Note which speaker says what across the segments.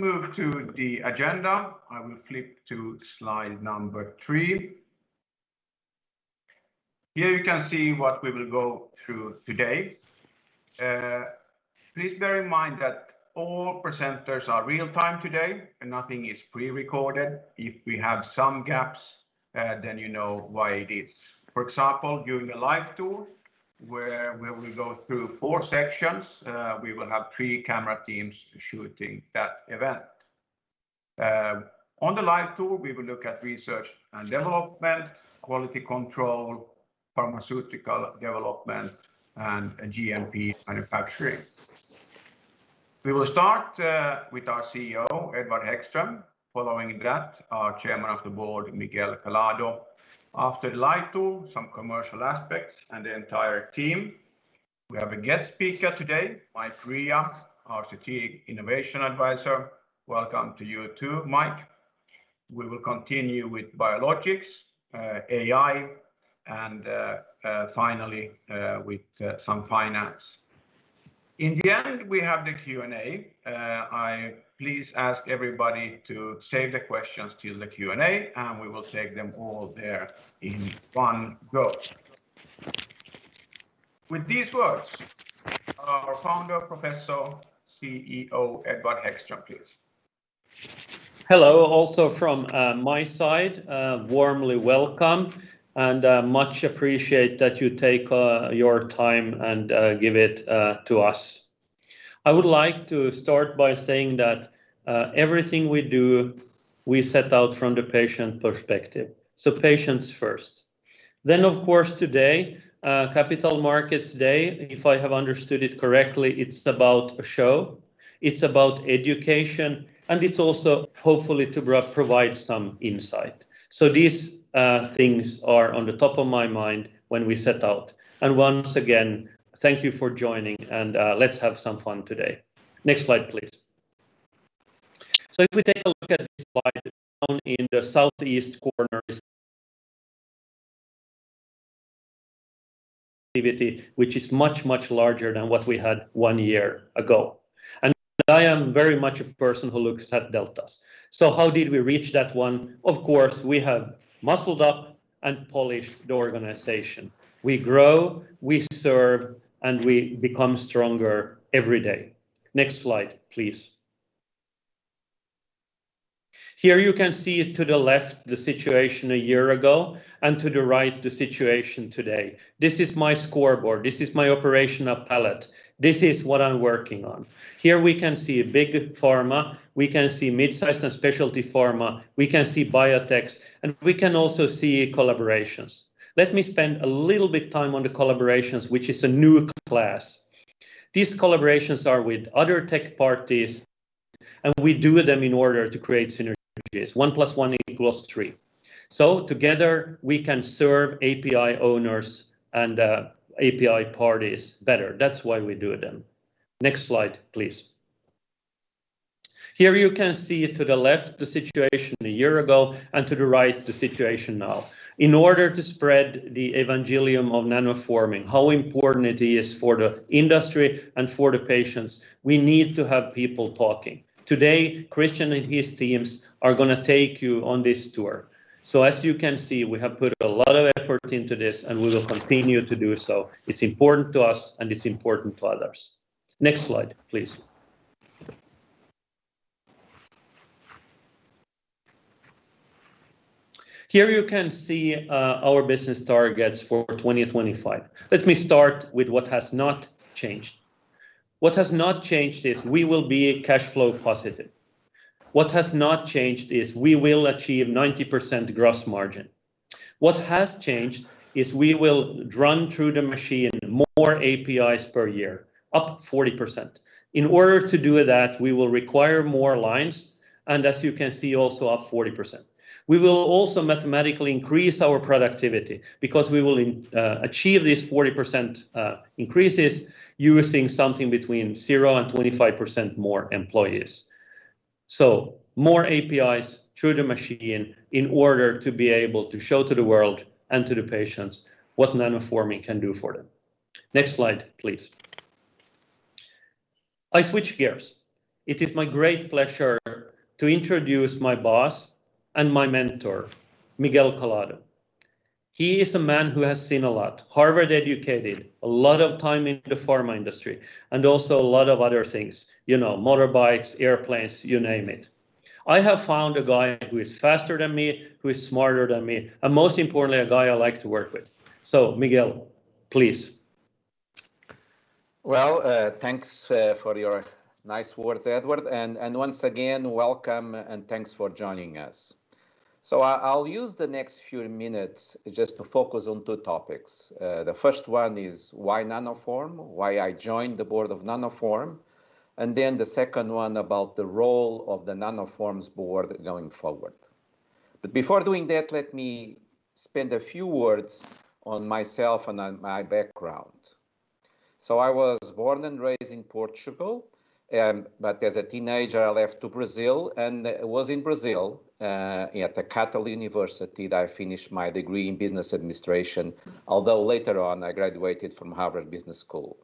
Speaker 1: Move to the agenda. I will flip to slide number three. Here you can see what we will go through today. Please bear in mind that all presenters are real-time today, and nothing is pre-recorded. If we have some gaps, then you know why it is. For example, during the live tour, where we will go through four sections, we will have three camera teams shooting that event. On the live tour, we will look at Research and Development, Quality Control, Pharmaceutical Development, and GMP manufacturing. We will start with our CEO, Edward Hæggström. Following that, our Chairman of the Board, Miguel Calado. After the live tour, some commercial aspects and the entire team. We have a guest speaker today, Mike Rea, our Strategic Innovation Advisor. Welcome to you too, Mike. We will continue with Biologics, AI, and finally with some Finance. In the end, we have the Q&A. I please ask everybody to save the questions till the Q&A, and we will take them all there in one go. With these words, our Founder, Professor, CEO, Edward Hæggström, please.
Speaker 2: Hello, also from my side, warmly welcome, much appreciate that you take your time and give it to us. I would like to start by saying that everything we do, we set out from the patient perspective, patients first. Of course, today, Capital Markets Day, if I have understood it correctly, it's about a show, it's about education, and it's also hopefully to provide some insight. These things are on the top of my mind when we set out. Once again, thank you for joining, and let's have some fun today. Next slide, please. If we take a look at this slide, down in the southeast corner is activity, which is much, much larger than what we had one year ago. I am very much a person who looks at deltas. How did we reach that one? Of course, we have muscled up and polished the organization. We grow, we serve, we become stronger every day. Next slide, please. Here you can see to the left the situation a year ago, and to the right, the situation today. This is my scoreboard. This is my operational palette. This is what I am working on. Here we can see big pharma, we can see mid-size and specialty pharma, we can see biotech, we can also see collaborations. Let me spend a little bit time on the collaborations, which is a new class. These collaborations are with other tech parties, we do them in order to create synergies. One plus one equals three. Together we can serve API owners and API parties better. That is why we do them. Next slide, please. Here you can see to the left the situation a year ago, and to the right, the situation now. In order to spread the evangelium of nanoforming, how important it is for the industry and for the patients, we need to have people talking. Today, Christian and his teams are going to take you on this tour. As you can see, we have put a lot of effort into this and we will continue to do so. It's important to us and it's important to others. Next slide, please. Here you can see our business targets for 2025. Let me start with what has not changed. What has not changed is we will be cash flow positive. What has not changed is we will achieve 90% gross margin. What has changed is we will run through the machine more APIs per year, up 40%. In order to do that, we will require more lines, and as you can see, also up 40%. We will also mathematically increase our productivity because we will achieve these 40% increases using something between zero and 25% more employees. More APIs through the machine in order to be able to show to the world and to the patients what nanoforming can do for them. Next slide, please. I switch gears. It is my great pleasure to introduce my boss and my mentor, Miguel Calado. He is a man who has seen a lot. Harvard educated, a lot of time in the pharma industry, and also a lot of other things. Motorbikes, airplanes, you name it. I have found a guy who is faster than me, who is smarter than me, and most importantly, a guy I like to work with. Miguel, please.
Speaker 3: Thanks for your nice words, Edward, and once again, welcome and thanks for joining us. I'll use the next few minutes just to focus on two topics. The first one is why Nanoform? Why I joined the board of Nanoform? The second one about the role of the Nanoform's board going forward. Before doing that, let me spend a few words on myself and on my background. I was born and raised in Portugal, but as a teenager, I left to Brazil, and it was in Brazil, at the Catholic University, that I finished my degree in business administration, although later on I graduated from Harvard Business School.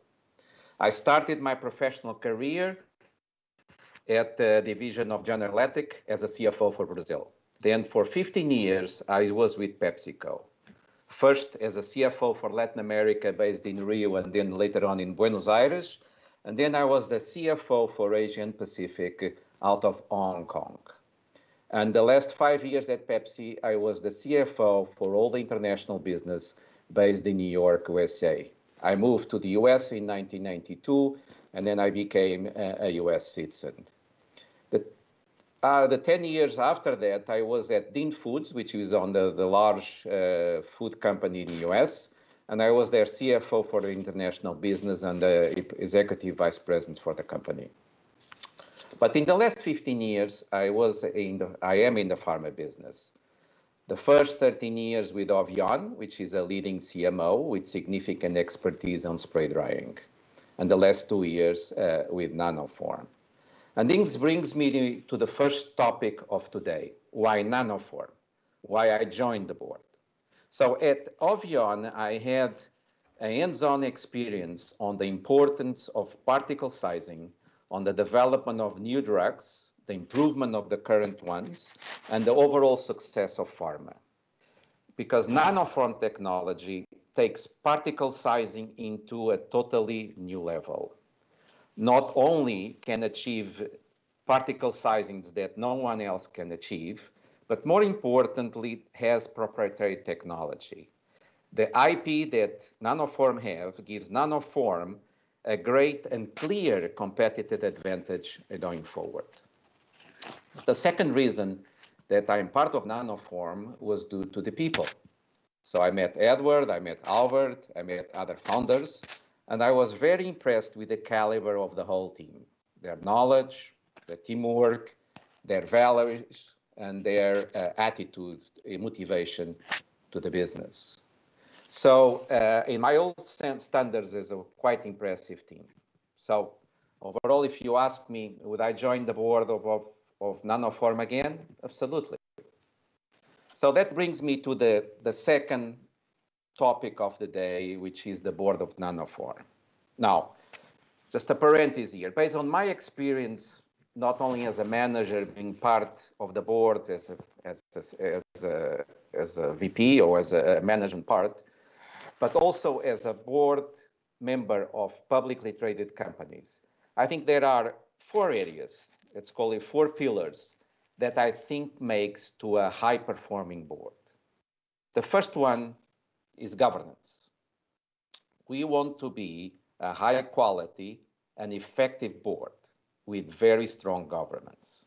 Speaker 3: I started my professional career at the division of General Electric as a CFO for Brazil. For 15 years, I was with PepsiCo, first as a CFO for Latin America based in Rio, and then later on in Buenos Aires. I was the CFO for Asia and Pacific out of Hong Kong. The last five years at Pepsi, I was the CFO for all the international business based in New York, U.S. I moved to the U.S. in 1992, and then I became a U.S. citizen. The 10 years after that, I was at Dean Foods, which is on the large food company in the U.S., and I was their CFO for the international business and the executive vice president for the company. In the last 15 years, I am in the pharma business. The first 13 years with Hovione, which is a leading CMO with significant expertise on spray drying, and the last two years with Nanoform. This brings me to the first topic of today, why Nanoform? Why I joined the board. At Hovione, I had a hands-on experience on the importance of particle sizing on the development of new drugs, the improvement of the current ones, and the overall success of pharma. Nanoform technology takes particle sizing into a totally new level. Not only can achieve particle sizings that no one else can achieve, but more importantly, has proprietary technology. The IP that Nanoform have gives Nanoform a great and clear competitive advantage going forward. The second reason that I'm part of Nanoform was due to the people. I met Edward, I met Albert, I met other founders, and I was very impressed with the caliber of the whole team, their knowledge, their teamwork, their values, and their attitude and motivation to the business. In my old standards is a quite impressive team. Overall, if you ask me, would I join the board of Nanoform again? Absolutely. That brings me to the second topic of the day, which is the board of Nanoform. Now, just a parenthesis here. Based on my experience, not only as a manager being part of the board as a VP or as a management part, but also as a board member of publicly traded companies, I think there are four areas, let's call it four pillars, that I think makes to a high-performing board. The first one is governance. We want to be a high quality and effective board with very strong governance,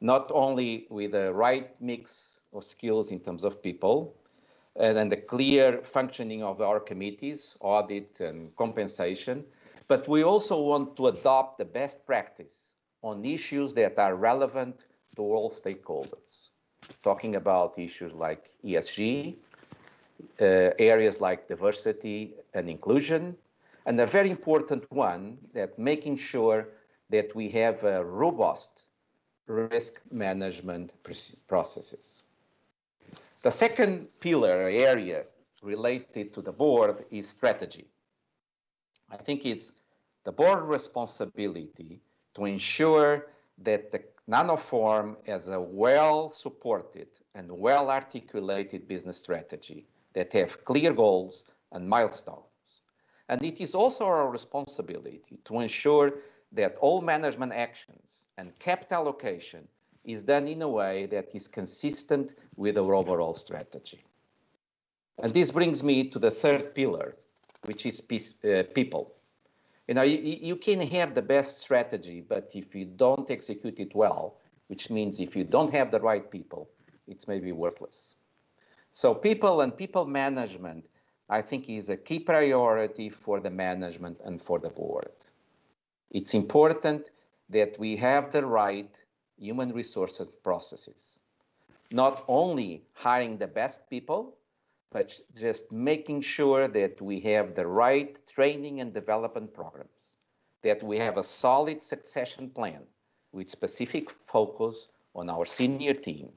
Speaker 3: not only with the right mix of skills in terms of people, and then the clear functioning of our committees, audit and compensation, but we also want to adopt the best practice on issues that are relevant to all stakeholders. Talking about issues like ESG, areas like diversity and inclusion, and a very important one, that making sure that we have a robust risk management processes. The second pillar area related to the board is strategy. I think it's the board responsibility to ensure that the Nanoform has a well-supported and well-articulated business strategy that have clear goals and milestones. It is also our responsibility to ensure that all management actions and capital allocation is done in a way that is consistent with our overall strategy. This brings me to the third pillar, which is people. You can have the best strategy, but if you don't execute it well, which means if you don't have the right people, it's maybe worthless. People and people management, I think is a key priority for the management and for the board. It's important that we have the right human resources processes. Not only hiring the best people, but just making sure that we have the right training and development programs, that we have a solid succession plan with specific focus on our senior team,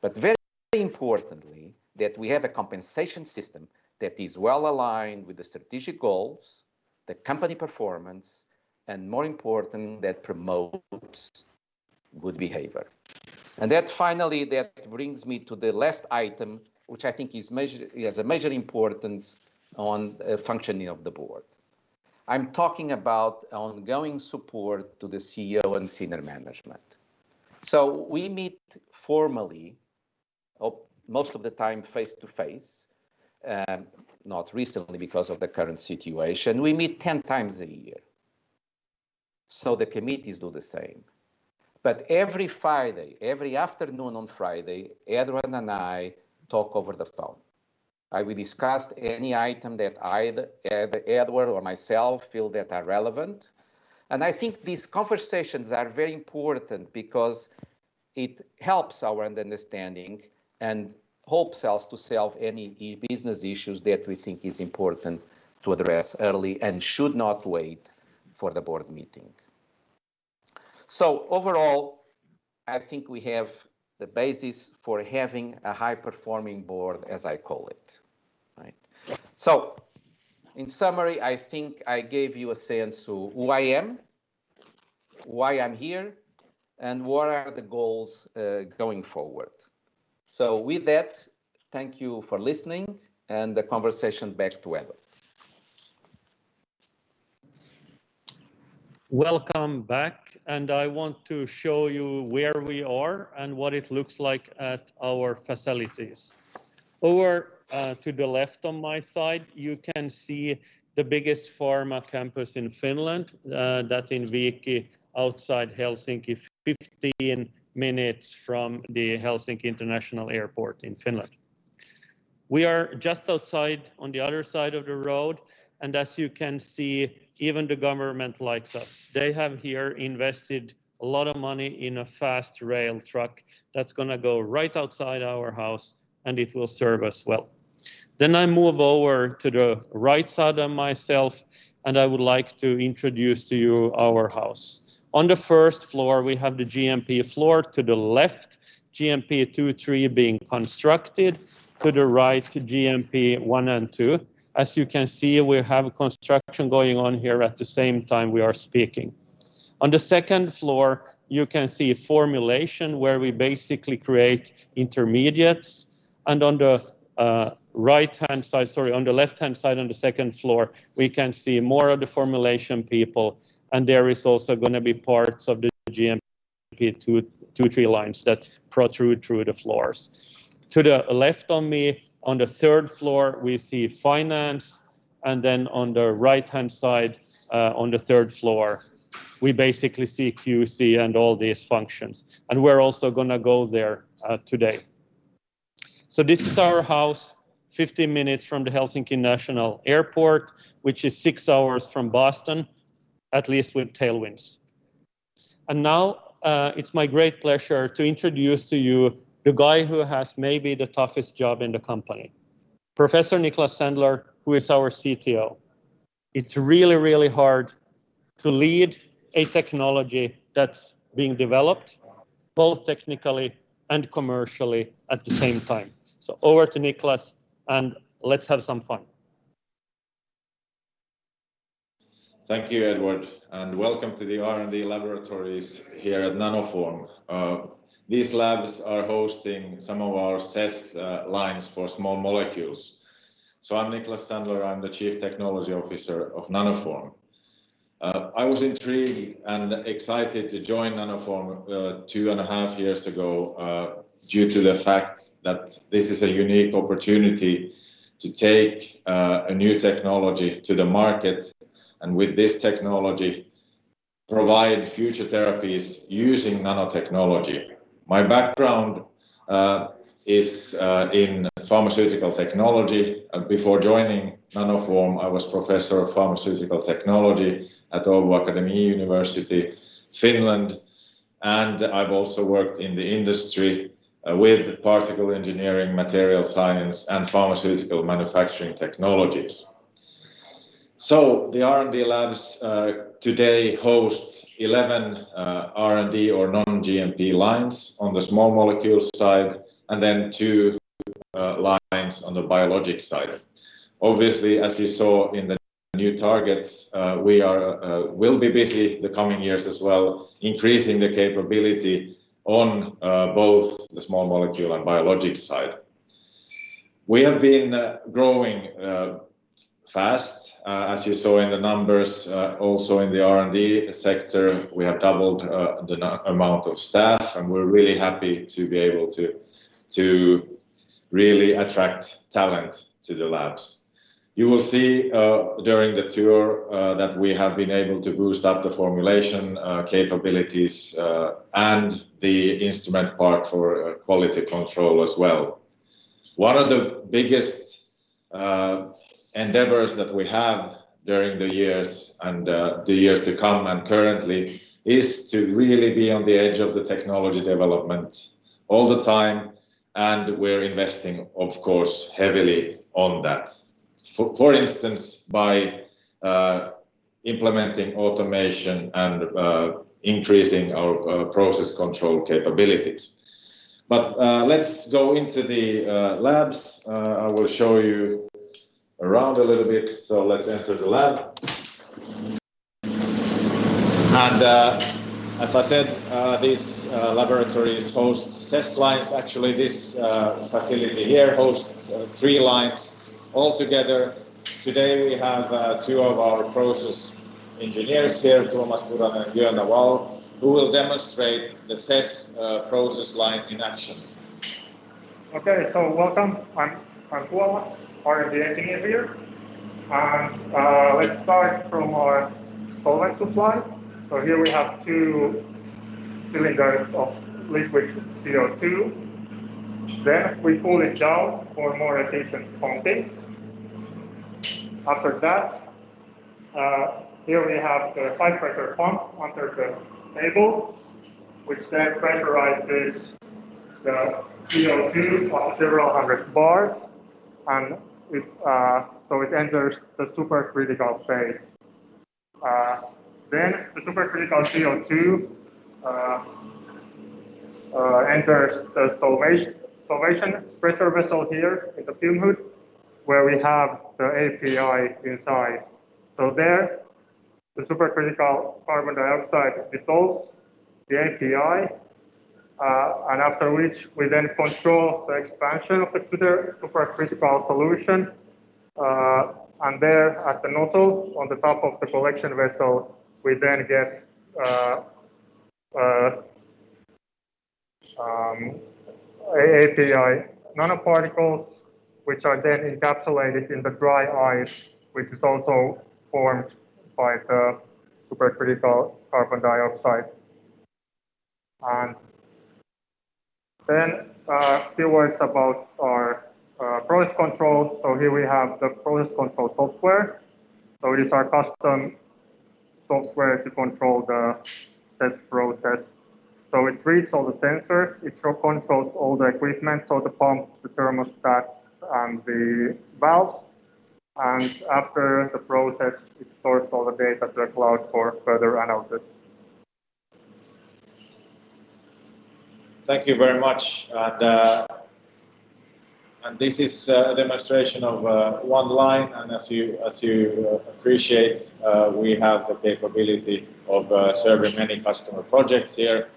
Speaker 3: but very importantly, that we have a compensation system that is well aligned with the strategic goals, the company performance, and more important, that promotes good behavior. Finally, that brings me to the last item, which I think has a major importance on functioning of the board. I am talking about ongoing support to the CEO and senior management. We meet formally, most of the time face-to-face, not recently because of the current situation. We meet 10x a year. The committees do the same. Every Friday, every afternoon on Friday, Edward and I talk over the phone, and we discuss any item that either Edward or myself feel that are relevant. I think these conversations are very important because it helps our understanding and helps us to solve any business issues that we think is important to address early and should not wait for the board meeting. Overall, I think we have the basis for having a high-performing board, as I call it. In summary, I think I gave you a sense of who I am, why I am here, and what are the goals going forward. With that, thank you for listening and the conversation back to Edward.
Speaker 2: Welcome back. I want to show you where we are and what it looks like at our facilities. Over to the left on my side, you can see the biggest pharma campus in Finland that's in Vihti, outside Helsinki, 15 minutes from the Helsinki Airport in Finland. We are just outside on the other side of the road, and as you can see, even the government likes us. They have here invested a lot of money in a fast rail track that's going to go right outside our house, and it will serve us well. I move over to the right side of myself, and I would like to introduce to you our house. On the first floor, we have the GMP floor to the left, GMP two and three being constructed. To the right, GMP one and two. As you can see, we have construction going on here at the same time we are speaking. On the second floor, you can see formulation, where we basically create intermediates. On the left-hand side on the second floor, we can see more of the formulation people, and there is also going to be parts of the GMP two, three lines that protrude through the floors. To the left of me on the third floor, we see finance, and then on the right-hand side on the third floor, we basically see QC and all these functions. We're also going to go there today. This is our house, 15 minutes from the Helsinki Airport, which is six hours from Boston, at least with tailwinds. Now it's my great pleasure to introduce to you the guy who has maybe the toughest job in the company, Professor Niklas Sandler, who is our CTO. It's really hard to lead a technology that's being developed both technically and commercially at the same time. Over to Niklas, and let's have some fun.
Speaker 4: Thank you, Edward. Welcome to the R&D laboratories here at Nanoform. These labs are hosting some of our CESS lines for small molecules. I'm Niklas Sandler. I'm the Chief Technology Officer of Nanoform. I was intrigued and excited to join Nanoform two and a half years ago due to the fact that this is a unique opportunity to take a new technology to the market. With this technology, provide future therapies using nanotechnology. My background is in pharmaceutical technology. Before joining Nanoform, I was professor of pharmaceutical technology at Åbo Akademi University, Finland. I've also worked in the industry with particle engineering, material science, and pharmaceutical manufacturing technologies. The R&D labs today host 11 R&D or non-GMP lines on the small molecule side. Then two lines on the biologic side. Obviously, as you saw in the new targets, we will be busy the coming years as well, increasing the capability on both the small molecule and biologic side. We have been growing fast as you saw in the numbers. Also, in the R&D sector, we have doubled the amount of staff, and we're really happy to be able to really attract talent to the labs. You will see during the tour that we have been able to boost up the formulation capabilities and the instrument part for quality control as well. One of the biggest endeavors that we have during the years and the years to come and currently is to really be on the edge of the technology development all the time, and we're investing, of course, heavily on that, for instance, by implementing automation and increasing our process control capabilities. Let's go into the labs. I will show you around a little bit. Let's enter the lab. As I said, these laboratories host CESS lines. Actually, this facility here hosts three lines altogether. Today, we have two of our process engineers here, Tuomas Puranen and Joona Vaal, who will demonstrate the CESS process line in action.
Speaker 5: Okay. Welcome. I'm Tuomas, R&D Engineer here. Let's start from our solvent supply. Here we have two cylinders of liquid CO2. We cool it down for more efficient pumping. After that, here we have the high-pressure pump under the table, which then pressurizes the CO2 to several hundred bars, so it enters the supercritical phase. Then the supercritical CO2 enters the solvation pressure vessel here in the blue where we have the API inside. There the supercritical carbon dioxide dissolves the API, and after which we then control the expansion of the supercritical solution. There at the nozzle on the top of the collection vessel, we then get API nanoparticles, which are then encapsulated in the dry ice, which is also formed by the supercritical carbon dioxide. A few words about our process control. Here we have the process control software. It's our custom software to control the test process. It reads all the sensors, it controls all the equipment, so the pumps, the thermostats, and the valves. After the process, it stores all the data to the cloud for further analysis.
Speaker 4: Thank you very much. This is a demonstration of one line. As you appreciate, we have the capability of serving many customer projects here.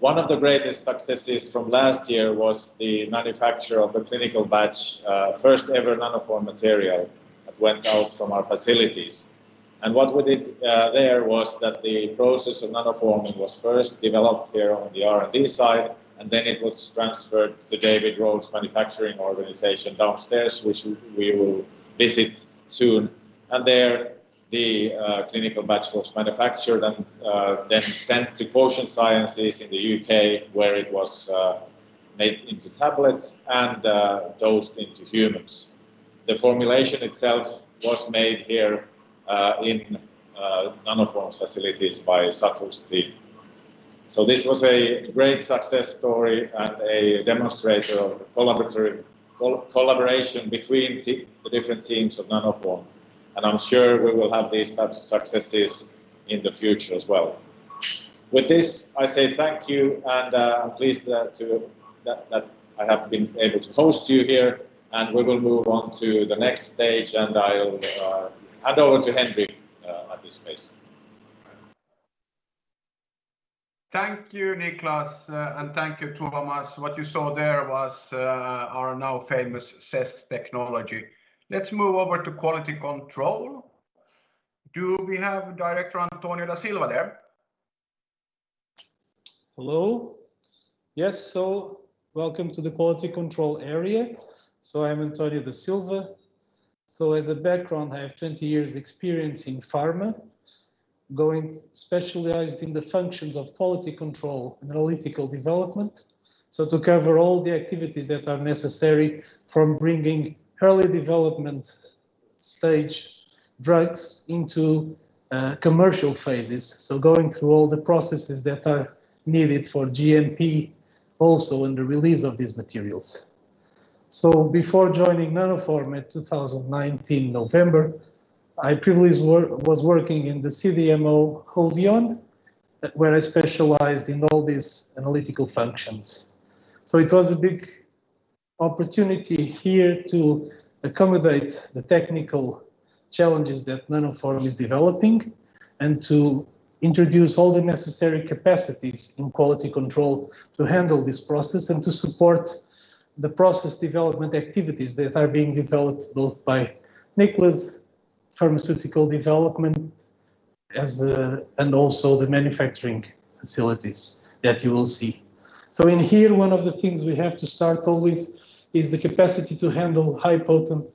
Speaker 4: One of the greatest successes from last year was the manufacture of a clinical batch, first ever Nanoform material that went out from our facilities. What we did there was that the process of Nanoforming was first developed here on the R&D side, and then it was transferred to David Rowe manufacturing organization downstairs, which we will visit soon. There, the clinical batch was manufactured and then sent to Quotient Sciences in the U.K. where it was made into tablets and dosed into humans. The formulation itself was made here in Nanoform's facilities by Satu's team. This was a great success story and a demonstration of collaboration between the different teams of Nanoform, and I'm sure we will have these types of successes in the future as well. With this, I say thank you, and I'm pleased that I have been able to talk to you here, and we will move on to the next stage, and I'll hand over to Henri at this pace.
Speaker 1: Thank you, Niklas, thank you, Tuomas. What you saw there was our now famous CESS technology. Let's move over to quality control. Do we have director António da Silva there?
Speaker 6: Hello. Yes, welcome to the quality control area. I'm António da Silva. As a background, I have 20 years experience in pharma, specialized in the functions of quality control and analytical development. To cover all the activities that are necessary from bringing early development stage drugs into commercial phases. Going through all the processes that are needed for GMP also in the release of these materials. Before joining Nanoform in 2019 November, I previously was working in the CDMO Hovione, where I specialized in all these analytical functions. It was a big opportunity here to accommodate the technical challenges that Nanoform is developing and to introduce all the necessary capacities in quality control to handle this process and to support the process development activities that are being developed both by Niklas, pharmaceutical development, and also the manufacturing facilities that you will see. In here, one of the things we have to start always is the capacity to handle high potent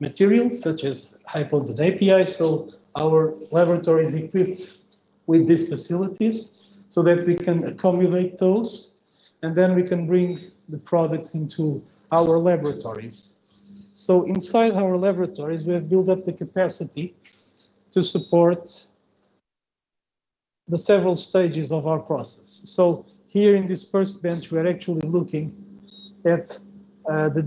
Speaker 6: materials such as High-Potency API. Our laboratory is equipped with these facilities so that we can accommodate those, and then we can bring the products into our laboratories. Inside our laboratories, we have built up the capacity to support the several stages of our process. Here in this first bench, we're actually looking at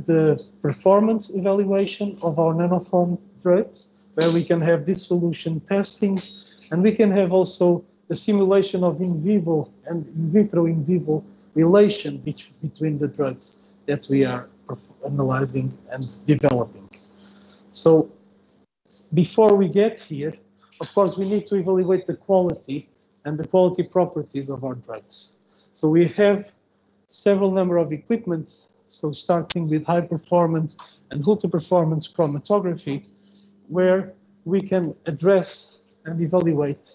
Speaker 6: the performance evaluation of our Nanoform drugs, where we can have dissolution testing, and we can have also the simulation of in vivo and in vitro in vivo relation between the drugs that we are analyzing and developing. Before we get here, of course, we need to evaluate the quality and the quality properties of our drugs. We have several number of equipments. Starting with high performance and good performance chromatography, where we can address and evaluate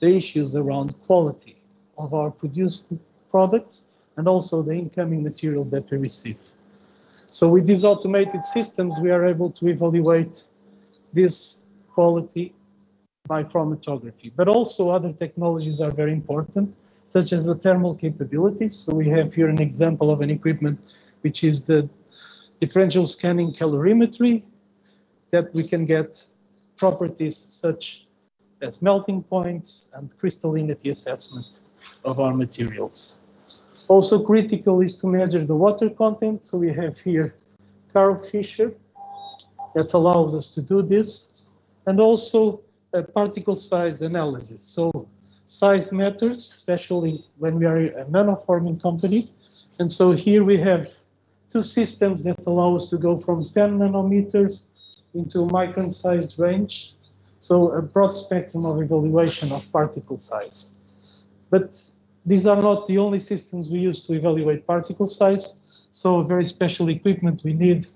Speaker 6: the issues around quality of our produced products and also the incoming material that we receive. With these automated systems, we are able to evaluate this quality by chromatography. Other technologies are very important, such as the thermal capabilities. We have here an example of an equipment, which is the differential scanning calorimetry, that we can get properties such as melting points and crystallinity assessment of our materials. Also critical is to measure the water content. We have here Karl Fischer that allows us to do this, and also a particle size analysis. Size matters, especially when we are a Nanoforming company. Here we have two systems that allow us to go from 10 nm into a micron-sized range, a broad spectrum of evaluation of particle size. These are not the only systems we use to evaluate particle size. A very special equipment we need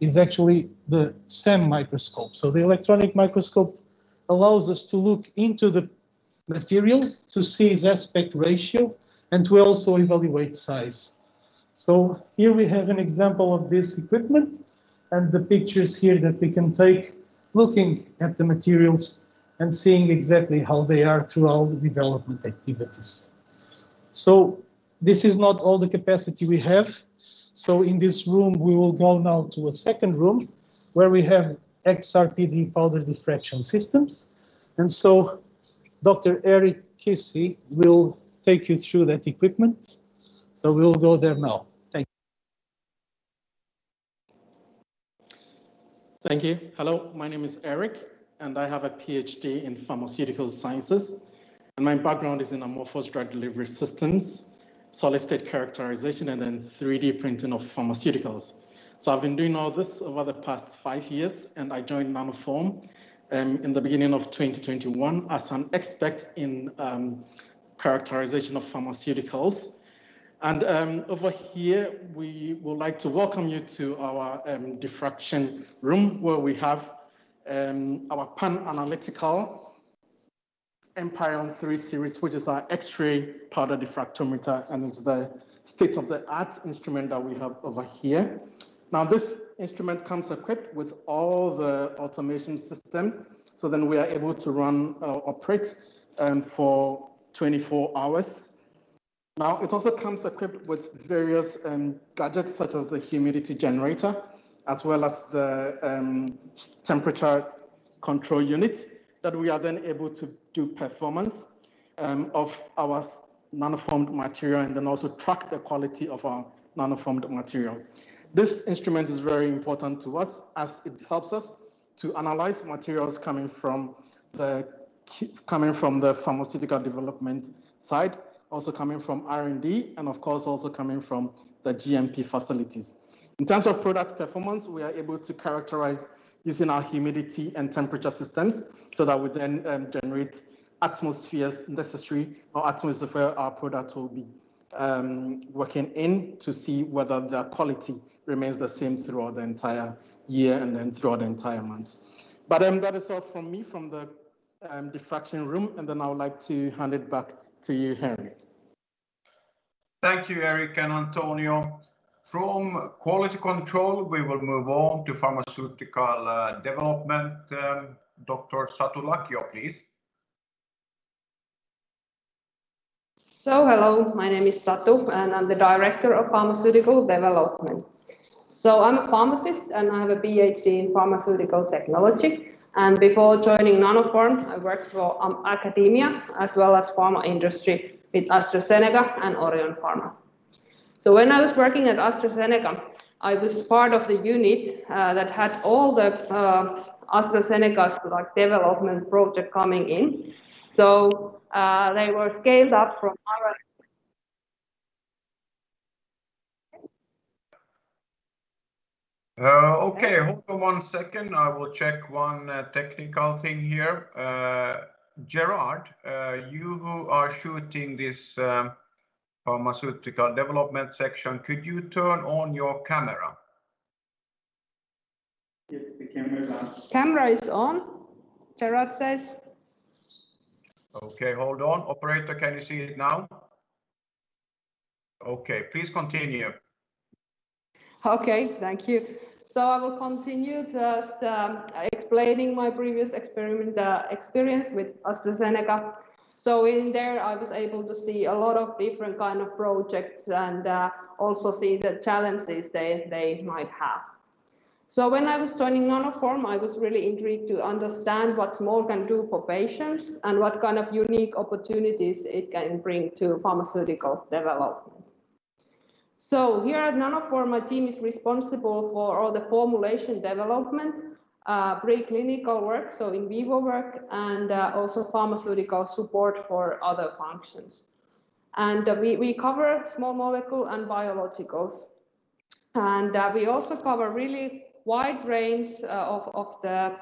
Speaker 6: is actually the SEM microscope. The electronic microscope allows us to look into the material to see its aspect ratio and to also evaluate size. Here we have an example of this equipment and the pictures here that we can take looking at the materials and seeing exactly how they are through all the development activities. This is not all the capacity we have. In this room, we will go now to a second room where we have XRPD powder diffraction systems. Dr. Eric Ofosu Kissi will take you through that equipment. We'll go there now. Thank you.
Speaker 7: Thank you. Hello, my name is Eric. I have a PhD in Pharmaceutical Sciences. My background is in amorphous drug delivery systems, solid state characterization, and then 3D printing of pharmaceuticals. I've been doing all this over the past five years. I joined Nanoform in the beginning of 2021 as an Expert in Characterization of Pharmaceuticals. Over here, we would like to welcome you to our diffraction room, where we have our Malvern Panalytical Empyrean 3 series, which is our X-ray powder diffractometer and the state-of-the-art instrument that we have over here. This instrument comes equipped with all the automation system, so then we are able to run or operate for 24 hours. It also comes equipped with various gadgets such as the humidity generator, as well as the temperature control unit that we are then able to do performance of our nanoformed material and then also track the quality of our nanoformed material. This instrument is very important to us as it helps us to analyze materials coming from the pharmaceutical development side, also coming from R&D, and of course, also coming from the GMP facilities. In terms of product performance, we are able to characterize using our humidity and temperature systems so that we then generate atmospheres necessary or atmosphere our product will be working in to see whether their quality remains the same throughout the entire year and then throughout the entire month. That is all from me from the diffraction room, and then I would like to hand it back to you, Henri.
Speaker 1: Thank you, Eric and Antonio. From quality control, we will move on to pharmaceutical development. Dr. Satu Lakio, please.
Speaker 8: Hello, my name is Satu, and I'm the Director of Pharmaceutical Development. I'm a Pharmacist, and I have a PhD in Pharmaceutical Technology. Before joining Nanoform, I worked for academia as well as pharma industry with AstraZeneca and Orion Pharma. When I was working at AstraZeneca, I was part of the unit that had all the AstraZeneca's development project coming in. They were scaled up from-
Speaker 1: Okay, hold on one second. I will check one technical thing here. Gerard, you who are shooting this pharmaceutical development section, could you turn on your camera?
Speaker 8: Yes, the camera is on. Camera is on, Gerard says.
Speaker 1: Hold on. Operator, can you see it now? Please continue.
Speaker 8: Okay, thank you. I will continue just explaining my previous experience with AstraZeneca. In there, I was able to see a lot of different kind of projects and also see the challenges they might have. When I was joining Nanoform, I was really intrigued to understand what small can do for patients and what kind of unique opportunities it can bring to pharmaceutical development. Here at Nanoform, my team is responsible for all the formulation development, preclinical work, so in vivo work, and also pharmaceutical support for other functions. We cover small molecule and biologicals, and we also cover really wide range of the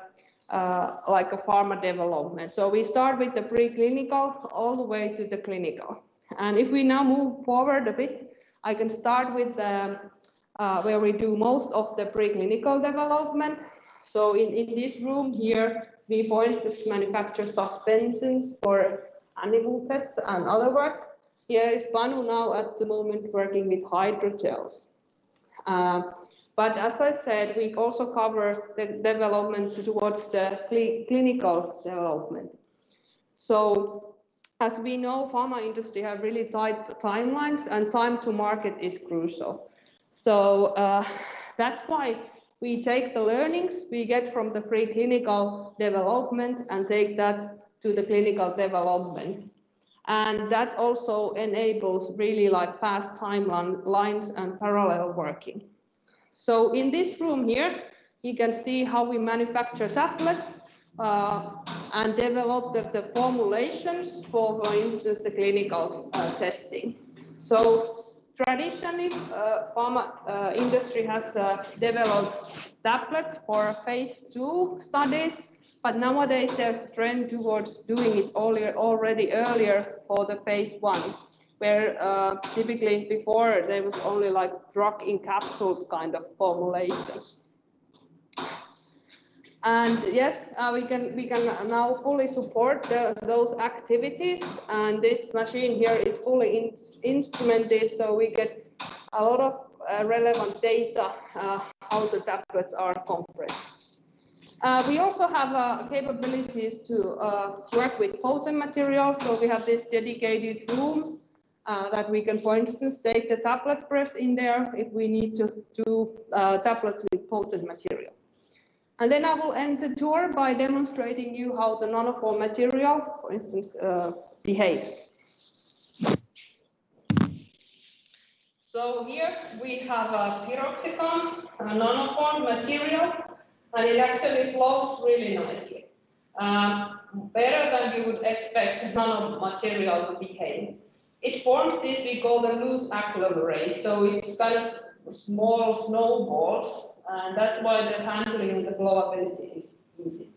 Speaker 8: pharma development. We start with the preclinical all the way to the clinical. If we now move forward a bit, I can start with where we do most of the preclinical development. In this room here, we hoist this manufacture suspensions for animal tests and other work. Here is Vanu now at the moment working with hydrogels. As I said, we also cover development towards the clinical development. As we know, pharma industry have really tight timelines, and time to market is crucial. That's why we take the learnings we get from the preclinical development and take that to the clinical development. That also enables really fast timelines and parallel working. In this room here, you can see how we manufacture tablets and develop the formulations for instance, the clinical testing. Traditionally, pharma industry has developed tablets for Phase II studies, but nowadays, there's a trend towards doing it already earlier for the Phase I, where typically before there was only drug-encapsulated kind of formulations. Yes, we can now fully support those activities. This machine here is fully instrumented, so we get a lot of relevant data, how the tablets are compressed. We also have capabilities to work with potent materials, so we have this dedicated room, that we can, for instance, take the tablet press in there if we need to do tablets with potent material. Then I will end the tour by demonstrating to you how the Nanoform material, for instance, behaves. Here we have a piroxicam, a Nanoform material, and it actually flows really nicely, better than you would expect nano material to behave. It forms this, we call the loose agglomerate, so it's kind of small snowballs, and that's why the handling and the flowability is easy.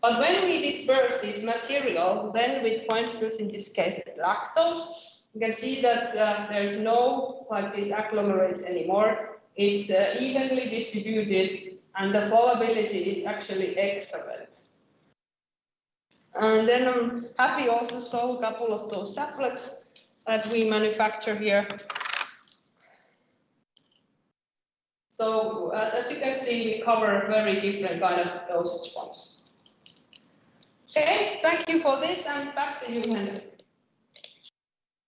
Speaker 8: When we disperse this material, then with, for instance, in this case, lactose, you can see that there's no agglomerate anymore. It's evenly distributed, and the flowability is actually excellent. Then I'm happy also show a couple of those tablets that we manufacture here. As you can see, we cover very different kind of dosage forms. Okay, thank you for this, and back to you, Henri.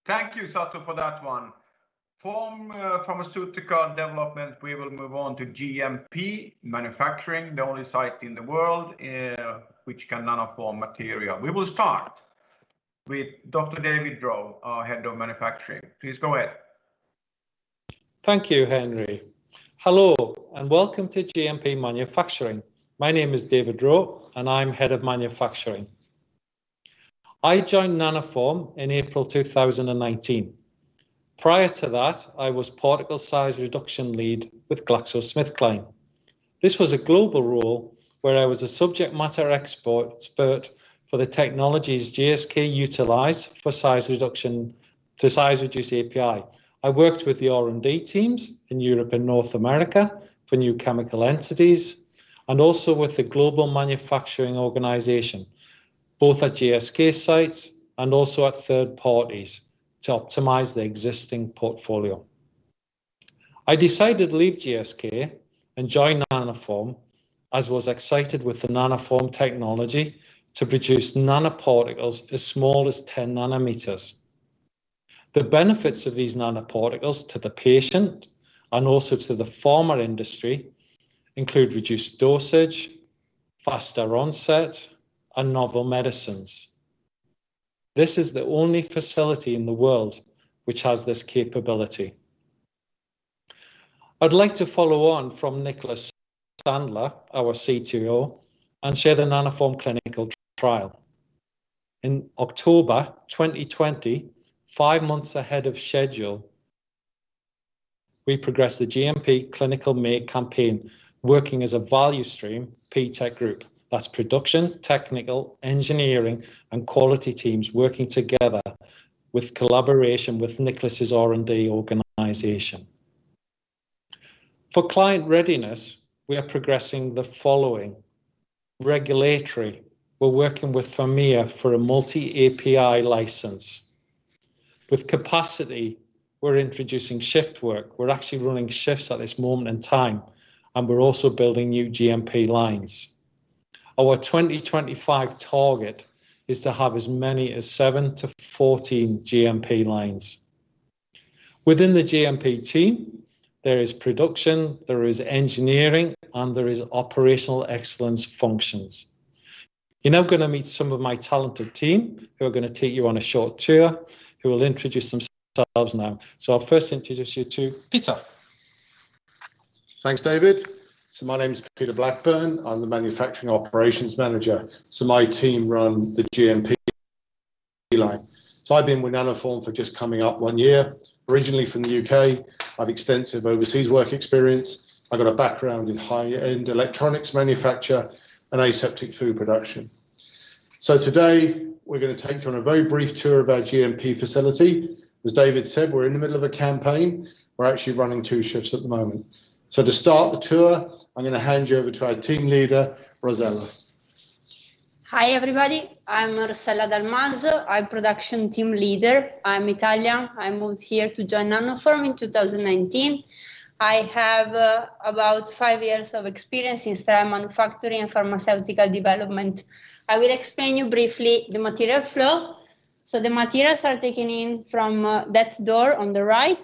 Speaker 1: Thank you, Satu, for that one. From pharmaceutical development, we will move on to GMP manufacturing, the only site in the world, which can nanoform material. We will start with Dr. David Rowe, our Head of Manufacturing. Please go ahead.
Speaker 9: Thank you, Henri. Hello, and welcome to GMP Manufacturing. My name is David Rowe, and I'm Head of Manufacturing. I joined Nanoform in April 2019. Prior to that, I was particle size reduction lead with GlaxoSmithKline. This was a global role where I was a subject matter expert for the technologies GSK utilize for size reduction to size reduce API. I worked with the R&D teams in Europe and North America for new chemical entities, and also with the global manufacturing organization, both at GSK sites and also at third parties to optimize the existing portfolio. I decided to leave GSK and join Nanoform, as was excited with the Nanoform technology to produce nanoparticles as small as 10 nanometers. The benefits of these nanoparticles to the patient, and also to the pharma industry, include reduced dosage, faster onset, and novel medicines. This is the only facility in the world which has this capability. I'd like to follow on from Niklas Sandler, our CTO, and share the Nanoform clinical trial. In October 2020, five months ahead of schedule, we progressed the GMP clinical make campaign, working as a value stream PTEC group. That's production, technical, engineering, and quality teams working together with collaboration with Niklas's R&D organization. For client readiness, we are progressing the following. Regulatory, we're working with Fimea for a multi-API license. With capacity, we're introducing shift work. We're actually running shifts at this moment in time, and we're also building new GMP lines. Our 2025 target is to have as many as seven to 14 GMP lines. Within the GMP team, there is Production, there is Engineering, and there is Operational Excellence functions. You're now going to meet some of my talented team, who are going to take you on a short tour, who will introduce themselves now. I'll first introduce you to Peter.
Speaker 10: Thanks, David. My name's Peter Blackburn. I'm the Manufacturing Operations Manager. My team run the GMP line. I've been with Nanoform for just coming up one year. Originally from the U.K., I've extensive overseas work experience. I've got a background in high-end electronics manufacture and aseptic food production. Today, we're going to take you on a very brief tour of our GMP facility. As David said, we're in the middle of a campaign. We're actually running two shifts at the moment. To start the tour, I'm going to hand you over to our team leader, Rossella.
Speaker 11: Hi, everybody. I'm Rossella Dal Maso. I'm Production Team Leader. I'm Italian. I moved here to join Nanoform in 2019. I have about five years of experience in sterile manufacturing and pharmaceutical development. I will explain you briefly the material flow The materials are taken in from that door on the right,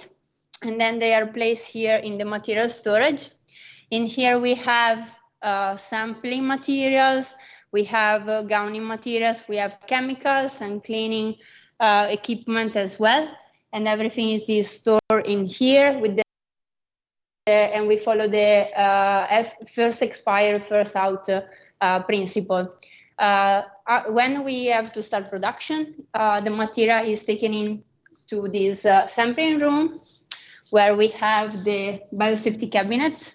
Speaker 11: and then they are placed here in the material storage. In here we have sampling materials, we have gowning materials, we have chemicals and cleaning equipment as well, and everything is stored in here, and we follow the first expired, first out principle. When we have to start production, the material is taken into this sampling room where we have the biosafety cabinet,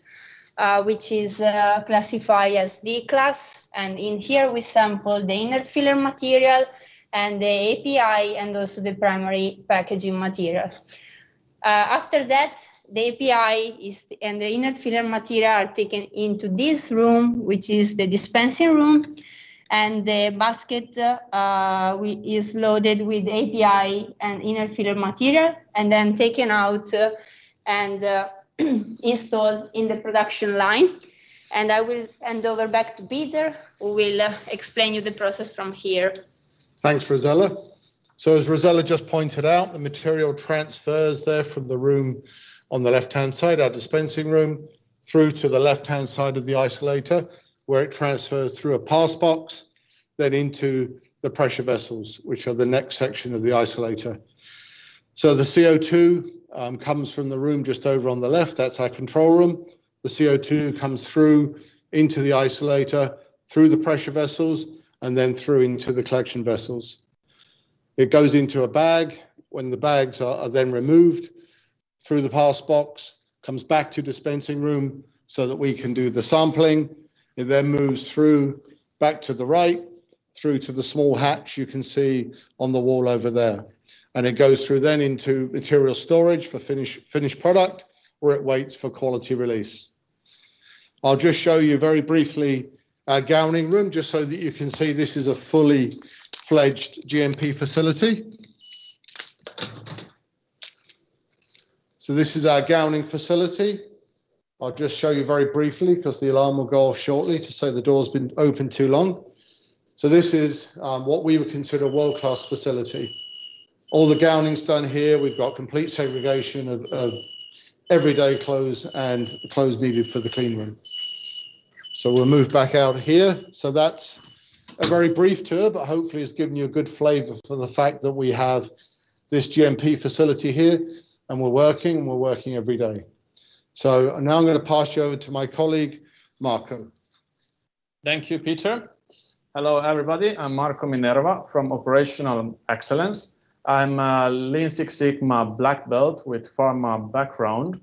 Speaker 11: which is classified as D-class. In here we sample the inert filler material and the API, and also the primary packaging material. After that, the API and the inert filler material are taken into this room, which is the dispensing room. The basket is loaded with API and inert filler material, and then taken out and installed in the production line. I will hand over back to Peter, who will explain you the process from here.
Speaker 10: Thanks, Rossella. As Rossella just pointed out, the material transfers there from the room on the left-hand side, our dispensing room, through to the left-hand side of the isolator, where it transfers through a passbox, then into the pressure vessels, which are the next section of the isolator. The CO2 comes from the room just over on the left, that's our control room. The CO2 comes through into the isolator, through the pressure vessels, and then through into the collection vessels. It goes into a bag. When the bags are then removed through the passbox, comes back to dispensing room so that we can do the sampling. It then moves through back to the right, through to the small hatch you can see on the wall over there. It goes through then into material storage for finished product, where it waits for quality release. I'll just show you very briefly our gowning room, just so that you can see this is a fully-fledged GMP facility. This is our gowning facility. I'll just show you very briefly, because the alarm will go off shortly to say the door's been open too long. This is what we would consider world-class facility. All the gowning's done here. We've got complete segregation of everyday clothes and clothes needed for the clean room. We'll move back out here. That's a very brief tour, but hopefully it's given you a good flavor for the fact that we have this GMP facility here and we're working every day. Now I'm going to pass you over to my colleague, Marco.
Speaker 12: Thank you, Peter. Hello, everybody. I'm Marco Minerva from Operational Excellence. I'm a Lean Six Sigma Black Belt with pharma background.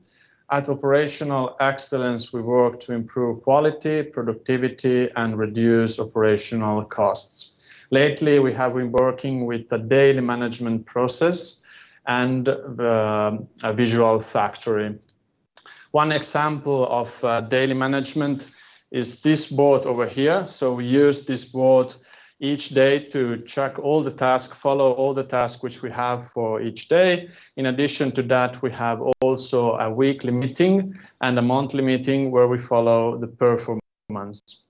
Speaker 12: At Operational Excellence, we work to improve quality, productivity, and reduce operational costs. Lately, we have been working with the daily management process and a visual factory. One example of daily management is this board over here. We use this board each day to check all the tasks, follow all the tasks which we have for each day. In addition to that, we have also a weekly meeting and a monthly meeting where we follow the performance.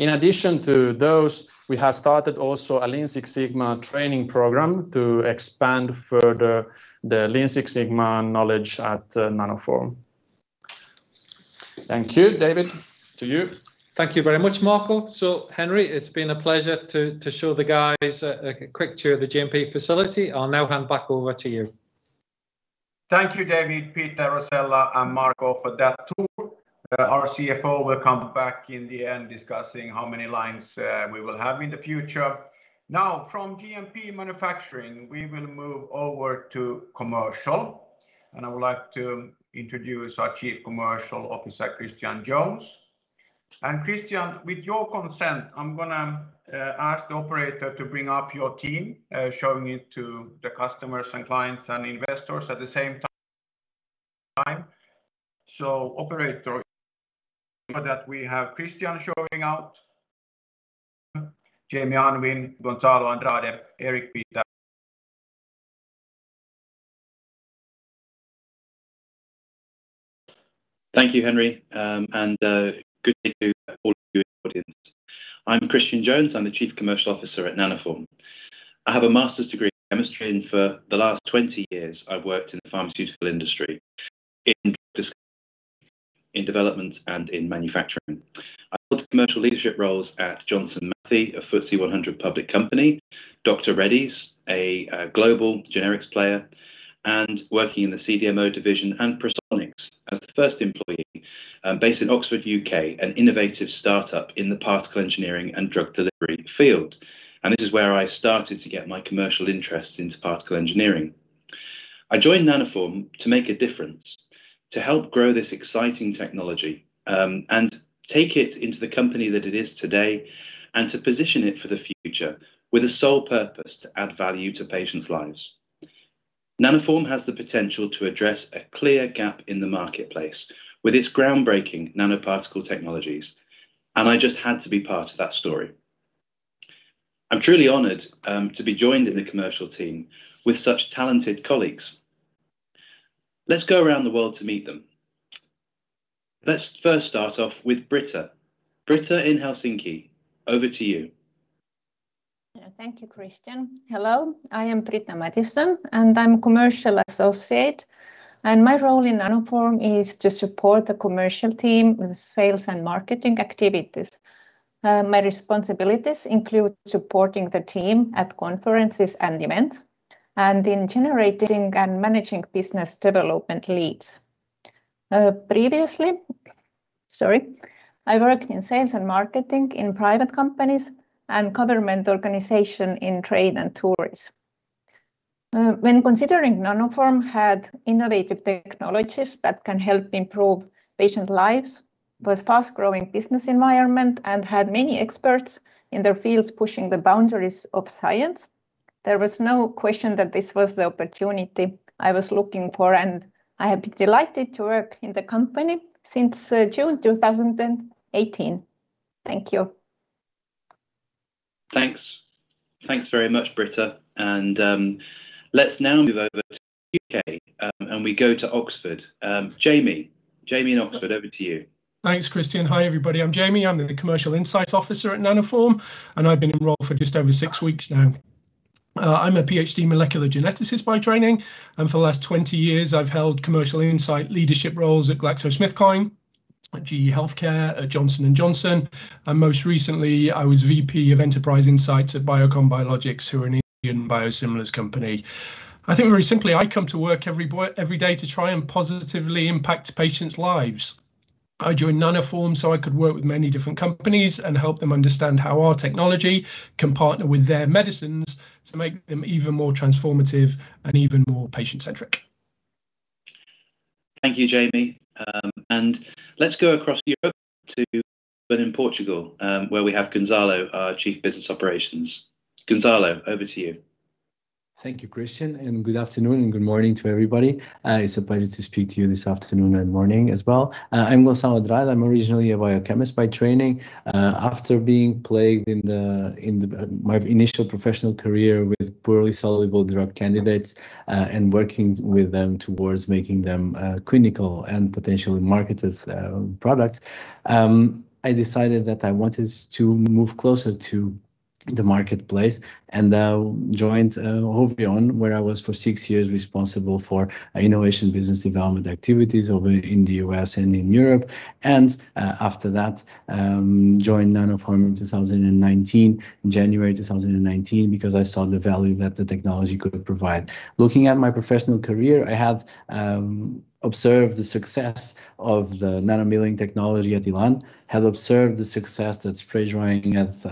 Speaker 12: In addition to those, we have started also a Lean Six Sigma training program to expand further the Lean Six Sigma knowledge at Nanoform. Thank you. David, to you.
Speaker 9: Thank you very much, Marco. Henri, it's been a pleasure to show the guys a quick tour of the GMP facility. I'll now hand back over to you.
Speaker 1: Thank you, David, Peter, Rossella, and Marco for that tour. Our CFO will come back in the end discussing how many lines we will have in the future. Now from GMP manufacturing, we will move over to commercial, and I would like to introduce our Chief Commercial Officer, Christian Jones. Christian, with your consent, I'm going to ask the operator to bring up your team, showing it to the customers and clients and investors at the same time. Operator, that we have Christian showing up. Jamie Unwin, Gonçalo Andrade, Eric Peter.
Speaker 13: Thank you, Henri. Good day to all of you in audience. I'm Christian Jones. I'm the Chief Commercial Officer at Nanoform. I have a master's degree in chemistry. For the last 20 years, I've worked in the pharmaceutical industry in discovery, in development, and in manufacturing. I've held commercial leadership roles at Johnson Matthey, a FTSE 100 public company, Dr. Reddy's, a global generics player, and working in the CDMO division and Prosonix as the first employee, based in Oxford, U.K., an innovative startup in the particle engineering and drug delivery field. This is where I started to get my commercial interest into particle engineering. I joined Nanoform to make a difference, to help grow this exciting technology, and take it into the company that it is today, and to position it for the future with a sole purpose to add value to patients' lives. Nanoform has the potential to address a clear gap in the marketplace with its groundbreaking nanoparticle technologies. I just had to be part of that story. I'm truly honored to be joined in the commercial team with such talented colleagues. Let's go around the world to meet them. Let's first start off with Britta. Britta in Helsinki, over to you.
Speaker 14: Thank you, Christian. Hello, I am Britta Madison. I'm commercial associate, and my role in Nanoform is to support the commercial team with sales and marketing activities. My responsibilities include supporting the team at conferences and events, and in generating and managing business development leads. Previously, I worked in sales and marketing in private companies and government organization in trade and tourism. When considering Nanoform had innovative technologies that can help improve patient lives, with fast growing business environment, and had many experts in their fields pushing the boundaries of science, there was no question that this was the opportunity I was looking for. I have been delighted to work in the company since June 2018. Thank you.
Speaker 13: Thanks very much, Britta. Let's now move over to the U.K. and we go to Oxford. Jamie in Oxford, over to you.
Speaker 15: Thanks, Christian. Hi, everybody. I'm Jamie. I'm the Commercial Insight Officer at Nanoform, and I've been in role for just over six weeks now. I'm a PhD molecular geneticist by training, and for the last 20 years, I've held commercial insight leadership roles at GlaxoSmithKline, at GE HealthCare, at Johnson & Johnson, and most recently, I was VP of Enterprise Insights at Biocon Biologics, who are an Indian biosimilars company. I think very simply, I come to work every day to try and positively impact patients' lives. I joined Nanoform so I could work with many different companies and help them understand how our technology can partner with their medicines to make them even more transformative and even more patient-centric.
Speaker 13: Thank you, Jamie. Let's go across Europe to Lisbon in Portugal, where we have Gonçalo, our Chief Business Operations. Gonçalo, over to you.
Speaker 16: Thank you, Christian. Good afternoon and good morning to everybody. It's a pleasure to speak to you this afternoon and morning as well. I'm Gonçalo Andrade. I'm originally a biochemist by training. After being plagued in my initial professional career with poorly soluble drug candidates, and working with them towards making them clinical and potentially marketed products, I decided that I wanted to move closer to the marketplace and joined Hovione, where I was for six years responsible for innovation business development activities over in the U.S. and in Europe. After that, joined Nanoform in January 2019 because I saw the value that the technology could provide. Looking at my professional career, I have observed the success of the nano milling technology at Elan, have observed the success that spray drying has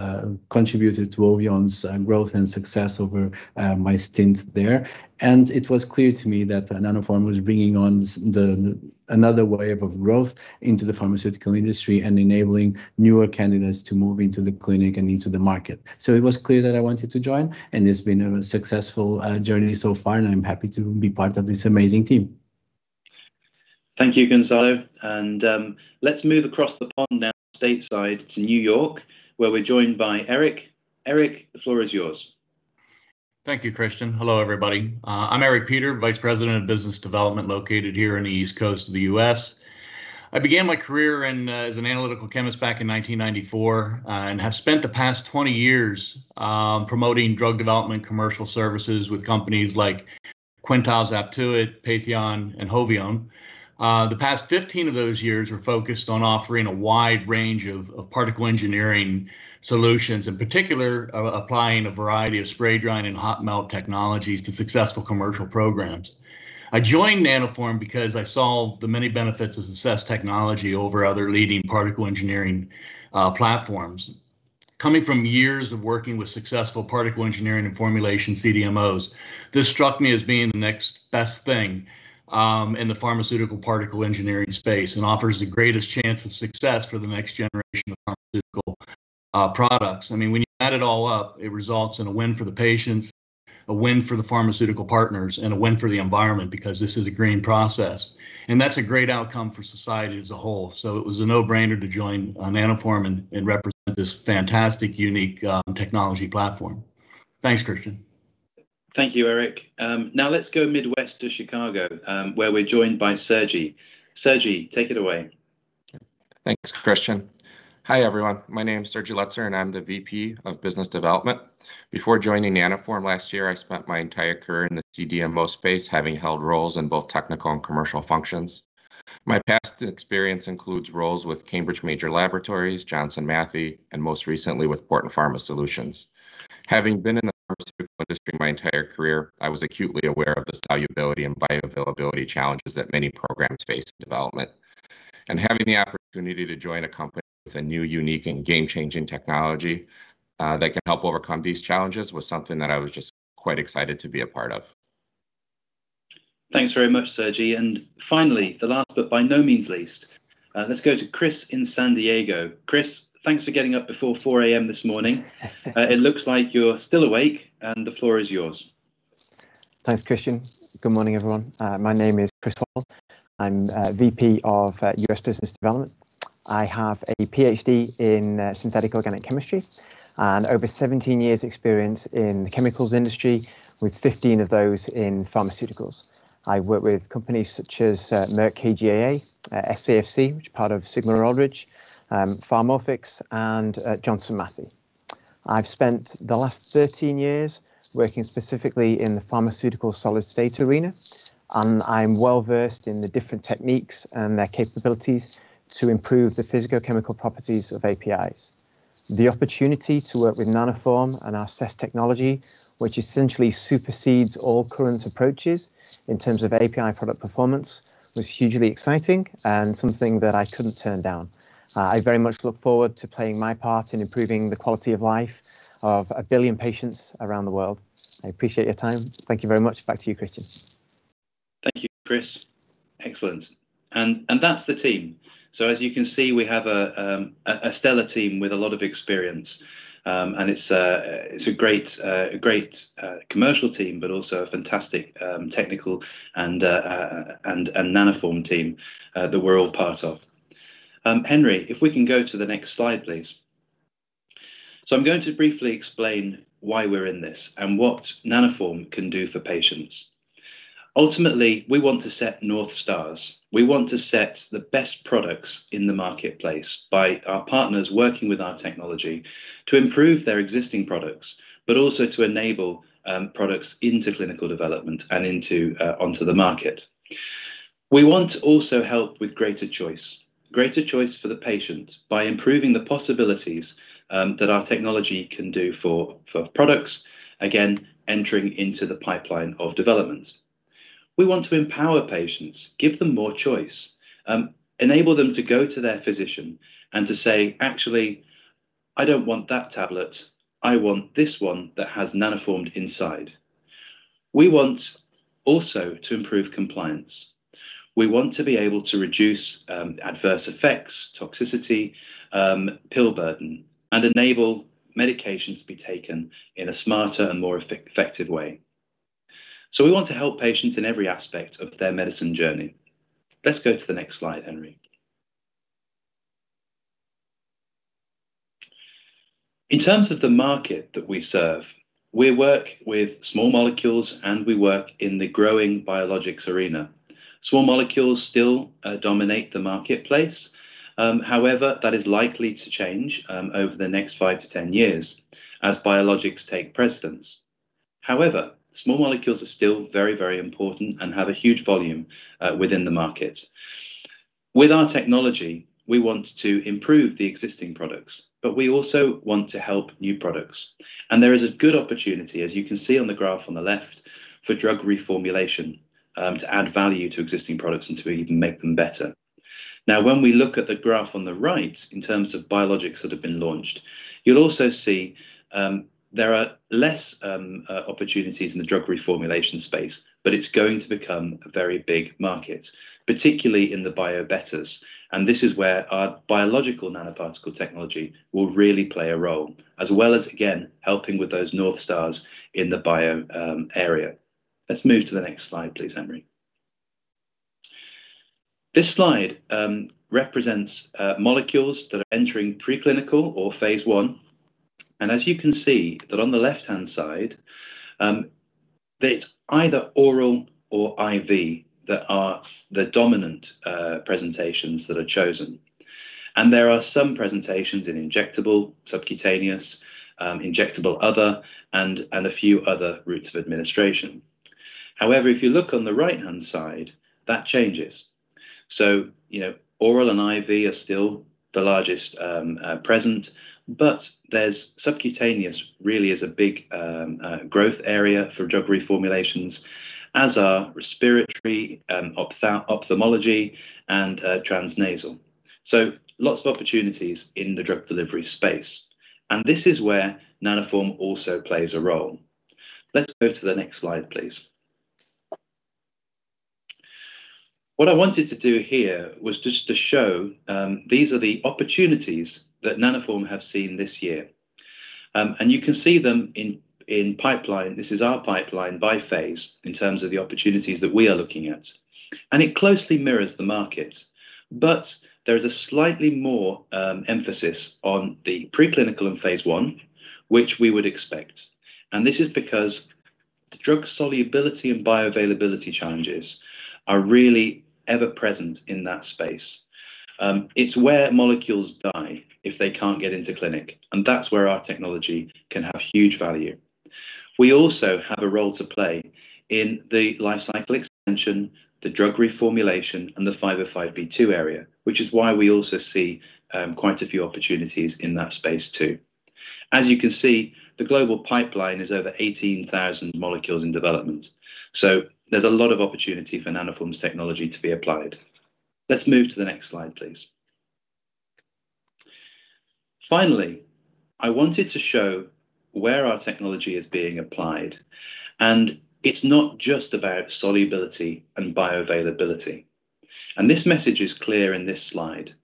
Speaker 16: contributed to Hovione's growth and success over my stint there. It was clear to me that Nanoform was bringing on another wave of growth into the pharmaceutical industry and enabling newer candidates to move into the clinic and into the market. It was clear that I wanted to join, and it's been a successful journey so far, and I'm happy to be part of this amazing team.
Speaker 13: Thank you, Gonçalo. Let's move across the pond now stateside to New York, where we're joined by Eric. Eric, the floor is yours.
Speaker 17: Thank you, Christian. Hello, everybody. I'm Eric Peter, Vice President of Business Development, located here in the East Coast of the U.S. I began my career as an analytical chemist back in 1994, and have spent the past 20 years promoting drug development commercial services with companies like Quintiles, Aptuit, Patheon, and Hovione. The past 15 of those years were focused on offering a wide range of particle engineering solutions, in particular, applying a variety of spray drying and hot melt technologies to successful commercial programs. I joined Nanoform because I saw the many benefits of the CESS technology over other leading particle engineering platforms. Coming from years of working with successful particle engineering and formulation CDMOs, this struck me as being the next best thing in the pharmaceutical particle engineering space and offers the greatest chance of success for the next generation of pharmaceutical products. When you add it all up, it results in a win for the patients, a win for the pharmaceutical partners, and a win for the environment because this is a green process. That's a great outcome for society as a whole. It was a no-brainer to join Nanoform and represent this fantastic, unique technology platform. Thanks, Christian.
Speaker 13: Thank you, Eric. Now let's go Midwest to Chicago, where we're joined by Sergie. Sergie, take it away.
Speaker 18: Thanks, Christian. Hi, everyone. My name's Sergie Letser, and I'm the VP of Business Development. Before joining Nanoform last year, I spent my entire career in the CDMO space, having held roles in both technical and commercial functions. My past experience includes roles with Cambridge Major Laboratories, Johnson Matthey, and most recently with Piramal Pharma Solutions. Having been in the pharmaceutical industry my entire career, I was acutely aware of the solubility and bioavailability challenges that many programs face in development. Having the opportunity to join a company with a new, unique, and game-changing technology that can help overcome these challenges was something that I was just quite excited to be a part of.
Speaker 13: Thanks very much, Sergie. Finally, the last, but by no means least, let's go to Chris in San Diego. Chris, thanks for getting up before 4:00 A.M. this morning. It looks like you're still awake, and the floor is yours.
Speaker 19: Thanks, Christian. Good morning, everyone. My name is Chris Worrall. I'm VP of U.S. Business Development. I have a PhD in synthetic organic chemistry and over 17 years experience in the chemicals industry, with 15 of those in pharmaceuticals. I've worked with companies such as Merck KGaA, SAFC, which is part of Sigma-Aldrich, Pharmorphix, and Johnson Matthey. I've spent the last 13 years working specifically in the pharmaceutical solid state arena, and I'm well-versed in the different techniques and their capabilities to improve the physicochemical properties of APIs. The opportunity to work with Nanoform and our CESS technology, which essentially supersedes all current approaches in terms of API product performance, was hugely exciting and something that I couldn't turn down. I very much look forward to playing my part in improving the quality of life of a billion patients around the world. I appreciate your time. Thank you very much. Back to you, Christian.
Speaker 13: Thank you, Chris. Excellent. That's the team. As you can see, we have a stellar team with a lot of experience. It's a great commercial team, but also a fantastic technical and Nanoform team that we're all part of. Henri, if we can go to the next slide, please. I'm going to briefly explain why we're in this and what Nanoform can do for patients. Ultimately, we want to set North Stars. We want to set the best products in the marketplace by our partners working with our technology to improve their existing products, but also to enable products into clinical development and onto the market. We want to also help with greater choice for the patient by improving the possibilities that our technology can do for products, again, entering into the pipeline of development. We want to empower patients, give them more choice, enable them to go to their physician and to say, "Actually, I don't want that tablet. I want this one that has Nanoform inside." We want also to improve compliance. We want to be able to reduce adverse effects, toxicity, pill burden, and enable medications to be taken in a smarter and more effective way. We want to help patients in every aspect of their medicine journey. Let's go to the next slide, Henri. In terms of the market that we serve, we work with small molecules, and we work in the growing biologics arena. Small molecules still dominate the marketplace. However, that is likely to change over the next five-10 years as biologics take precedence. However, small molecules are still very, very important and have a huge volume within the market. With our technology, we want to improve the existing products, but we also want to help new products. There is a good opportunity, as you can see on the graph on the left, for drug reformulation to add value to existing products and to even make them better. Now, when we look at the graph on the right in terms of biologics that have been launched, you'll also see there are less opportunities in the drug reformulation space, but it's going to become a very big market, particularly in the bio-betters, and this is where our biological nanoparticle technology will really play a role, as well as, again, helping with those North Stars in the bio area. Let's move to the next slide, please, Henri. This slide represents molecules that are entering preclinical or Phase I, as you can see that on the left-hand side, it's either oral or IV that are the dominant presentations that are chosen. There are some presentations in injectable, subcutaneous, injectable other, and a few other routes of administration. However, if you look on the right-hand side, that changes. Oral and IV are still the largest present, but there's subcutaneous really is a big growth area for drug reformulations, as are respiratory, ophthalmology, and transnasal. Lots of opportunities in the drug delivery space. This is where Nanoform also plays a role. Let's go to the next slide, please. What I wanted to do here was just to show these are the opportunities that Nanoform have seen this year. You can see them in pipeline. This is our pipeline by phase in terms of the opportunities that we are looking at. It closely mirrors the market, but there is a slightly more emphasis on the preclinical and Phase I, which we would expect. This is because drug solubility and bioavailability challenges are really ever present in that space. It's where molecules die if they can't get into clinic, and that's where our technology can have huge value. We also have a role to play in the life cycle expansion, the drug reformulation, and the 505(b)(2) area, which is why we also see quite a few opportunities in that space, too. As you can see, the global pipeline is over 18,000 molecules in development. There's a lot of opportunity for Nanoform's technology to be applied. Let's move to the next slide, please. Finally, I wanted to show where our technology is being applied, and it's not just about solubility and bioavailability. This message is clear in this slide.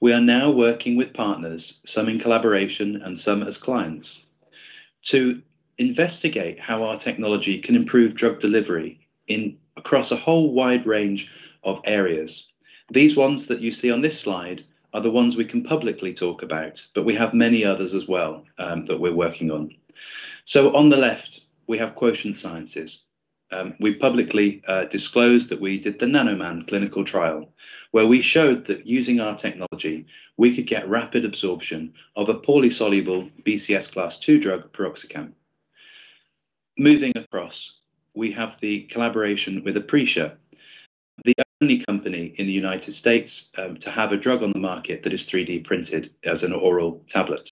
Speaker 13: We are now working with partners, some in collaboration and some as clients, to investigate how our technology can improve drug delivery across a whole wide range of areas. These ones that you see on this slide are the ones we can publicly talk about, but we have many others as well that we're working on. On the left, we have Quotient Sciences. We publicly disclosed that we did the NanoMan clinical trial, where we showed that using our technology, we could get rapid absorption of a poorly soluble BCS Class II drug, piroxicam. Moving across, we have the collaboration with Aprecia, the only company in the United States to have a drug on the market that is 3D printed as an oral tablet.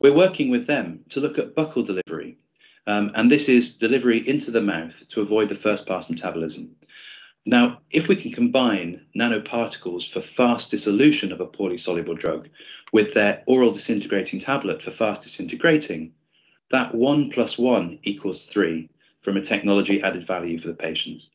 Speaker 13: We're working with them to look at buccal delivery, and this is delivery into the mouth to avoid the first-pass metabolism. If we can combine nanoparticles for fast dissolution of a poorly soluble drug with their oral disintegrating tablet for fast disintegrating, that one plus one equals three from a technology added value for the patients.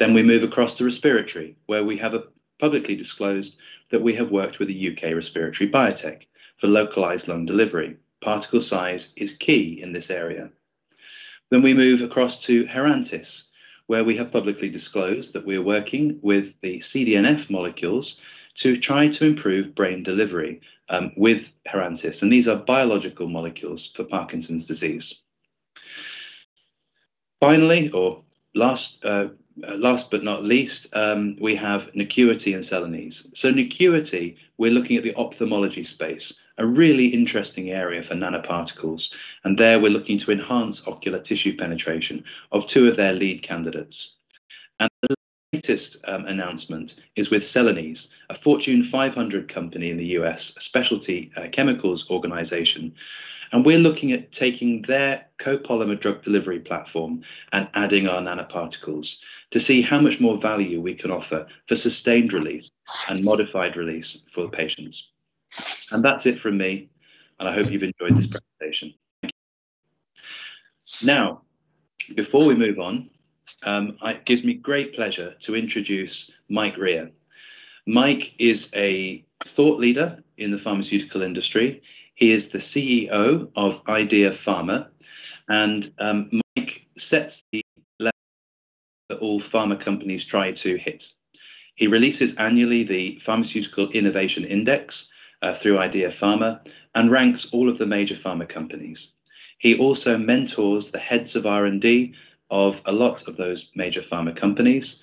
Speaker 13: We move across to respiratory, where we have publicly disclosed that we have worked with a U.K. respiratory biotech for localized lung delivery. Particle size is key in this area. We move across to Herantis, where we have publicly disclosed that we're working with the CDNF molecules to try to improve brain delivery with Herantis, and these are biological molecules for Parkinson's disease. Finally, or last but not least, we have Nacuity and Celanese. Nacuity, we're looking at the ophthalmology space, a really interesting area for nanoparticles, and there we're looking to enhance ocular tissue penetration of two of their lead candidates. The latest announcement is with Celanese, a Fortune 500 company in the U.S., a specialty chemicals organization, and we're looking at taking their copolymer drug delivery platform and adding our nanoparticles to see how much more value we can offer for sustained release and modified release for patients. That's it from me, and I hope you've enjoyed this presentation. Before we move on, it gives me great pleasure to introduce Mike Rea. Mike is a thought leader in the pharmaceutical industry. He is the CEO of IDEA Pharma. Mike sets the level that all pharma companies try to hit. He releases annually the Pharmaceutical Innovation Index through IDEA Pharma and ranks all of the major pharma companies. He also mentors the heads of R&D of a lot of those major pharma companies.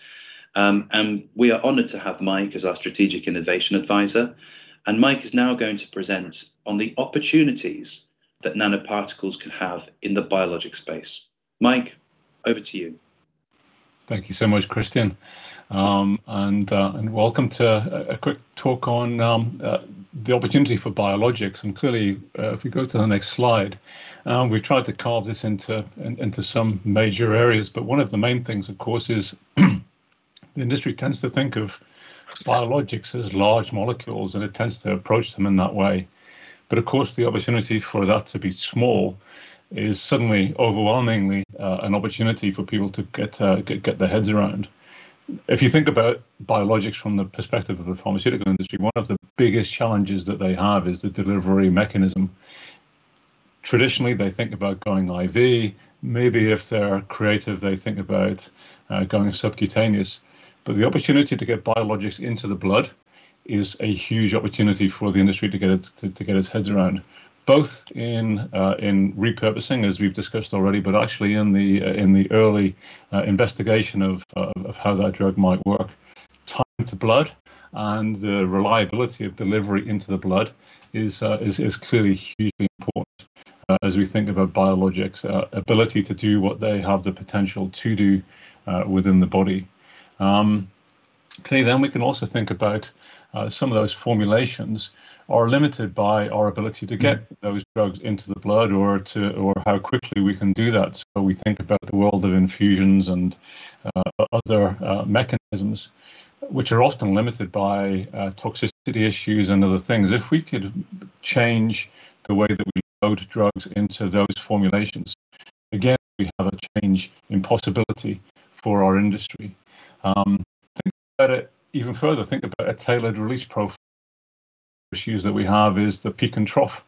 Speaker 13: We are honored to have Mike as our strategic innovation advisor. Mike is now going to present on the opportunities that nanoparticles can have in the biologic space. Mike, over to you.
Speaker 20: Thank you so much, Christian, and welcome to a quick talk on the opportunity for biologics. Clearly, if we go to the next slide, we've tried to carve this into some major areas. One of the main things, of course, is the industry tends to think of biologics as large molecules, and it tends to approach them in that way. Of course, the opportunity for that to be small is suddenly overwhelmingly an opportunity for people to get their heads around. If you think about biologics from the perspective of the pharmaceutical industry, one of the biggest challenges that they have is the delivery mechanism. Traditionally, they think about going IV. Maybe if they're creative, they think about going subcutaneous. The opportunity to get biologics into the blood is a huge opportunity for the industry to get its heads around, both in repurposing, as we've discussed already, actually in the early investigation of how that drug might work. Time to blood and the reliability of delivery into the blood is clearly hugely important as we think about biologics' ability to do what they have the potential to do within the body. Clearly, we can also think about some of those formulations are limited by our ability to get those drugs into the blood or how quickly we can do that. We think about the world of infusions and other mechanisms, which are often limited by toxicity issues and other things. If we could change the way that we load drugs into those formulations, again, we have a change in possibility for our industry. Think about it even further. Think about a tailored release profile. Issues that we have is the peak and trough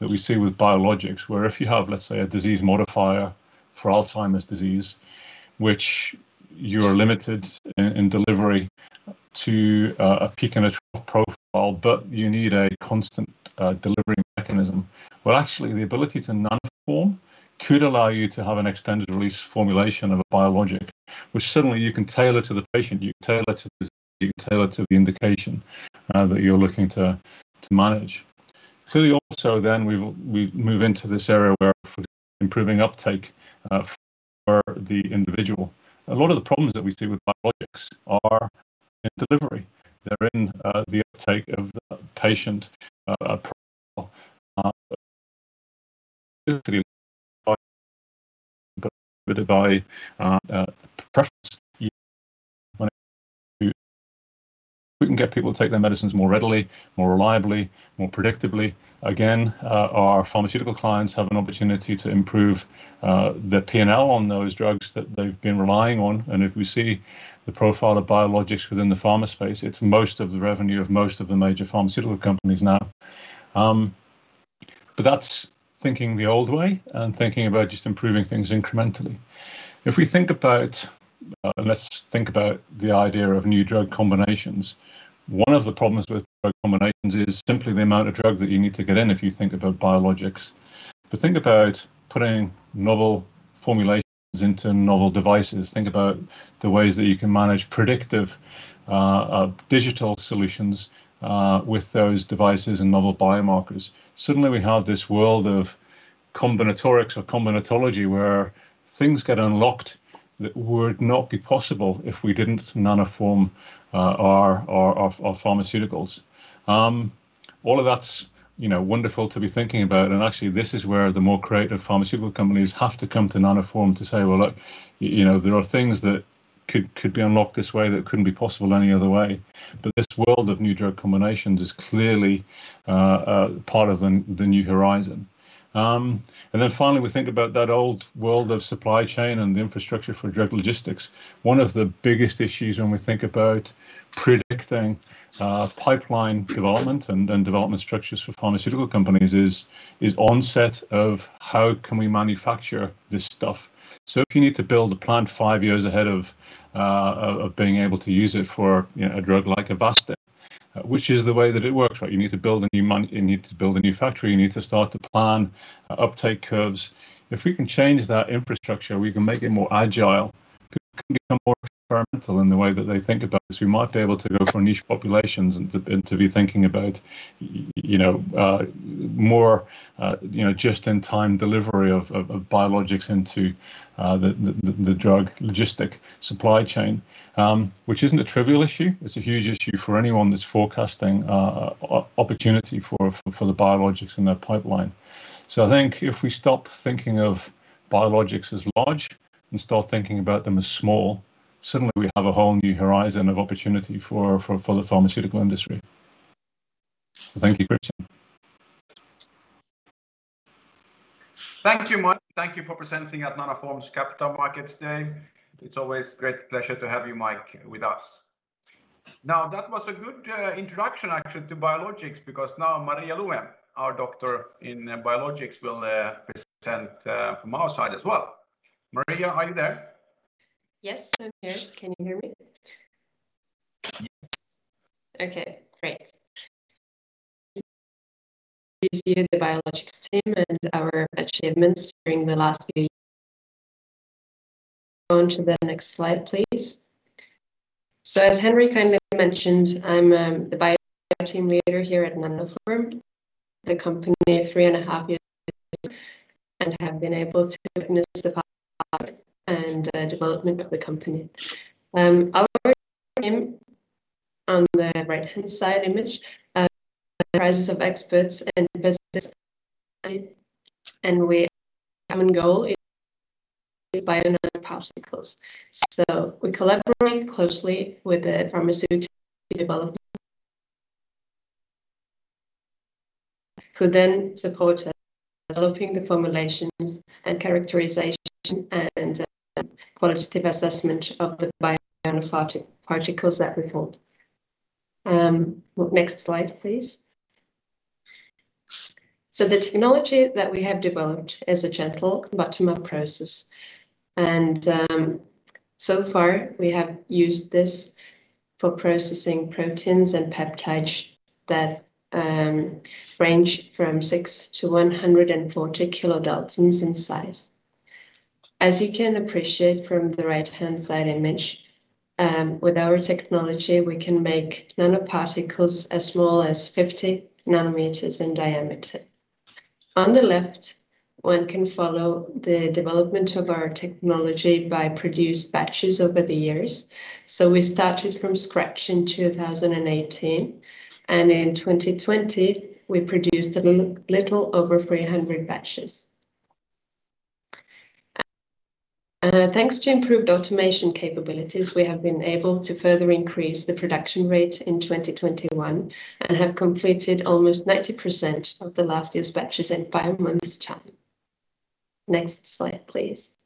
Speaker 20: that we see with biologics, where if you have, let's say, a disease modifier for Alzheimer's disease, which you're limited in delivery to a peak and a trough profile, but you need a constant delivery mechanism. Well, actually, the ability to nanoform could allow you to have an extended release formulation of a biologic, which suddenly you can tailor to the patient, you tailor to the disease, you tailor to the indication that you're looking to manage. Clearly, also then we move into this area where if we're improving uptake for the individual. A lot of the problems that we see with biologics are in delivery. They're in the uptake of the patient profile. If we can get people to take their medicines more readily, more reliably, more predictably, again, our pharmaceutical clients have an opportunity to improve the P&L on those drugs that they've been relying on. If we see the profile of biologics within the pharma space, it's most of the revenue of most of the major pharmaceutical companies now. That's thinking the old way and thinking about just improving things incrementally. Let's think about the idea of new drug combinations. One of the problems with drug combinations is simply the amount of drug that you need to get in if you think about biologics. Think about putting novel formulations into novel devices. Think about the ways that you can manage predictive digital solutions with those devices and novel biomarkers. Suddenly we have this world of combinatorics or combinatology, where things get unlocked that would not be possible if we didn't nanoform our pharmaceuticals. All of that's wonderful to be thinking about, actually, this is where the more creative pharmaceutical companies have to come to Nanoform to say, "Well, look, there are things that could be unlocked this way that couldn't be possible any other way." This world of new drug combinations is clearly part of the new horizon. Finally, we think about that old world of supply chain and the infrastructure for drug logistics. One of the biggest issues when we think about predicting pipeline development and development structures for pharmaceutical companies is onset of how can we manufacture this stuff. If you need to build a plant five years ahead of being able to use it for a drug like Avastin, which is the way that it works, right? You need to build a new factory, you need to start to plan uptake curves. If we can change that infrastructure, we can make it more agile, people can become more experimental in the way that they think about this. We might be able to go for niche populations and to be thinking about more just-in-time delivery of biologics into the drug logistic supply chain, which isn't a trivial issue. It's a huge issue for anyone that's forecasting opportunity for the biologics in their pipeline. I think if we stop thinking of biologics as large and start thinking about them as small, suddenly we have a whole new horizon of opportunity for the pharmaceutical industry. Thank you, Christian.
Speaker 1: Thank you, Mike. Thank you for presenting at Nanoform's Capital Markets Day. It's always great pleasure to have you, Mike, with us. That was a good introduction actually to biologics because now Maria Lume, our doctor in biologics, will present from our side as well. Maria, are you there?
Speaker 21: Yes, I'm here. Can you hear me?
Speaker 1: Yes.
Speaker 21: Okay, great. This is the biologics team and our achievements during the last few years. Go on to the next slide, please. As Henri kindly mentioned, I'm the bio team leader here at Nanoform, the company of three and a half years, and have been able to witness the path and development of the company. Our team on the right-hand side image, comprises of experts in business, and our common goal is bio nanoparticles. We collaborate closely with the pharmaceutical development who then support us developing the formulations and characterization and qualitative assessment of the bio nanoparticles that we form. Next slide, please. The technology that we have developed is a gentle bottom-up process, and so far we have used this for processing proteins and peptides that range from six to 140 kDa in size. As you can appreciate from the right-hand side image, with our technology, we can make nanoparticles as small as 50 nm in diameter. On the left, one can follow the development of our technology by produced batches over the years. We started from scratch in 2018, and in 2020, we produced a little over 300 batches. Thanks to improved automation capabilities, we have been able to further increase the production rate in 2021 and have completed almost 90% of the last year's batches in five months' time. Next slide, please.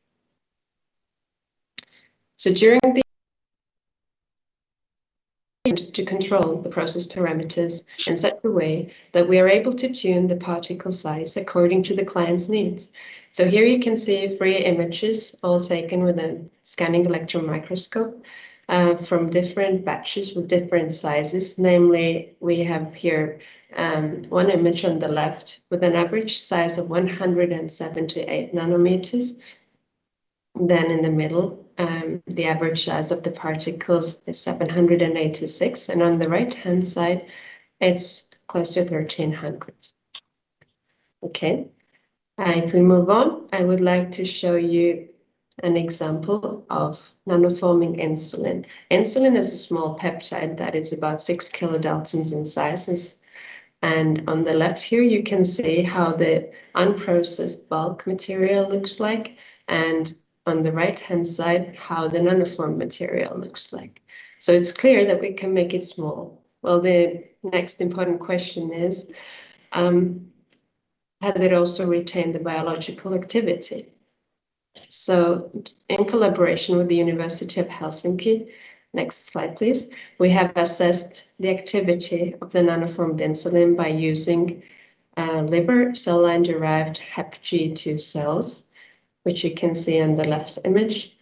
Speaker 21: To control the process parameters in such a way that we are able to tune the particle size according to the client's needs. Here you can see three images all taken with a scanning electron microscope, from different batches with different sizes. We have here one image on the left with an average size of 178 nm. In the middle, the average size of the particles is 786, and on the right-hand side, it's close to 1,300. Okay. If we move on, I would like to show you an example of nanoforming insulin. Insulin is a small peptide that is about 6 kDa in sizes, and on the left here, you can see how the unprocessed bulk material looks like, and on the right-hand side, how the nanoformed material looks like. It's clear that we can make it small. Well, the next important question is, has it also retained the biological activity? In collaboration with the University of Helsinki, next slide please, we have assessed the activity of the nano-formed insulin by using liver cell line derived HepG2 cells, which you can see on the left image.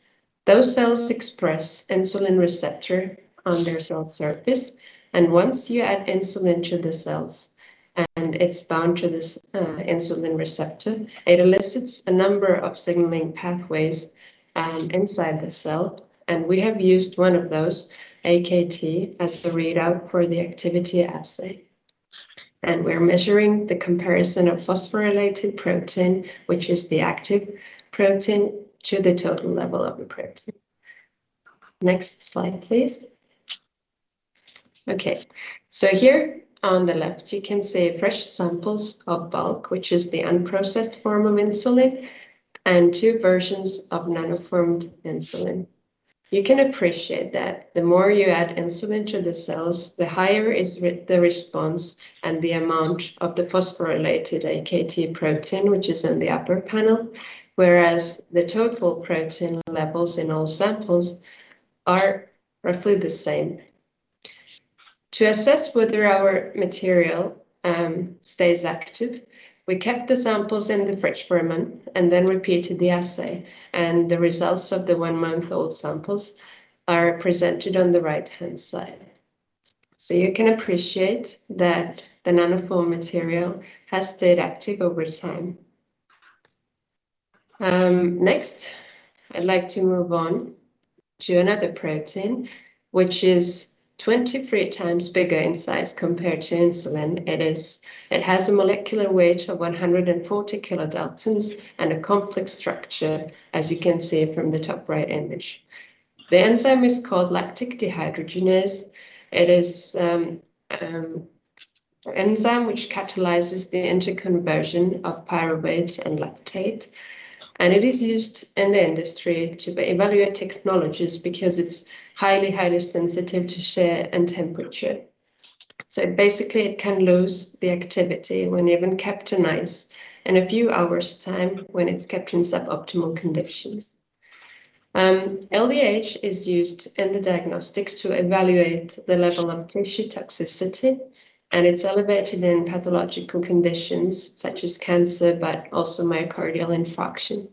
Speaker 21: Those cells express insulin receptor on their cell surface, and once you add insulin to the cells, and it's bound to this insulin receptor, it elicits a number of signaling pathways inside the cell, and we have used one of those, Akt, as the readout for the activity assay. We're measuring the comparison of phosphorylated protein, which is the active protein to the total level of the protein. Next slide, please. Here on the left you can see fresh samples of bulk, which is the unprocessed form of insulin, and two versions of nanoformed insulin. You can appreciate that the more you add insulin to the cells, the higher is the response and the amount of the Phosphorylated Akt protein, which is in the upper panel, whereas the total protein levels in all samples are roughly the same. To assess whether our material stays active, we kept the samples in the fridge for a month and then repeated the assay, and the results of the one-month-old samples are presented on the right-hand side. You can appreciate that the Nanoform material has stayed active over time. Next, I'd like to move on to another protein, which is 23x bigger in size compared to insulin. It has a molecular weight of 140 kilodaltons and a complex structure, as you can see from the top right image. The enzyme is called lactate dehydrogenase. It is an enzyme which catalyzes the interconversion of pyruvates and lactate, and it is used in the industry to evaluate technologies because it's highly sensitive to share and temperature. Basically, it can lose the activity when even kept in ice in a few hours time when it's kept in suboptimal conditions. LDH is used in the diagnostics to evaluate the level of tissue toxicity. It's elevated in pathological conditions such as cancer, but also myocardial infarction.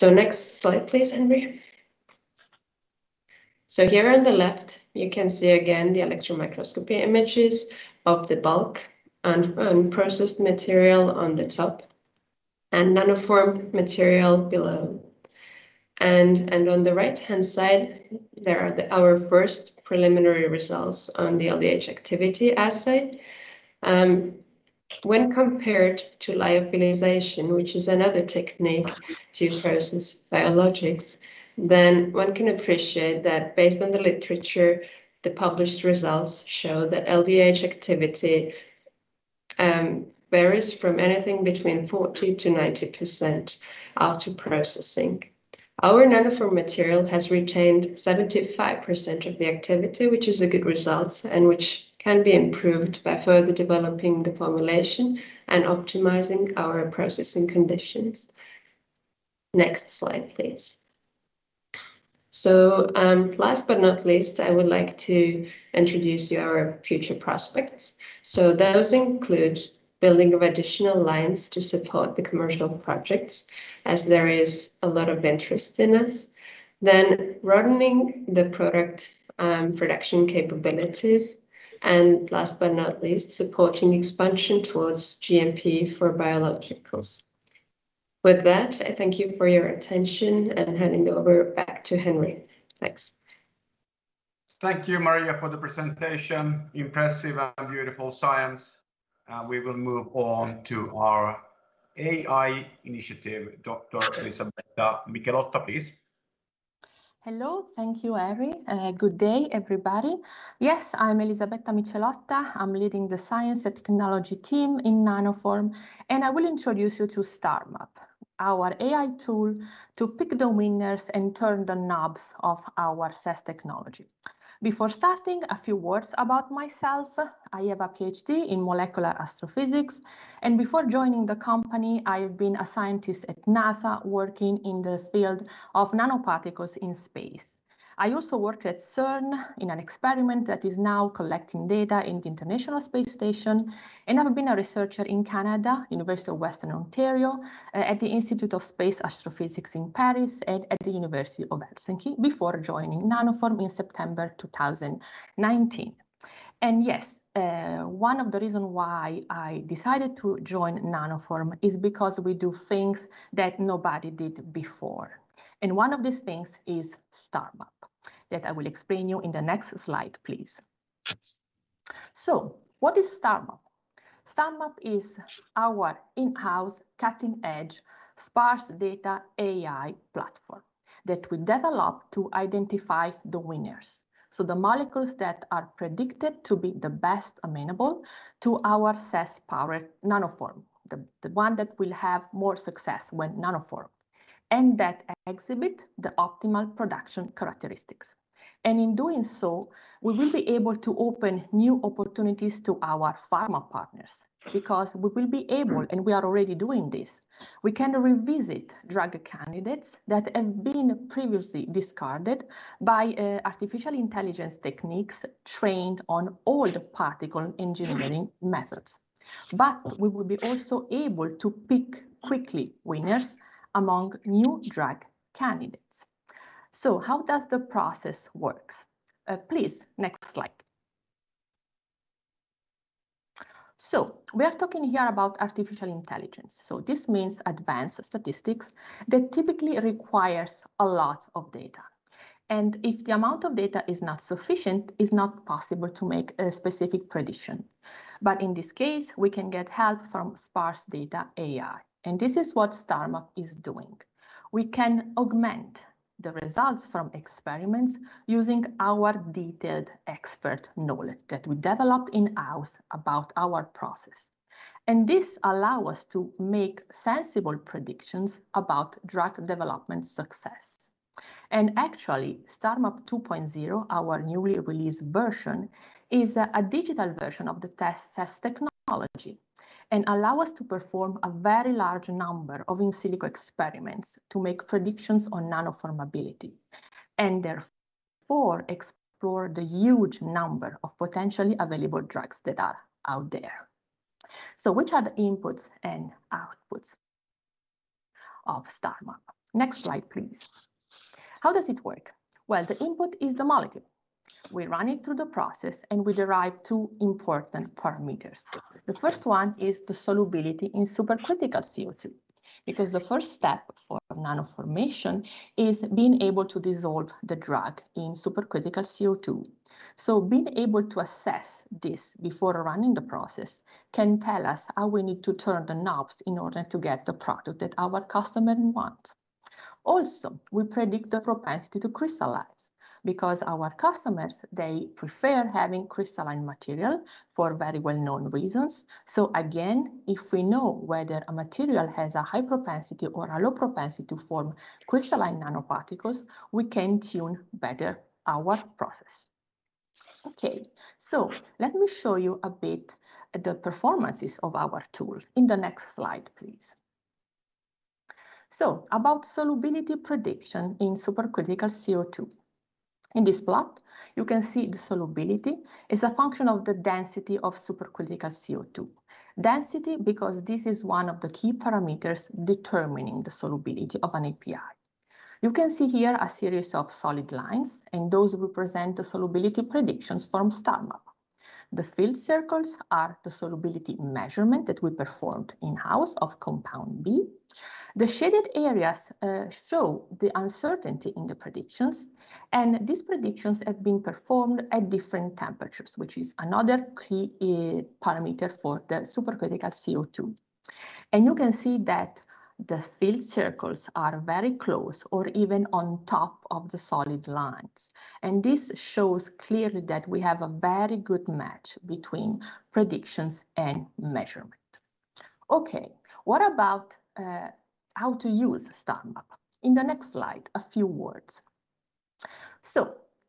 Speaker 21: Next slide, please, Henri. Here on the left, you can see again the electron microscopy images of the bulk and unprocessed material on the top and Nanoform material below. On the right-hand side, there are our first preliminary results on the LDH activity assay. When compared to lyophilization, which is another technique to process biologics, one can appreciate that based on the literature, the published results show that LDH activity varies from anything between 40%-90% after processing. Our Nanoform material has retained 75% of the activity, which is a good result, which can be improved by further developing the formulation and optimizing our processing conditions. Next slide, please. Last but not least, I would like to introduce you our future prospects. Those include building of additional lines to support the commercial projects, as there is a lot of interest in us. Broadening the product production capabilities, and last but not least, supporting expansion towards GMP for biologicals. With that, I thank you for your attention and handing over back to Henri. Thanks.
Speaker 1: Thank you, Maria, for the presentation. Impressive and beautiful science. We will move on to our AI initiative. Dr. Elisabetta Micelotta, please.
Speaker 22: Hello. Thank you, Henri. Good day, everybody. Yes, I'm Elisabetta Micelotta. I'm leading the Science and Technology team in Nanoform. I will introduce you to STARMAP, our AI tool to pick the winners and turn the knobs of our CESS technology. Before starting, a few words about myself. I have a PhD in molecular astrophysics. Before joining the company, I've been a scientist at NASA, working in the field of nanoparticles in space. I also worked at CERN in an experiment that is now collecting data in the International Space Station. I've been a researcher in Canada, University of Western Ontario, at the Institut d'Astrophysique Spatiale in Paris, and at the University of Helsinki before joining Nanoform in September 2019. Yes, one of the reason why I decided to join Nanoform is because we do things that nobody did before. One of these things is STARMAP that I will explain you in the next slide, please. What is STARMAP? STARMAP is our in-house cutting-edge sparse data AI platform that we develop to identify the winners. The molecules that are predicted to be the best amenable to our CESS-powered nanoform, the one that will have more success when nanoformed, and that exhibit the optimal production characteristics. In doing so, we will be able to open new opportunities to our pharma partners because we will be able, and we are already doing this, we can revisit drug candidates that have been previously discarded by artificial intelligence techniques trained on old particle engineering methods. We will be also able to pick quickly winners among new drug candidates. How does the process work? Please, next slide. We are talking here about artificial intelligence. This means advanced statistics that typically requires a lot of data. If the amount of data is not sufficient, it is not possible to make a specific prediction. In this case, we can get help from sparse data AI, and this is what STARMAP is doing. We can augment the results from experiments using our detailed expert knowledge that we developed in-house about our process. This allow us to make sensible predictions about drug development success. Actually, STARMAP 2.0, our newly released version, is a digital version of the CESS technology and allow us to perform a very large number of in silico experiments to make predictions on nanoformability, and therefore explore the huge number of potentially available drugs that are out there. Which are the inputs and outputs of STARMAP? Next slide, please. How does it work? The input is the molecule. We run it through the process and we derive two important parameters. The first one is the solubility in supercritical CO2, because the first step for nanoformation is being able to dissolve the drug in supercritical CO2. Being able to assess this before running the process can tell us how we need to turn the knobs in order to get the product that our customer wants. Also, we predict the propensity to crystallize because our customers, they prefer having crystalline material for very well-known reasons. Again, if we know whether a material has a high propensity or a low propensity to form crystalline nanoparticles, we can tune better our process. Okay. Let me show you a bit the performances of our tool in the next slide, please. About solubility prediction in supercritical CO2. In this plot, you can see the solubility is a function of the density of supercritical CO2. Density, because this is one of the key parameters determining the solubility of an API. You can see here a series of solid lines, and those represent the solubility predictions from STARMAP. The filled circles are the solubility measurement that we performed in-house of compound B. The shaded areas show the uncertainty in the predictions, and these predictions have been performed at different temperatures, which is another key parameter for the supercritical CO2. You can see that the filled circles are very close, or even on top of the solid lines, and this shows clearly that we have a very good match between predictions and measurement. Okay. What about how to use STARMAP? In the next slide, a few words.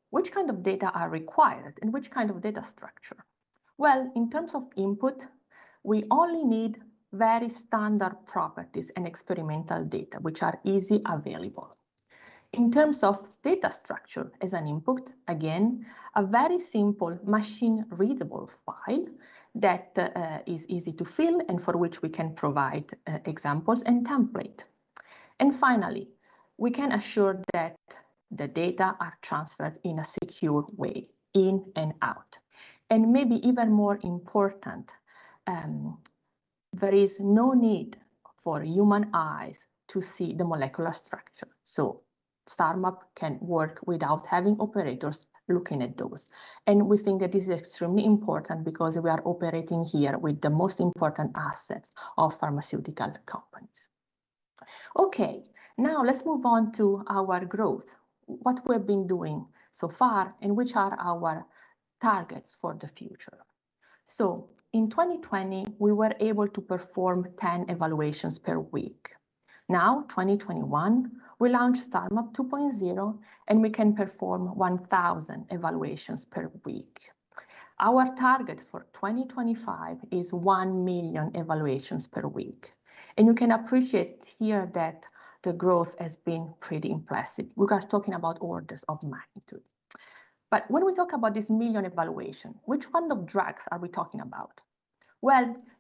Speaker 22: Which kind of data are required and which kind of data structure? Well, in terms of input, we only need very standard properties and experimental data which are easily available. In terms of data structure as an input, again, a very simple machine-readable file that is easy to fill and for which we can provide examples and template. Finally, we can assure that the data are transferred in a secure way in and out. Maybe even more important, there is no need for human eyes to see the molecular structure, so STARMAP can work without having operators looking at those. We think that this is extremely important because we are operating here with the most important assets of pharmaceutical companies. Okay. Now let's move on to our growth, what we've been doing so far, and which are our targets for the future. In 2020, we were able to perform 10 evaluations per week. 2021, we launched STARMAP 2.0, and we can perform 1,000 evaluations per week. Our target for 2025 is 1 million evaluations per week. You can appreciate here that the growth has been pretty impressive. We are talking about orders of magnitude. When we talk about this million evaluation, which kind of drugs are we talking about?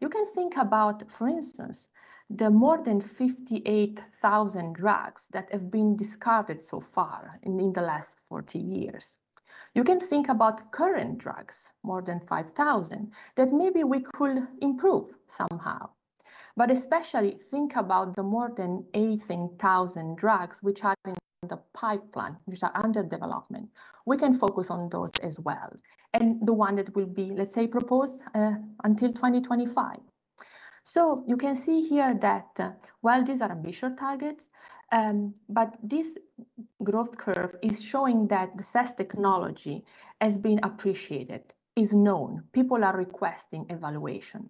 Speaker 22: You can think about, for instance, the more than 58,000 drugs that have been discarded so far in the last 40 years. You can think about current drugs, more than 5,000, that maybe we could improve somehow. Especially think about the more than 18,000 drugs which are in the pipeline, which are under development. We can focus on those as well. The one that will be, let's say, proposed until 2025. You can see here that while these are ambitious targets, but this growth curve is showing that the CESS technology has been appreciated. It's known. People are requesting evaluation.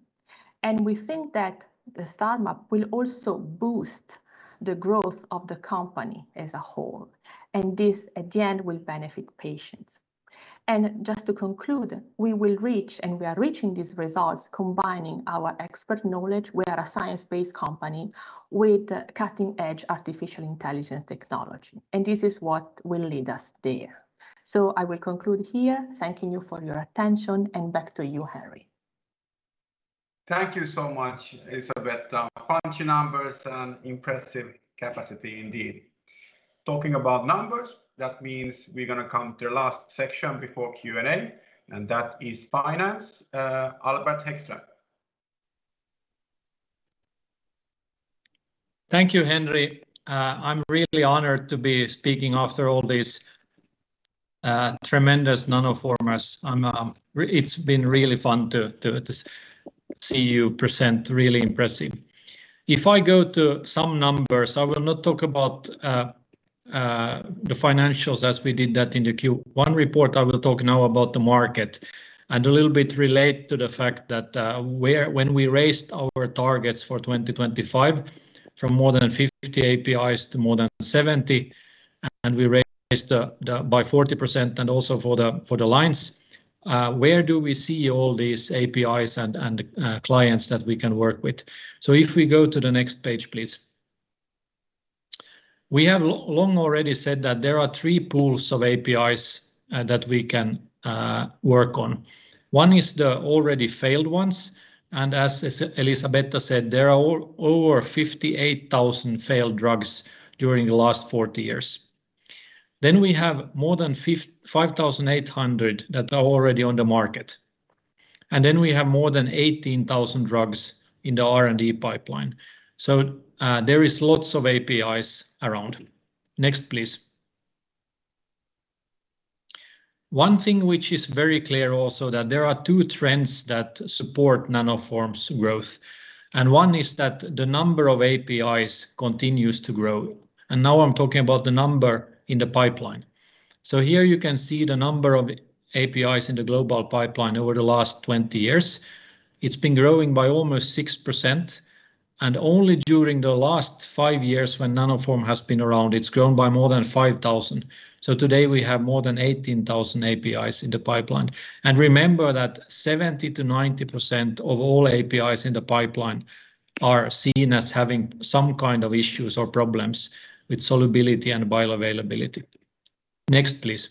Speaker 22: We think that the startup will also boost the growth of the company as a whole, and this, at the end, will benefit patients. Just to conclude, we will reach, and we are reaching these results combining our expert knowledge. We are a science-based company with cutting-edge artificial intelligence technology, and this is what will lead us there. I will conclude here, thanking you for your attention, and back to you, Henri.
Speaker 1: Thank you so much, Elisabetta. Punchy numbers and impressive capacity indeed. Talking about numbers, that means we're going to come to the last section before Q&A, and that is finance. Albert Hæggström.
Speaker 23: Thank you, Henri. I'm really honored to be speaking after all these tremendous Nanoformers. It's been really fun to see you present. Really impressive. If I go to some numbers, I will not talk about the financials as we did that in the Q1 report. I will talk now about the market and a little bit relate to the fact that when we raised our targets for 2025 from more than 50 APIs to more than 70, and we raised by 40% and also for the lines, where do we see all these APIs and clients that we can work with? If we go to the next page, please. We have long already said that there are three pools of APIs that we can work on. One is the already failed ones, and as Elisabetta said, there are over 58,000 failed drugs during the last 40 years. We have more than 5,800 that are already on the market. We have more than 18,000 drugs in the R&D pipeline. There is lots of APIs around. Next, please. One thing which is very clear also that there are two trends that support Nanoform's growth, and one is that the number of APIs continues to grow. Now I'm talking about the number in the pipeline. Here you can see the number of APIs in the global pipeline over the last 20 years. It's been growing by almost 6%, and only during the last five years, when Nanoform has been around, it's grown by more than 5,000. Today, we have more than 18,000 APIs in the pipeline. Remember that 70%-90% of all APIs in the pipeline are seen as having some kind of issues or problems with solubility and bioavailability. Next, please.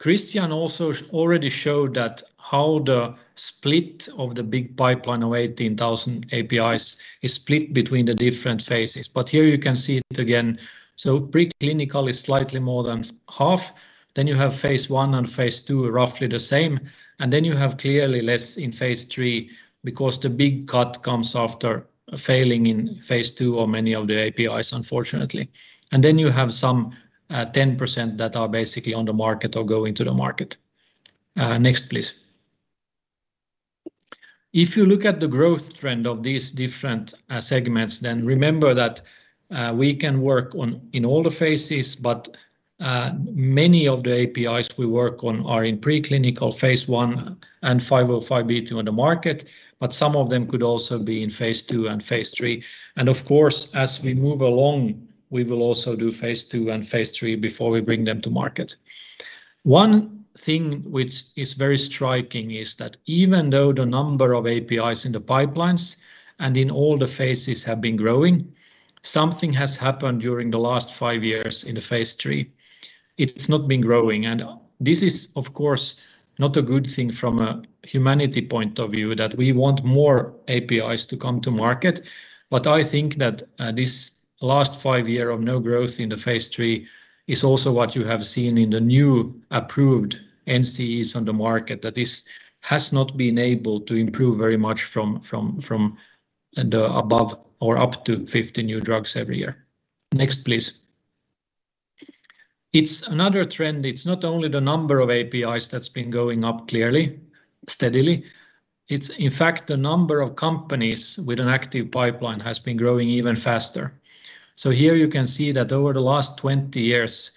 Speaker 23: Christian also already showed that how the split of the big pipeline of 18,000 APIs is split between the different phases. Here you can see it again. Preclinical is slightly more than half. You have Phase I and Phase II are roughly the same. You have clearly less in Phase III because the big cut comes after failing in Phase II or many of the APIs, unfortunately. You have some, 10% that are basically on the market or going to the market. Next, please. If you look at the growth trend of these different segments, then remember that we can work in all the phases, but many of the APIs we work on are in preclinical Phase I and 505(b)(2) on the market, but some of them could also be in Phase II and Phase III. Of course, as we move along, we will also do Phase II and Phase III before we bring them to market. One thing which is very striking is that even though the number of APIs in the pipelines and in all the phases have been growing, something has happened during the last five years in the Phase III. It's not been growing. This is, of course, not a good thing from a humanity point of view that we want more APIs to come to market. I think that this last five year of no growth in the Phase III is also what you have seen in the new approved NCEs on the market, that this has not been able to improve very much from the above or up to 50 new drugs every year. Next, please. It's another trend. It's not only the number of APIs that has been going up clearly, steadily. It is in fact the number of companies with an active pipeline has been growing even faster. Here you can see that over the last 20 years,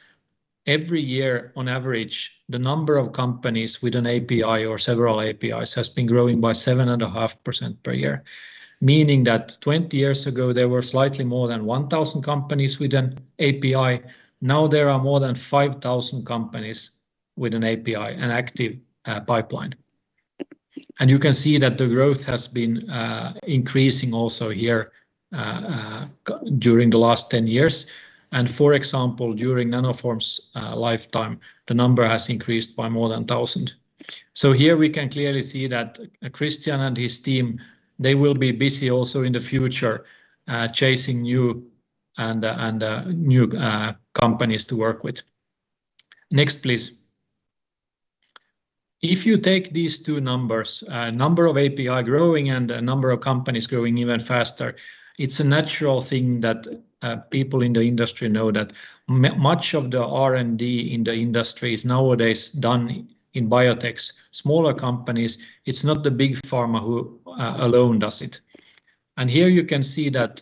Speaker 23: every year on average, the number of companies with an API or several APIs has been growing by 7.5% per year. Meaning that 20 years ago, there were slightly more than 1,000 companies with an API. Now there are more than 5,000 companies with an API, an active pipeline. You can see that the growth has been increasing also here during the last 10 years. For example, during Nanoform's lifetime, the number has increased by more than 1,000. Here we can clearly see that Christian and his team, they will be busy also in the future chasing new companies to work with. Next, please. If you take these two numbers, number of API growing and number of companies growing even faster, it's a natural thing that people in the industry know that much of the R&D in the industry is nowadays done in biotechs, smaller companies. It's not the big pharma who alone does it. Here you can see that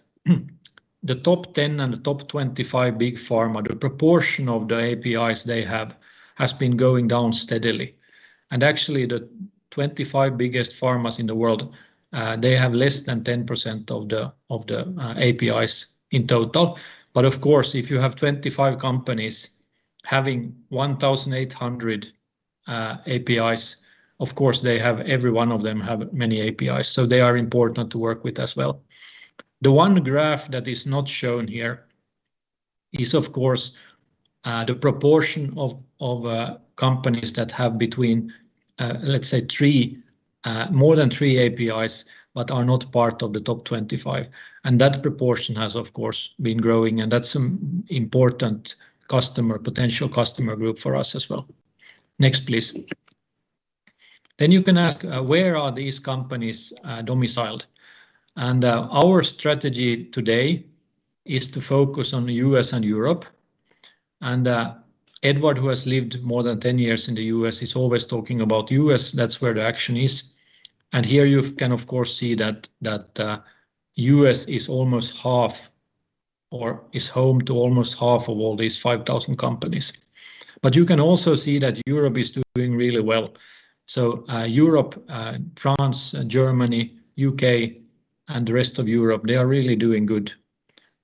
Speaker 23: The top 10 and the top 25 big pharma, the proportion of the APIs they have has been going down steadily. Actually, the 25 biggest pharmas in the world, they have less than 10% of the APIs in total. Of course, if you have 25 companies having 1,800 APIs, of course, every one of them have many APIs, so they are important to work with as well. The one graph that is not shown here is, of course, the proportion of companies that have between, let's say, more than three APIs, but are not part of the top 25. That proportion has, of course, been growing, and that's an important potential customer group for us as well. Next, please. You can ask, where are these companies domiciled? Our strategy today is to focus on the U.S. and Europe. Edward, who has lived more than 10 years in the U.S., is always talking about U.S. That's where the action is. Here you can, of course, see that U.S. is home to almost half of all these 5,000 companies. You can also see that Europe is doing really well. Europe, France, Germany, U.K., and the rest of Europe, they are really doing good.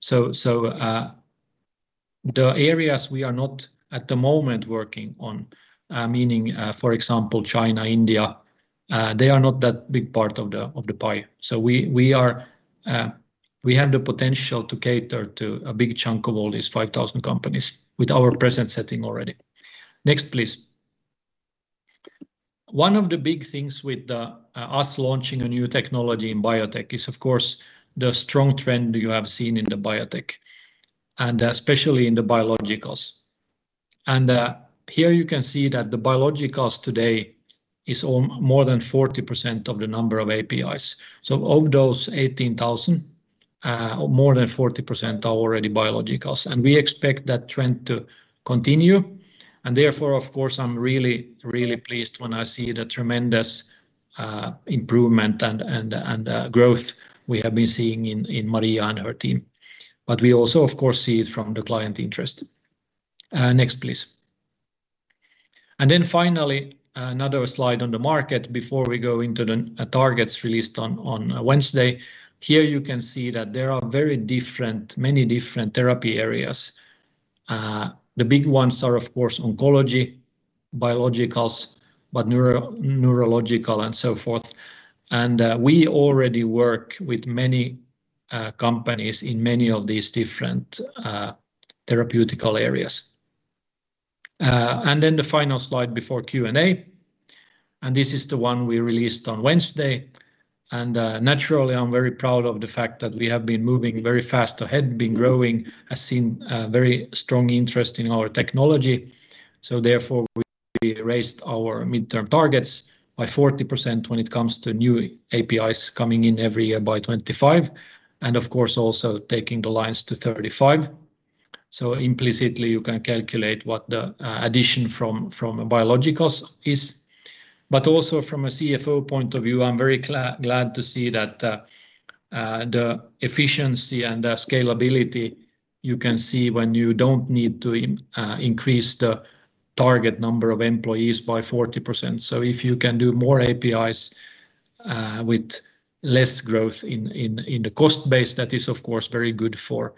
Speaker 23: The areas we are not at the moment working on, meaning, for example, China, India, they are not that big part of the pie. We have the potential to cater to a big chunk of all these 5,000 companies with our present setting already. Next, please. One of the big things with us launching a new technology in biotech is, of course, the strong trend you have seen in the biotech, and especially in the biologicals. Here you can see that the biologicals today is more than 40% of the number of APIs. Of those 18,000, more than 40% are already biologicals. We expect that trend to continue. Therefore, of course, I'm really, really pleased when I see the tremendous improvement and growth we have been seeing in Maria and her team. We also, of course, see it from the client interest. Next, please. Finally, another slide on the market before we go into the targets released on Wednesday. Here you can see that there are many different therapy areas. The big ones are, of course, oncology, biologicals, but neurological and so forth. We already work with many companies in many of these different therapeutical areas. The final slide before Q&A, and this is the one we released on Wednesday. Naturally, I'm very proud of the fact that we have been moving very fast ahead, been growing. I've seen very strong interest in our technology. Therefore, we raised our midterm targets by 40% when it comes to new APIs coming in every year by 2025, and of course, also taking the lines to 35. Implicitly, you can calculate what the addition from biologicals is. Also from a CFO point of view, I'm very glad to see that the efficiency and the scalability you can see when you don't need to increase the target number of employees by 40%. If you can do more APIs with less growth in the cost base, that is, of course, very good for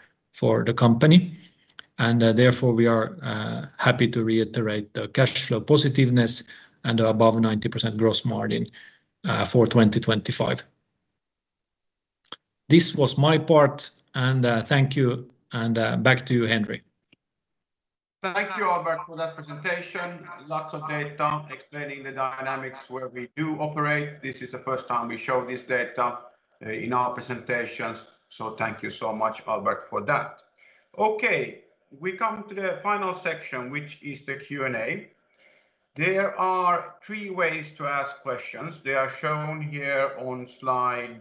Speaker 23: the company. Therefore, we are happy to reiterate the cash flow positiveness and above 90% gross margin for 2025. This was my part, and thank you, and back to you, Henri.
Speaker 1: Thank you, Albert, for that presentation. Lots of data explaining the dynamics where we do operate. This is the first time we show this data in our presentations. Thank you so much, Albert, for that. Okay. We come to the final section, which is the Q&A. There are three ways to ask questions. They are shown here on slide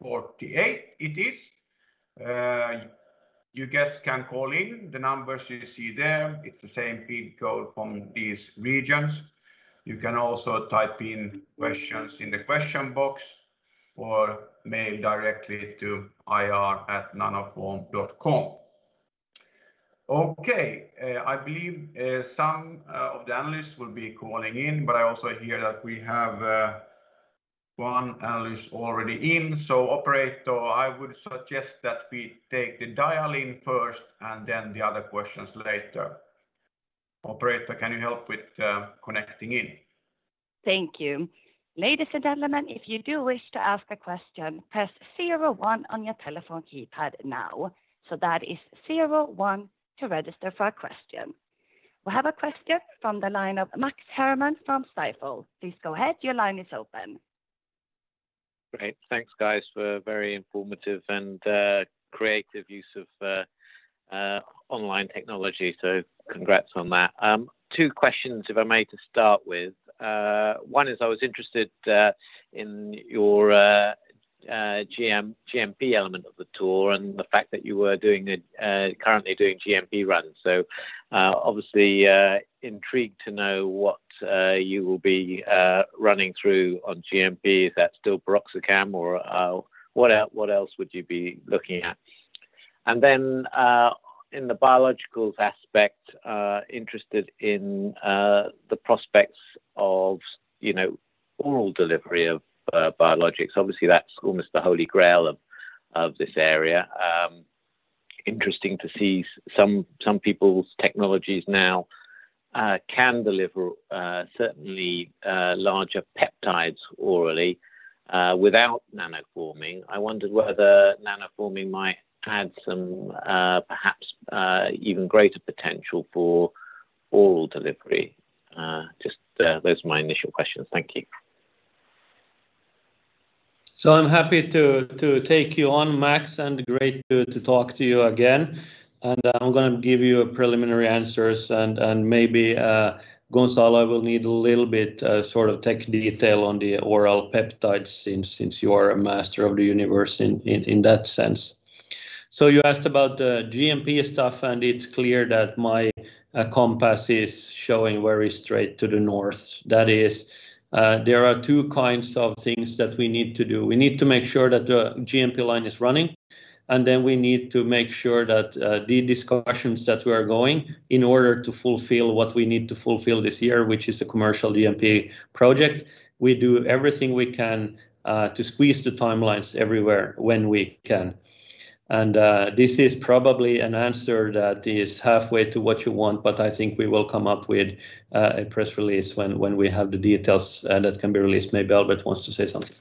Speaker 1: 48. You guys can call in. The numbers you see there, it's the same pin code from these regions. You can also type in questions in the question box or mail directly to ir@nanoform.com. Okay. I believe some of the analysts will be calling in. I also hear that we have one analyst already in. Operator, I would suggest that we take the dial in first and then the other questions later. Operator, can you help with connecting in?
Speaker 24: Thank you. Ladies and gentlemen, if you do wish to ask a question, press zero one on your telephone keypad now. That is zero one to register for a question. We have a question from the line of Max Herrmann from Stifel. Please go ahead. Your line is open.
Speaker 25: Great. Thanks, guys, for a very informative and creative use of online technology. Congrats on that. Two questions, if I may, to start with. One is I was interested in your GMP element of the tour and the fact that you were currently doing GMP runs. Obviously intrigued to know what you will be running through on GMP. Is that still piroxicam or what else would you be looking at? In the biologicals aspect, interested in the prospects of oral delivery of biologics. Obviously, that's almost the holy grail of this area. Interesting to see some people's technologies now can deliver certainly larger peptides orally without nanoforming. I wondered whether nanoforming might have some perhaps even greater potential for oral delivery. Just those are my initial questions. Thank you.
Speaker 2: I'm happy to take you on, Max, and great to talk to you again. I'm going to give you preliminary answers and maybe Gonzalo will need a little bit sort of tech detail on the oral peptide scene since you are a master of the universe in that sense. You asked about the GMP stuff, and it's clear that my compass is showing very straight to the north. That is, there are two kinds of things that we need to do. We need to make sure that the GMP line is running, and then we need to make sure that the discussions that we are going in order to fulfill what we need to fulfill this year, which is a commercial GMP project. We do everything we can to squeeze the timelines everywhere when we can. This is probably an answer that is halfway to what you want, but I think we will come up with a press release when we have the details that can be released. Maybe Albert wants to say something.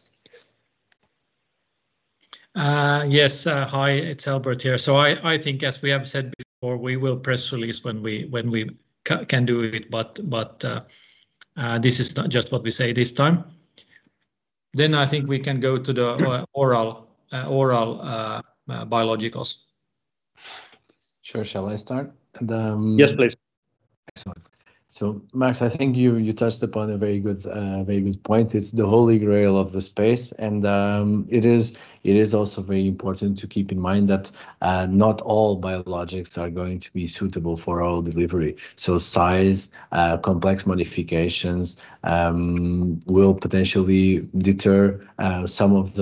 Speaker 23: Yes. Hi, it's Albert here. I think as we have said before, we will press release when we can do it. This is just what we say this time. I think we can go to the oral biologicals.
Speaker 13: Sure. Shall I start?
Speaker 23: Yes, please.
Speaker 13: Excellent. Max, I think you touched upon a very good point. It's the holy grail of the space, and it is also very important to keep in mind that not all biologics are going to be suitable for oral delivery. Size, complex modifications will potentially deter some of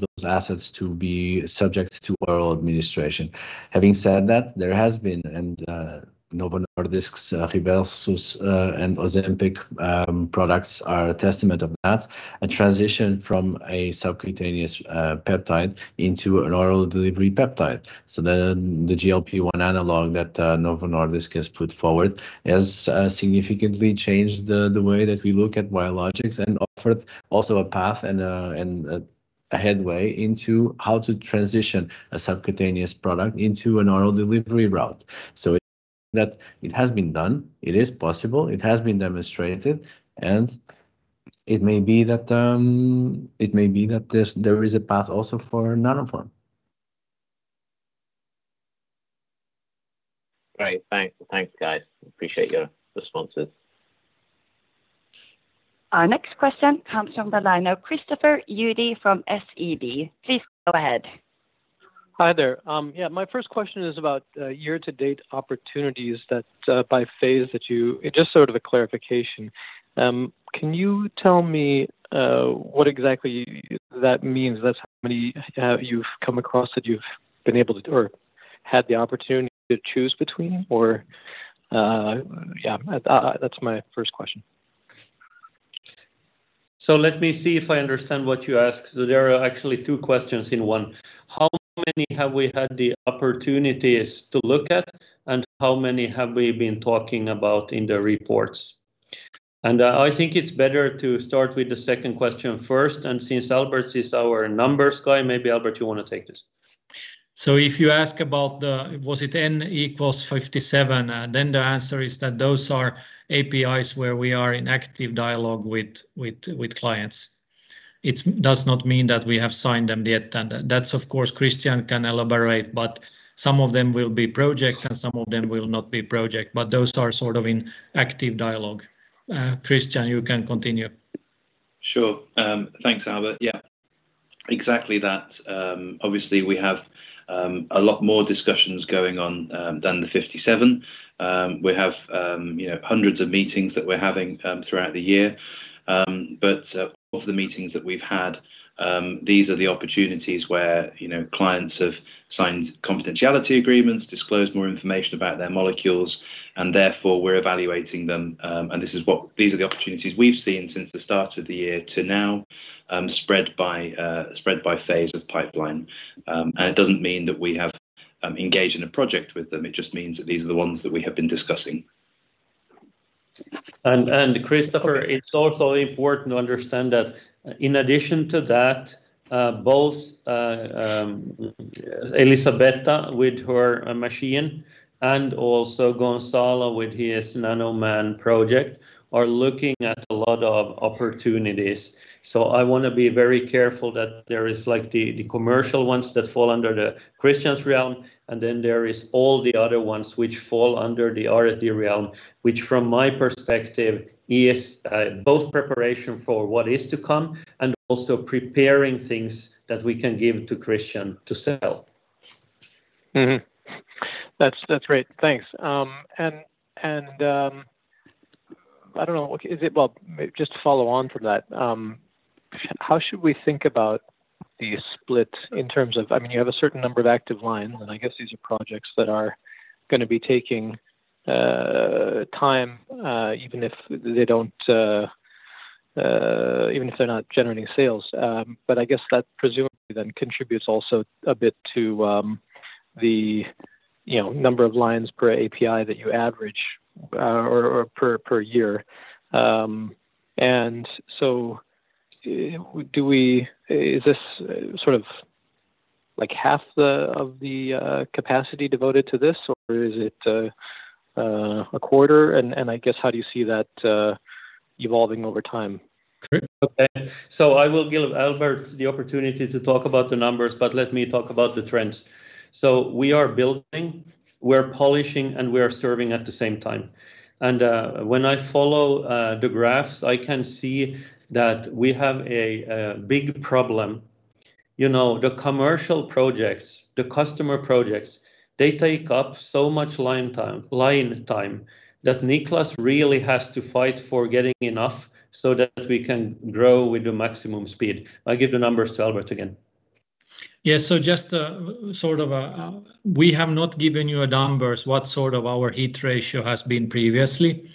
Speaker 13: those assets to be subject to oral administration. Having said that, there has been, and Novo Nordisk's Rybelsus and Ozempic products are a testament of that, a transition from a subcutaneous peptide into an oral delivery peptide. The GLP-1 analog that Novo Nordisk has put forward has significantly changed the way that we look at biologics and offered also a path and a headway into how to transition a subcutaneous product into an oral delivery route. It shows that it has been done, it is possible, it has been demonstrated, and it may be that there is a path also for Nanoform.
Speaker 25: Great. Thanks, guys. Appreciate your responses.
Speaker 24: Our next question comes from the line of Christopher Uhde from SEB. Please go ahead.
Speaker 26: Hi there. My first question is about year-to-date opportunities by phase. Just sort of a clarification. Can you tell me what exactly that means? That's how many you've come across that you've been able to or had the opportunity to choose between. Yeah, that's my first question.
Speaker 2: Let me see if I understand what you asked. There are actually two questions in one. How many have we had the opportunities to look at, and how many have we been talking about in the reports? I think it's better to start with the second question first. Since Albert is our numbers guy, maybe Albert you want to take this.
Speaker 23: If you ask about the, was it N = 57, the answer is that those are APIs where we are in active dialogue with clients. It does not mean that we have signed them yet. That, of course, Christian can elaborate, but some of them will be project and some of them will not be project. Those are sort of in active dialogue. Christian, you can continue.
Speaker 13: Sure. Thanks, Albert. Yeah, exactly that. Obviously, we have a lot more discussions going on than the 57. We have hundreds of meetings that we're having throughout the year. Of the meetings that we've had, these are the opportunities where clients have signed confidentiality agreements, disclosed more information about their molecules, and therefore we're evaluating them. These are the opportunities we've seen since the start of the year to now spread by phase of pipeline. It doesn't mean that we have engaged in a project with them. It just means that these are the ones that we have been discussing.
Speaker 2: Christopher, it's also important to understand that in addition to that, both Elisabetta with her machine and also Gonçalo with his NanoMan project are looking at a lot of opportunities. I want to be very careful that there is the commercial ones that fall under Christian's realm, and then there is all the other ones which fall under the R&D realm. From my perspective is both preparation for what is to come and also preparing things that we can give to Christian to sell.
Speaker 26: Mm-hmm. That's great. Thanks. I don't know. Well, just to follow on from that, how should we think about the split in terms of, you have a certain number of active lines, and I guess these are projects that are going to be taking time, even if they're not generating sales. I guess that presumably then contributes also a bit to the number of lines per API that you average per year. Is this sort of half of the capacity devoted to this, or is it a quarter? I guess how do you see that evolving over time?
Speaker 2: Okay. I will give Albert the opportunity to talk about the numbers, but let me talk about the trends. We are building, we are polishing, and we are serving at the same time. When I follow the graphs, I can see that we have a big problem. The commercial projects, the customer projects, they take up so much line time that Niklas really has to fight for getting enough so that we can grow with the maximum speed. I'll give the numbers to Albert again.
Speaker 23: Yeah. We have not given you numbers what sort of our hit ratio has been previously.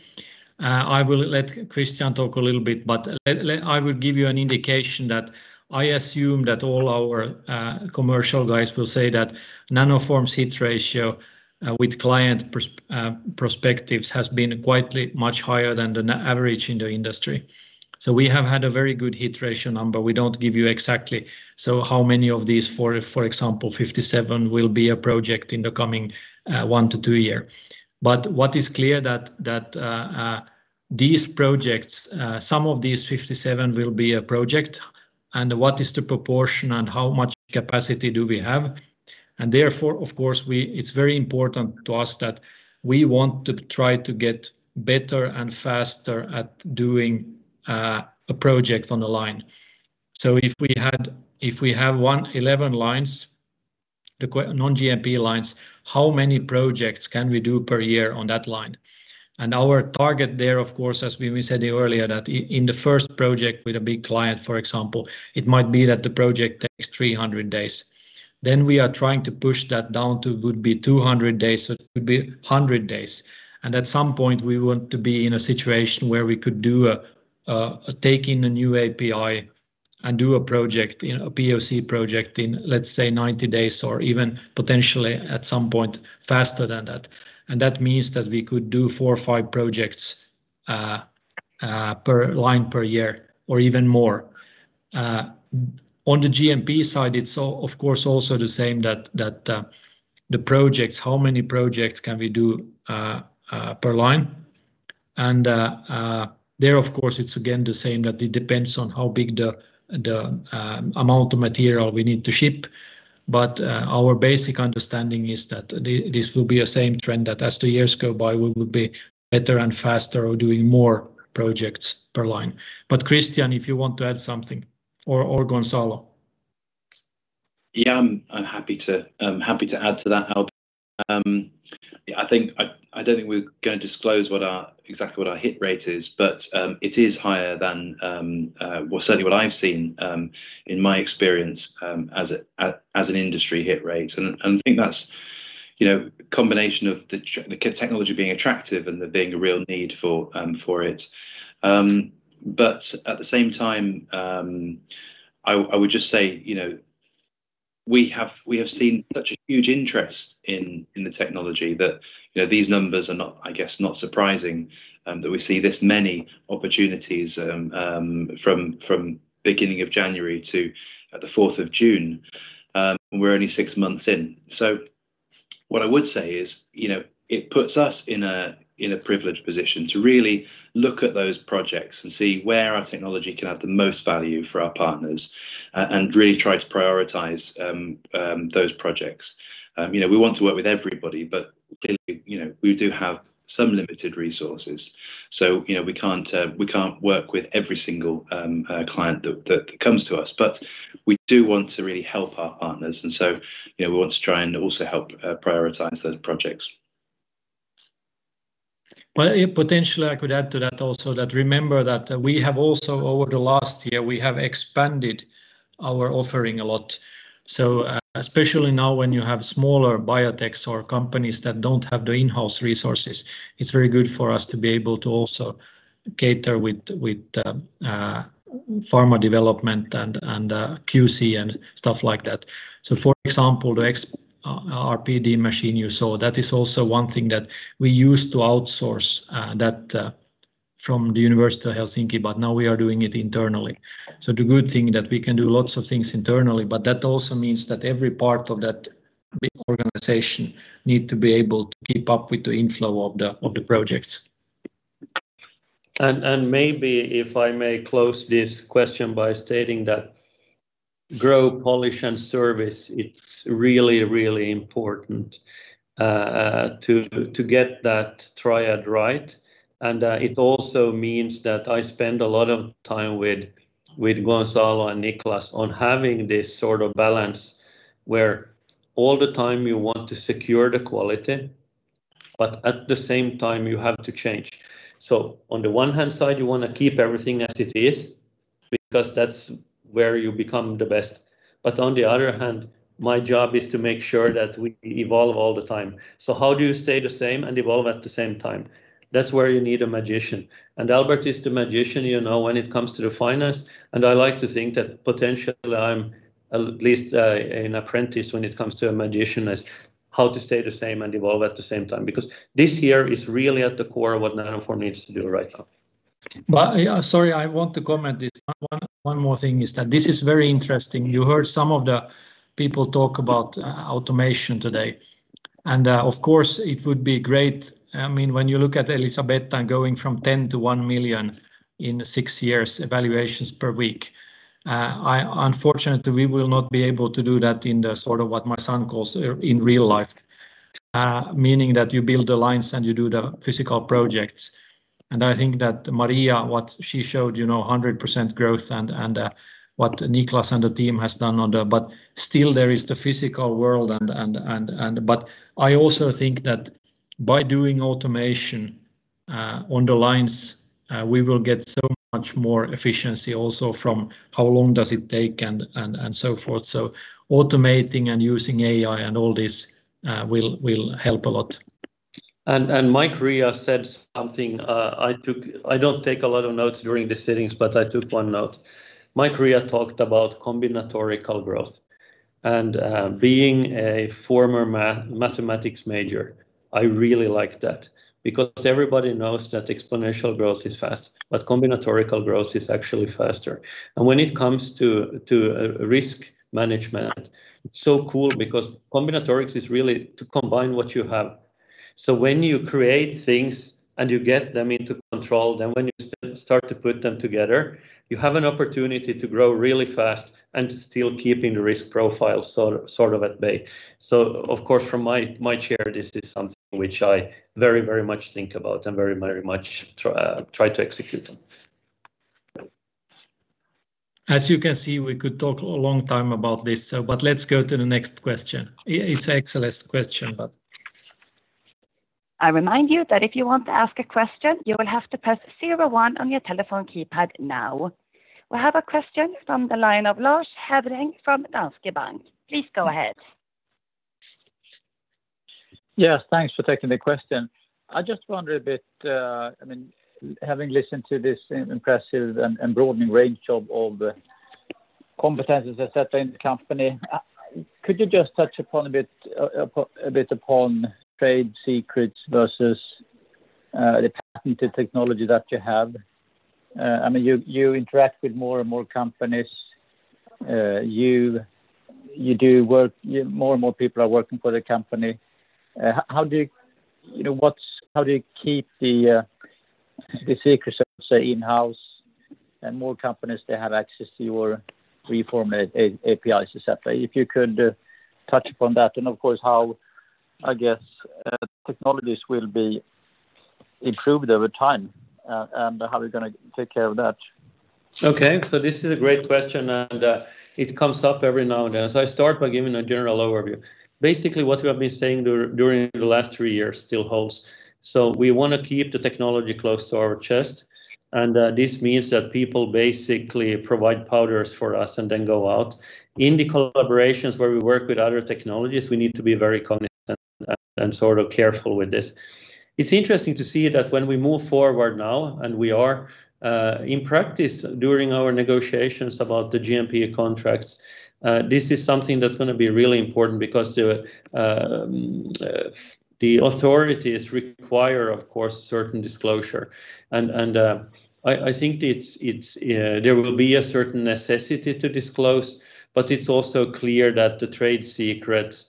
Speaker 23: I will let Christian talk a little bit, but I will give you an indication that I assume that all our commercial guys will say that Nanoform's hit ratio with client perspectives has been quite much higher than the average in the industry. We have had a very good hit ratio number. We don't give you exactly how many of these, for example, 57 will be a project in the coming one to two year. What is clear that some of these 57 will be a project. What is the proportion and how much capacity do we have? Therefore, of course, it's very important to us that we want to try to get better and faster at doing a project on a line. If we have 11 lines, the non-GMP lines, how many projects can we do per year on that line? Our target there, of course, as we said earlier, that in the first project with a big client, for example, it might be that the project takes 300 days. We are trying to push that down to would be 200 days. It would be 100 days. At some point, we want to be in a situation where we could take in a new API and do a POC project in, let's say, 90 days or even potentially at some point faster than that. That means that we could do four or five projects per line per year or even more. On the GMP side, it's of course also the same that the projects, how many projects can we do per line. There, of course, it's again the same that it depends on how big the amount of material we need to ship. Our basic understanding is that this will be the same trend. As the years go by, we will be better and faster or doing more projects per line. Christian, if you want to add something or Gonçalo.
Speaker 13: Yeah. I'm happy to add to that, Albert. I don't think we're going to disclose exactly what our hit rate is. It is higher than certainly what I've seen in my experience as an industry hit rate. I think that's a combination of the technology being attractive and there being a real need for it. At the same time, I would just say, we have seen such a huge interest in the technology that these numbers are, I guess, not surprising that we see this many opportunities from beginning of January to the 4th of June. We're only six months in. What I would say is, it puts us in a privileged position to really look at those projects and see where our technology can have the most value for our partners and really try to prioritize those projects. We want to work with everybody, but clearly, we do have some limited resources. We can't work with every single client that comes to us, but we do want to really help our partners. We want to try and also help prioritize those projects.
Speaker 23: Potentially I could add to that also that remember that we have also, over the last year, we have expanded our offering a lot. Especially now, when you have smaller biotechs or companies that don't have the in-house resources, it's very good for us to be able to also cater with pharma development and QC and stuff like that. For example, the XRPD machine you saw, that is also one thing that we used to outsource that from the University of Helsinki, but now we are doing it internally. The good thing that we can do lots of things internally, but that also means that every part of that big organization need to be able to keep up with the inflow of the projects.
Speaker 2: Maybe if I may close this question by stating that grow, polish, and service, it's really, really important to get that triad right. It also means that I spend a lot of time with Gonçalo and Niklas on having this sort of balance where all the time you want to secure the quality, but at the same time you have to change. On the one hand side, you want to keep everything as it is because that's where you become the best. On the other hand, my job is to make sure that we evolve all the time. How do you stay the same and evolve at the same time? That's where you need a magician. Albert is the magician when it comes to the finance. I like to think that potentially I'm at least an apprentice when it comes to a magician as how to stay the same and evolve at the same time. This year is really at the core of what Nanoform needs to do right now.
Speaker 23: Well, sorry, I want to comment this. One more thing is that this is very interesting. Of course it would be great. When you look at Elisabetta going from 10 to 1 million in six years evaluations per week. Unfortunately, we will not be able to do that in the sort of what my son calls in real life, meaning that you build the lines and you do the physical projects. I think that Maria, what she showed 100% growth and what Niklas and the team has done. Still there is the physical world. I also think that by doing automation on the lines, we will get so much more efficiency also from how long does it take and so forth. Automating and using AI and all this will help a lot. Mike Rea said something. I don't take a lot of notes during the settings, but I took one note. Mike Rea talked about combinatorical growth and being a former mathematics major, I really like that because everybody knows that exponential growth is fast, but combinatorical growth is actually faster. When it comes to risk management, it's so cool because combinatorics is really to combine what you have. When you create things and you get them into control, then when you start to put them together, you have an opportunity to grow really fast and still keeping the risk profile sort of at bay. Of course, from my chair, this is something which I very much think about and very much try to execute on. As you can see, we could talk a long time about this, but let's go to the next question. It's excellent question.
Speaker 24: I remind you that if you want to ask a question, you will have to press zero one on your telephone keypad now. We have a question from the line of Lars Hevreng from Danske Bank. Please go ahead.
Speaker 27: Yes, thanks for taking the question. I just wondered a bit, having listened to this impressive and broadening range of all the competencies et cetera in the company, could you just touch a bit upon trade secrets versus the patented technology that you have? You interact with more and more companies. More and more people are working for the company. How do you keep the secrets, let's say, in-house and more companies to have access to your preformed APIs, et cetera? If you could touch upon that and of course how, I guess, technologies will be improved over time and how you're going to take care of that.
Speaker 2: This is a great question, and it comes up every now and then. I'll start by giving a general overview. Basically, what we have been saying during the last three years still holds. We want to keep the technology close to our chest, and this means that people basically provide powders for us and then go out. In the collaborations where we work with other technologies, we need to be very cognizant and sort of careful with this. It's interesting to see that when we move forward now and we are in practice during our negotiations about the GMP contracts, this is something that's going to be really important because the authorities require, of course, certain disclosure. I think there will be a certain necessity to disclose, but it's also clear that the trade secrets,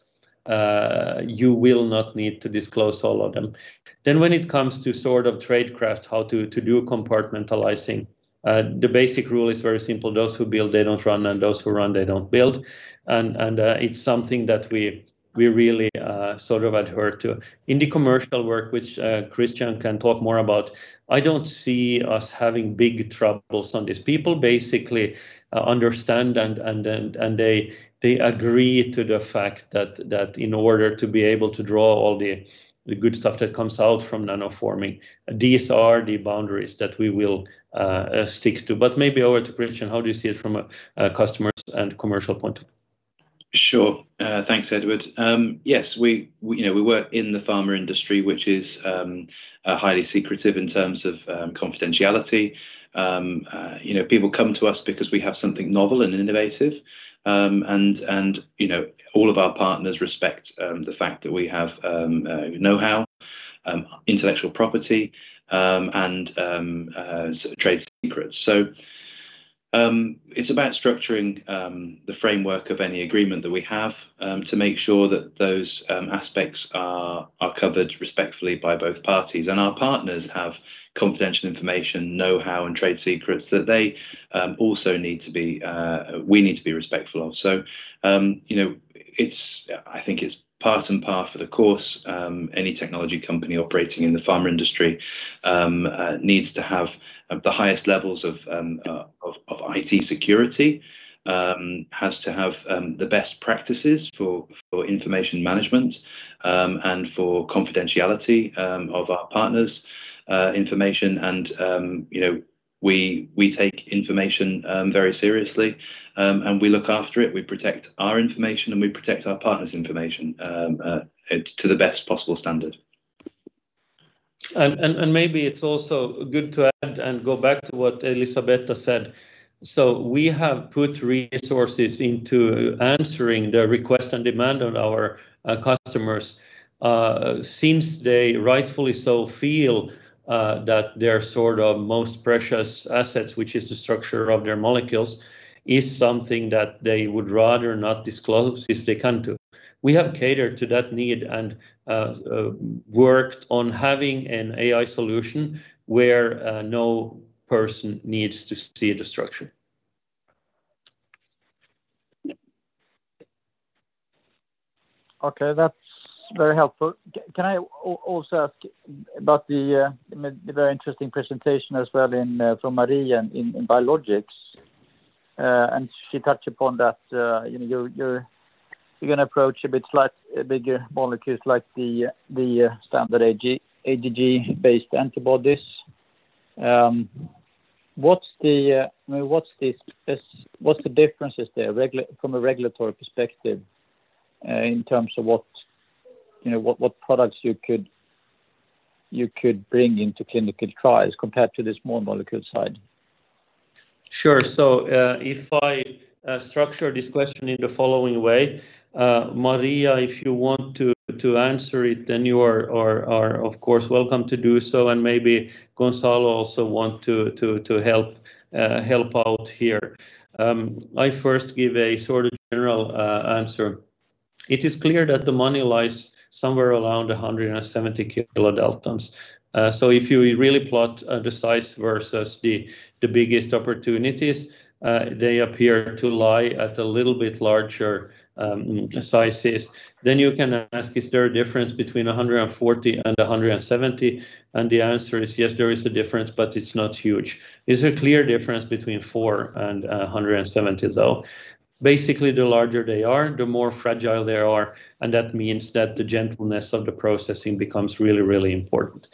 Speaker 2: you will not need to disclose all of them. When it comes to sort of tradecraft, how to do compartmentalizing, the basic rule is very simple. Those who build, they don't run, and those who run, they don't build. It's something that we really sort of adhere to. In the commercial work, which Christian can talk more about, I don't see us having big troubles on this. People basically understand and they agree to the fact that in order to be able to draw all the good stuff that comes out from Nanoforming, these are the boundaries that we will stick to. Maybe over to Christian. How do you see it from a customer's and commercial point of view?
Speaker 13: Sure. Thanks, Edward. Yes, we work in the pharma industry, which is highly secretive in terms of confidentiality. People come to us because we have something novel and innovative, and all of our partners respect the fact that we have knowhow intellectual property, and trade secrets. It's about structuring the framework of any agreement that we have to make sure that those aspects are covered respectfully by both parties. Our partners have confidential information, knowhow, and trade secrets that we need to be respectful of. I think it's par for the course. Any technology company operating in the pharma industry needs to have the highest levels of. Of IT security. Has to have the best practices for information management and for confidentiality of our partners' information. We take information very seriously, and we look after it. We protect our information, and we protect our partners' information to the best possible standard.
Speaker 2: Maybe it's also good to add and go back to what Elisabetta said. We have put resources into answering the request and demand on our customers, since they rightfully so feel that their most precious assets, which is the structure of their molecules, is something that they would rather not disclose if they can do. We have catered to that need and worked on having an AI solution where no person needs to see the structure.
Speaker 27: Okay. That's very helpful. Can I also ask about the very interesting presentation as well from Maria in biologics? She touched upon that you're going to approach a bit slightly bigger molecules like the standard IgG-based antibodies. What's the differences there from a regulatory perspective in terms of what products you could bring into clinical trials compared to the small molecule side?
Speaker 2: Sure. If I structure this question in the following way, Maria, if you want to answer it, then you are of course welcome to do so, and maybe Gonçalo also want to help out here. I first give a sort of general answer. It is clear that the money lies somewhere around 170 kDa. If you really plot the size versus the biggest opportunities, they appear to lie at a little bit larger sizes. You can ask, is there a difference between 140 kDa and 170 kDa? The answer is yes, there is a difference, but it's not huge. There's a clear difference between four and 170 kDa, though. Basically, the larger they are, the more fragile they are, and that means that the gentleness of the processing becomes really, really important.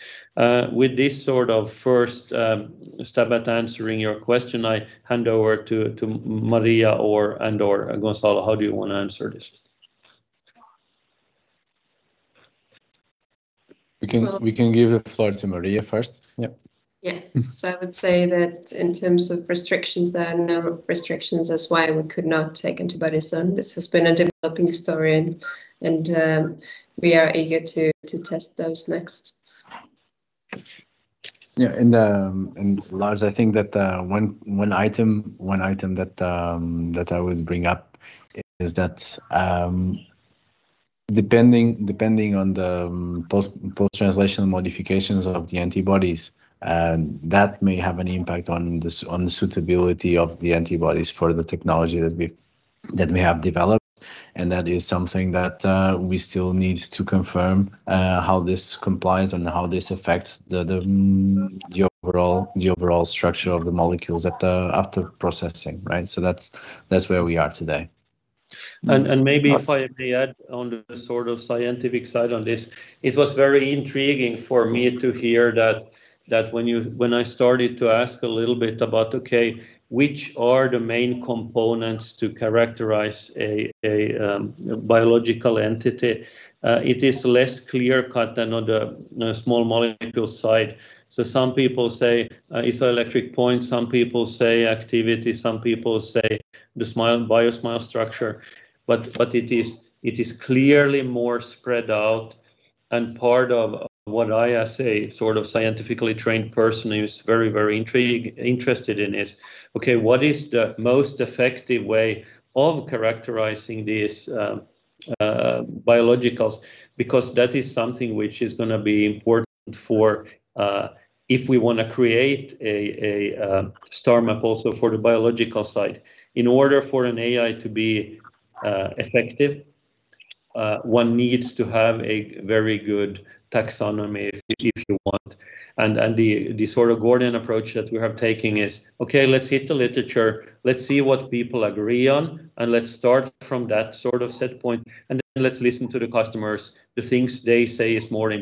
Speaker 2: With this sort of first stab at answering your question, I hand over to Maria and/or Gonzalo. How do you want to answer this?
Speaker 16: We can give the floor to Maria first. Yep.
Speaker 21: Yeah. I would say that in terms of restrictions, there are no restrictions. That's why we could not take antibodies. This has been a developing story, and we are eager to test those next.
Speaker 16: Yeah. Lars, I think that one item that I always bring up is that depending on the post-translational modifications of the antibodies, that may have an impact on the suitability of the antibodies for the technology that we have developed. That is something that we still need to confirm how this complies and how this affects the overall structure of the molecules after processing. Right. That's where we are today.
Speaker 2: Maybe if I may add on the sort of scientific side on this. It was very intriguing for me to hear that when I started to ask a little bit about, okay, which are the main components to characterize a biological entity, it is less clear-cut than on the small molecule side. Some people say isoelectric point, some people say activity, some people say the SMILES structure. It is clearly more spread out. Part of what I, as a sort of scientifically trained person who's very intrigued, interested in is, okay, what is the most effective way of characterizing these biologicals? Because that is something which is going to be important for if we want to create a STARMAP also for the biological side. In order for an AI to be effective, one needs to have a very good taxonomy if you want. The sort of Gordian approach that we have taken is, okay, let's hit the literature. Let's see what people agree on, and let's start from that sort of set point, and then let's listen to the customers. The things they say is most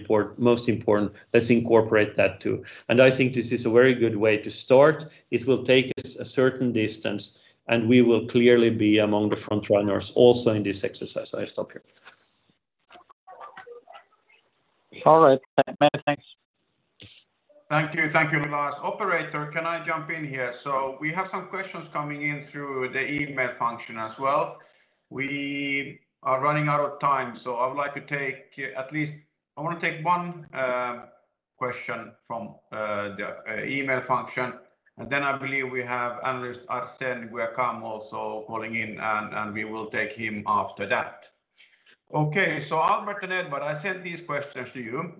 Speaker 2: important, let's incorporate that, too. I think this is a very good way to start. It will take us a certain distance, and we will clearly be among the front runners also in this exercise. I stop here.
Speaker 27: All right. Many thanks.
Speaker 1: Thank you, Lars. Operator, can I jump in here? We have some questions coming in through the email function as well. We are running out of time. I would like to take at least one question from the email function. I believe we have analyst, Arsène Guekam, also calling in, and we will take him after that. Albert and Edward Hæggström, I send these questions to you.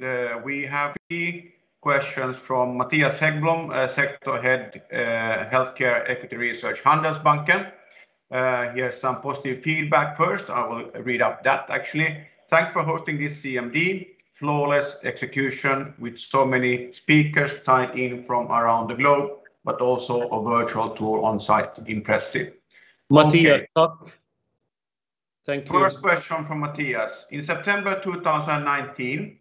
Speaker 1: We have three questions from Mattias Häggblom, Sector Head Healthcare Equity Research, Handelsbanken. Here's some positive feedback first. I will read out that actually. "Thanks for hosting this CMD. Flawless execution with so many speakers tied in from around the globe, but also a virtual tour on-site. Impressive." Mattias, talk.
Speaker 2: Thank you.
Speaker 1: First question from Mattias. In September 2019,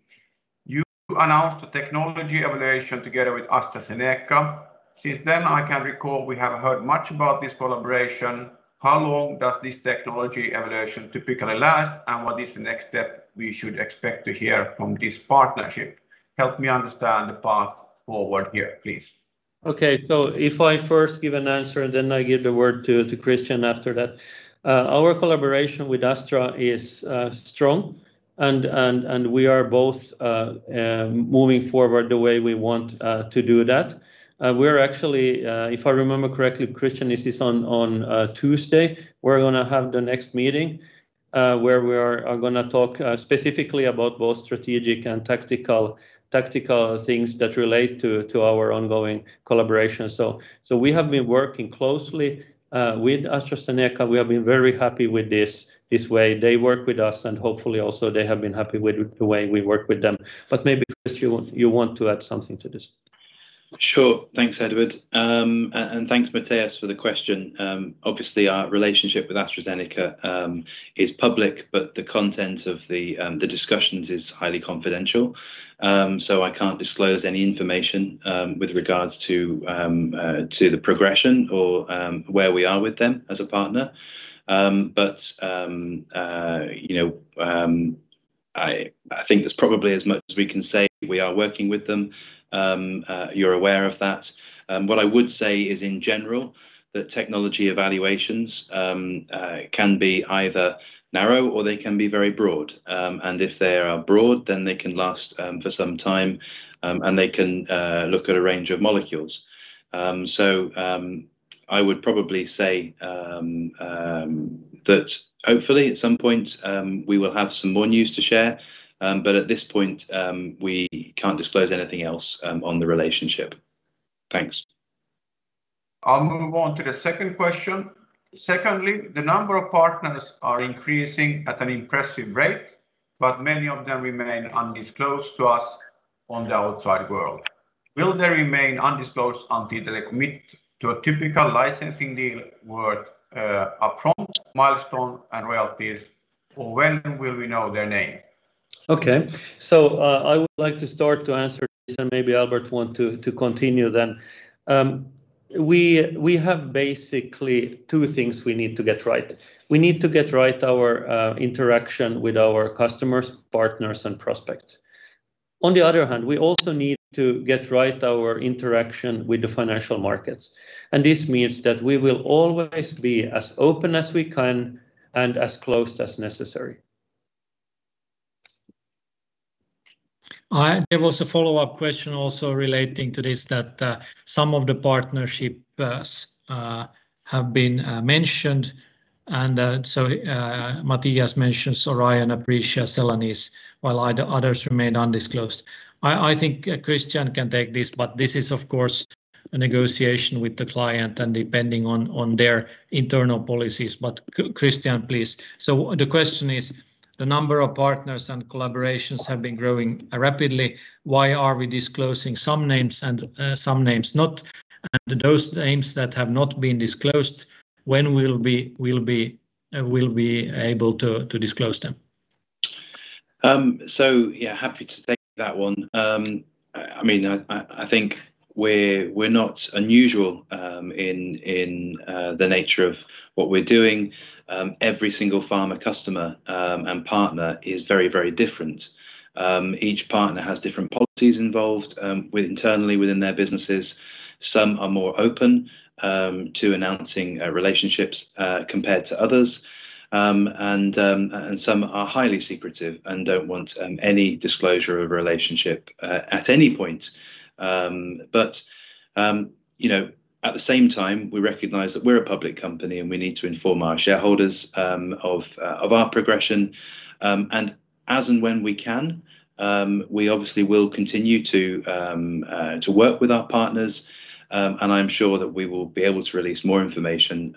Speaker 1: you announced a technology evaluation together with AstraZeneca. Since then, I can recall we have heard much about this collaboration. How long does this technology evaluation typically last, and what is the next step we should expect to hear from this partnership? Help me understand the path forward here, please.
Speaker 2: If I first give an answer and then I give the word to Christian after that. Our collaboration with Astra is strong, and we are both moving forward the way we want to do that. We're actually, if I remember correctly, Christian, this is on Tuesday, we're going to have the next meeting where we are going to talk specifically about both strategic and tactical things that relate to our ongoing collaboration. We have been working closely with AstraZeneca. We have been very happy with this way. They work with us and hopefully also they have been happy with the way we work with them. Maybe, Christian, you want to add something to this.
Speaker 13: Sure. Thanks, Edward. Thanks, Mattias, for the question. Obviously, our relationship with AstraZeneca is public, but the content of the discussions is highly confidential. I can't disclose any information with regards to the progression or where we are with them as a partner. I think that's probably as much as we can say. We are working with them. You're aware of that. What I would say is, in general, that technology evaluations can be either narrow or they can be very broad. If they are broad, then they can last for some time, and they can look at a range of molecules. I would probably say that hopefully at some point, we will have some more news to share. At this point, we can't disclose anything else on the relationship. Thanks.
Speaker 1: I'll move on to the second question. Secondly, the number of partners are increasing at an impressive rate, but many of them remain undisclosed to us on the outside world. Will they remain undisclosed until they commit to a typical licensing deal worth upfront milestone and royalties, or when will we know their name?
Speaker 2: Okay. I would like to start to answer this, and maybe Albert want to continue then. We have basically two things we need to get right. We need to get right our interaction with our customers, partners, and prospects. On the other hand, we also need to get right our interaction with the financial markets. This means that we will always be as open as we can and as closed as necessary.
Speaker 1: There was a follow-up question also relating to this that some of the partnerships have been mentioned, Matthias mentions Orion, Aprecia, Celanese, while others remain undisclosed. I think Christian can take this is of course, a negotiation with the client and depending on their internal policies. Christian, please. The question is the number of partners and collaborations have been growing rapidly. Why are we disclosing some names and some names not? Those names that have not been disclosed, when we'll be able to disclose them?
Speaker 13: Yeah, happy to take that one. I think we're not unusual in the nature of what we're doing. Every single pharma customer and partner is very different. Each partner has different policies involved internally within their businesses. Some are more open to announcing relationships compared to others, and some are highly secretive and don't want any disclosure of relationship at any point. At the same time, we recognize that we're a public company, and we need to inform our shareholders of our progression. As and when we can, we obviously will continue to work with our partners, and I'm sure that we will be able to release more information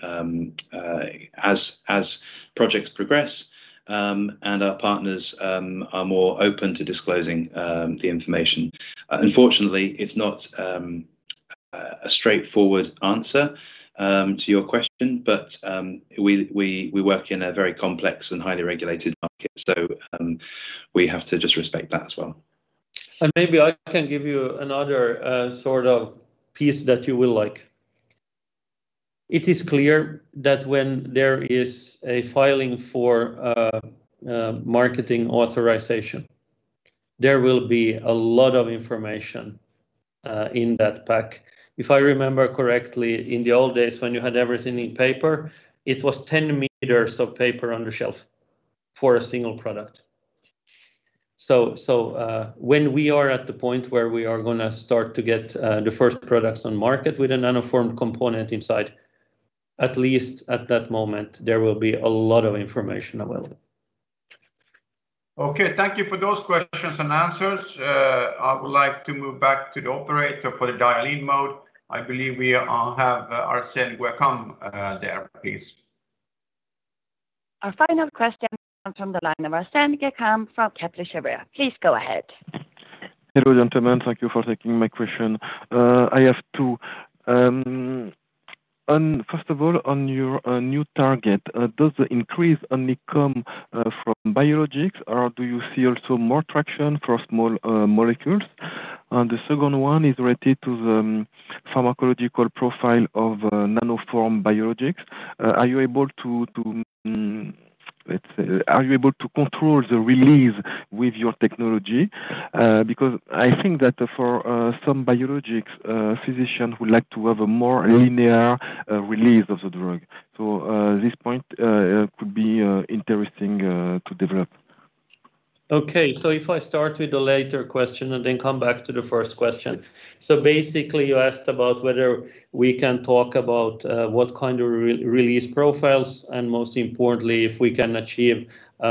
Speaker 13: as projects progress, and our partners are more open to disclosing the information. Unfortunately, it's not a straightforward answer to your question, but we work in a very complex and highly regulated market, so we have to just respect that as well.
Speaker 2: Maybe I can give you another sort of piece that you will like. It is clear that when there is a filing for marketing authorization, there will be a lot of information in that pack. If I remember correctly, in the old days when you had everything in paper, it was 10 m of paper on the shelf for a single product. When we are at the point where we are going to start to get the first products on market with a Nanoform component inside, at least at that moment, there will be a lot of information available.
Speaker 1: Okay. Thank you for those questions and answers. I would like to move back to the operator for the dial-in mode. I believe we have Arsène Guekam there, please.
Speaker 24: Our final question comes from the line of Arsène Guekam from Kepler Cheuvreux. Please go ahead.
Speaker 28: Hello, gentlemen. Thank you for taking my question. I have two. First of all, on your new target, does the increase only come from biologics, or do you see also more traction for small molecules? The second one is related to the pharmacological profile of Nanoform biologics. Are you able to control the release with your technology? Because I think that for some biologics, physicians would like to have a more linear release of the drug. This point could be interesting to develop.
Speaker 2: Okay. If I start with the later question and then come back to the first question. Basically you asked about whether we can talk about what kind of release profiles, and most importantly, if we can achieve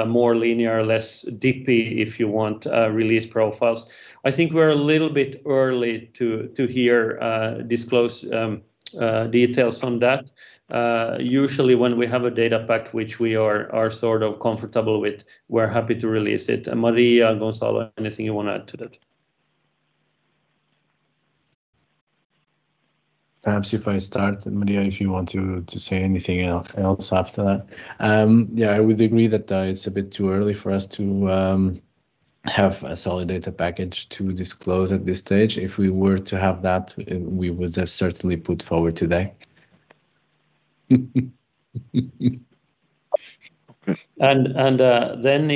Speaker 2: more linear, less dippy, if you want, release profiles. I think we're a little bit early to hear disclosed details on that. Usually when we have a data pack which we are sort of comfortable with, we're happy to release it. Maria, Gonçalo, anything you want to add to that?
Speaker 16: Perhaps if I start, Maria, if you want to say anything else after that. Yeah, I would agree that it's a bit too early for us to have a solid data package to disclose at this stage. If we were to have that, we would certainly put it forward today.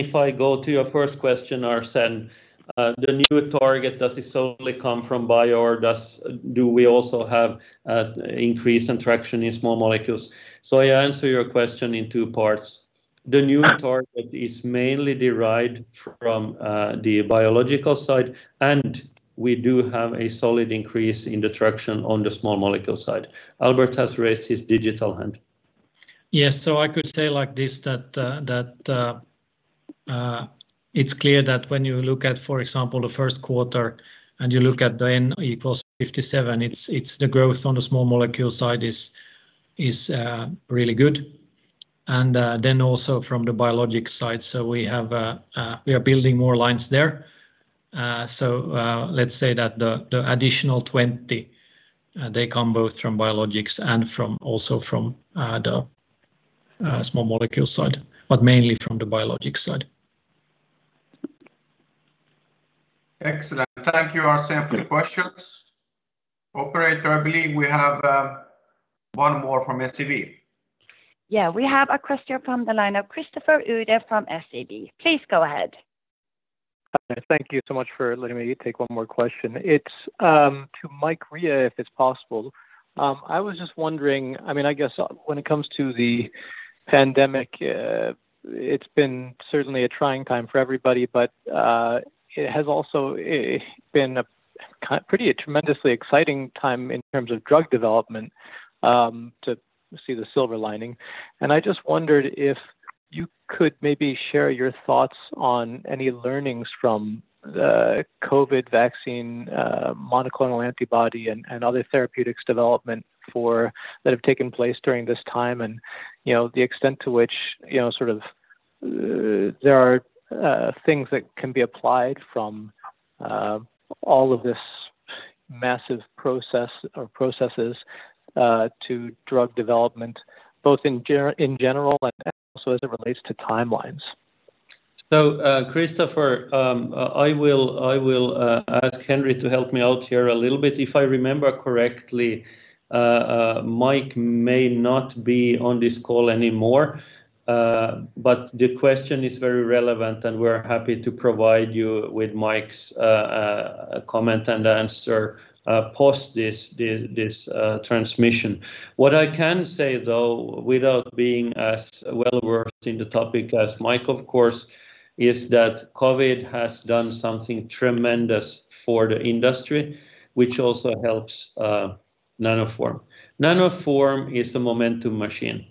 Speaker 2: If I go to your first question, Arsene, the new target, does it solely come from bio, or do we also have an increase in traction in small molecules? I answer your question in two parts. The new target is mainly derived from the biological side, and we do have a solid increase in the traction on the small molecule side. Albert has raised his digital hand.
Speaker 23: Yes. I could say like this, that it's clear that when you look at, for example, the first quarter, and you look at the N = 57, it's the growth on the small molecule side is really good. Also from the biologics side, we are building more lines there. Let's say that the additional 20, they come both from biologics and also from the small molecule side, but mainly from the biologics side.
Speaker 1: Excellent. Thank you, Arsène, for the questions. Operator, I believe we have one more from SEB.
Speaker 24: Yeah, we have a question from the line of Christopher Uhde from SEB. Please go ahead.
Speaker 26: Thank you so much for letting me take one more question. It is to Mike Rea, if it is possible. I was just wondering, I guess when it comes to the pandemic, it has been certainly a trying time for everybody, but it has also been a pretty tremendously exciting time in terms of drug development, to see the silver lining. I just wondered if you could maybe share your thoughts on any learnings from the COVID vaccine, monoclonal antibody, and other therapeutics development that have taken place during this time, and the extent to which there are things that can be applied from all of this massive processes to drug development, both in general and also as it relates to timelines.
Speaker 2: Christopher, I will ask Henri to help me out here a little bit. If I remember correctly, Mike may not be on this call anymore. The question is very relevant, and we're happy to provide you with Mike's comment and answer post this transmission. What I can say, though, without being as well-versed in the topic as Mike, of course, is that COVID has done something tremendous for the industry, which also helps Nanoform. Nanoform is a momentum machine,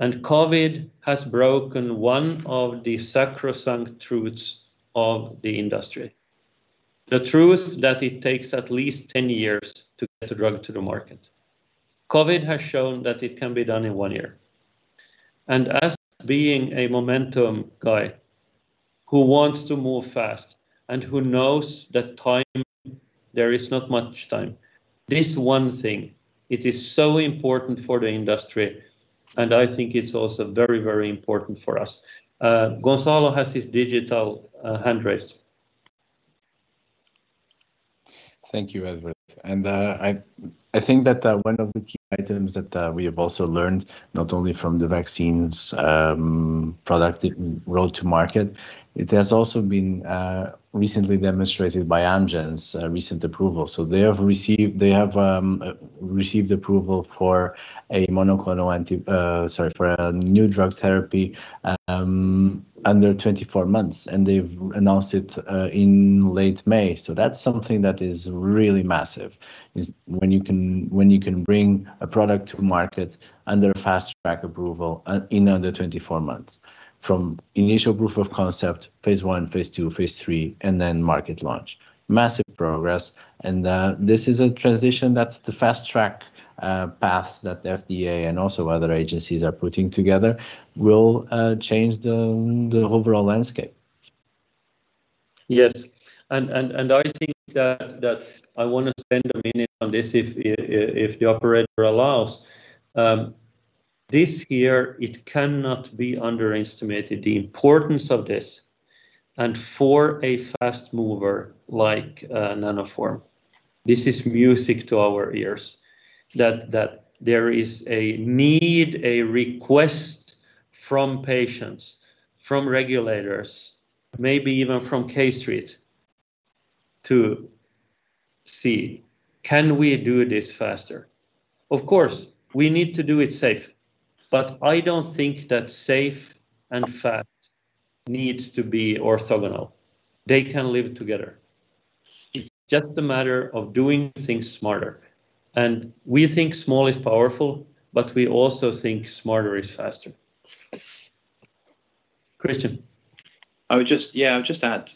Speaker 2: COVID has broken one of the sacrosanct truths of the industry. The truth that it takes at least 10 years to get a drug to the market. COVID has shown that it can be done in one year.
Speaker 23: As being a momentum guy who wants to move fast and who knows that there is not much time, this one thing, it is so important for the industry, and I think it's also very important for us. Gonçalo has his digital hand raised.
Speaker 16: Thank you, Albert Hæggström. I think that one of the key items that we have also learned, not only from the vaccine's product road to market, it has also been recently demonstrated by Amgen’s recent approval. They have received approval for a new drug therapy under 24 months, and they've announced it in late May. That's something that is really massive. When you can bring a product to market under fast track approval in under 24 months. From initial proof of concept, Phase I, Phase II, Phase III, and then market launch. Massive progress. This is a transition that's the fast track path that FDA and also other agencies are putting together will change the overall landscape.
Speaker 2: Yes. I think that I want to spend a minute on this if the operator allows. This here, it cannot be underestimated, the importance of this. For a fast mover like Nanoform, this is music to our ears that there is a need, a request from patients, from regulators, maybe even from K Street, to see, can we do this faster? Of course, we need to do it safe, but I don't think that safe and fast needs to be orthogonal. They can live together. It's just a matter of doing things smarter. We think small is powerful, but we also think smarter is faster. Christian.
Speaker 13: Yeah. I would just add,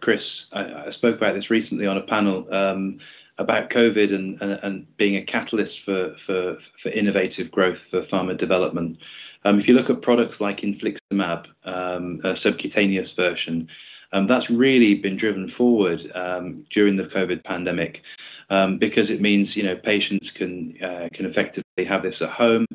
Speaker 13: Chris, I spoke about this recently on a panel about COVID and being a catalyst for innovative growth for pharma development. If you look at products like infliximab, a subcutaneous version, that's really been driven forward during the COVID pandemic because it means patients can effectively have this at home.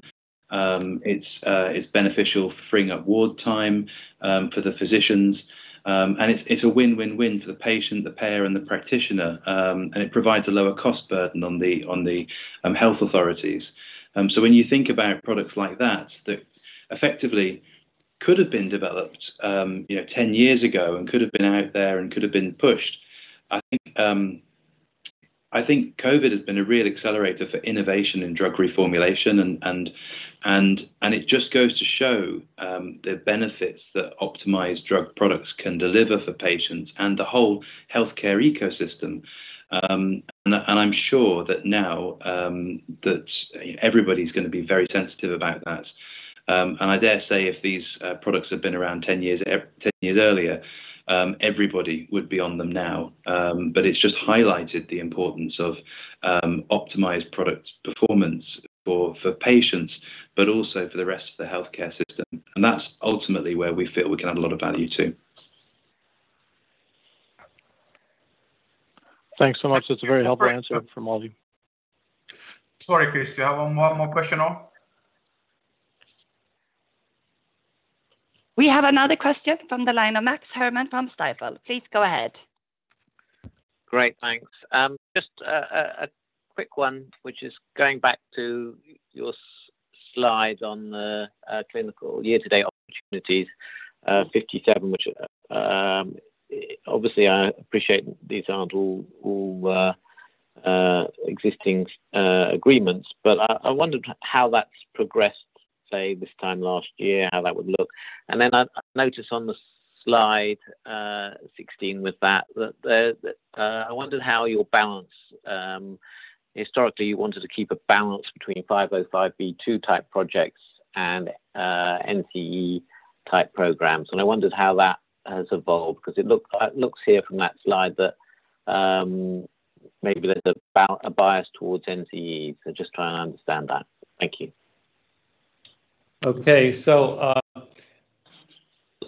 Speaker 13: It's beneficial for freeing up ward time for the physicians. It's a win-win-win for the patient, the payer, and the practitioner, and it provides a lower cost burden on the health authorities. When you think about products like that effectively could have been developed 10 years ago and could have been out there and could have been pushed. I think COVID has been a real accelerator for innovation in drug reformulation and it just goes to show the benefits that optimized drug products can deliver for patients and the whole healthcare ecosystem. I'm sure that now that everybody's going to be very sensitive about that. I dare say if these products had been around 10 years earlier, everybody would be on them now. It's just highlighted the importance of optimized product performance for patients, but also for the rest of the healthcare system, and that's ultimately where we feel we add a lot of value, too.
Speaker 26: Thanks so much. That's a really helpful answer from all of you.
Speaker 1: Sorry, Christian. One more question on?
Speaker 24: We have another question from the line of Max Herrmann from Stifel. Please go ahead.
Speaker 25: Great. Thanks. Just a quick one, which is going back to your slide on the clinical year-to-date opportunities, 57, which obviously I appreciate these aren't all existing agreements. I wondered how that's progressed, say this time last year, how that would look. I noticed on the slide 16 with that I wondered how your balance historically you wanted to keep a balance between 505(b)(2) type projects and NCE type programs, and I wondered how that has evolved because it looks here from that slide that maybe there's a bias towards NCE. Just trying to understand that. Thank you.
Speaker 2: Okay.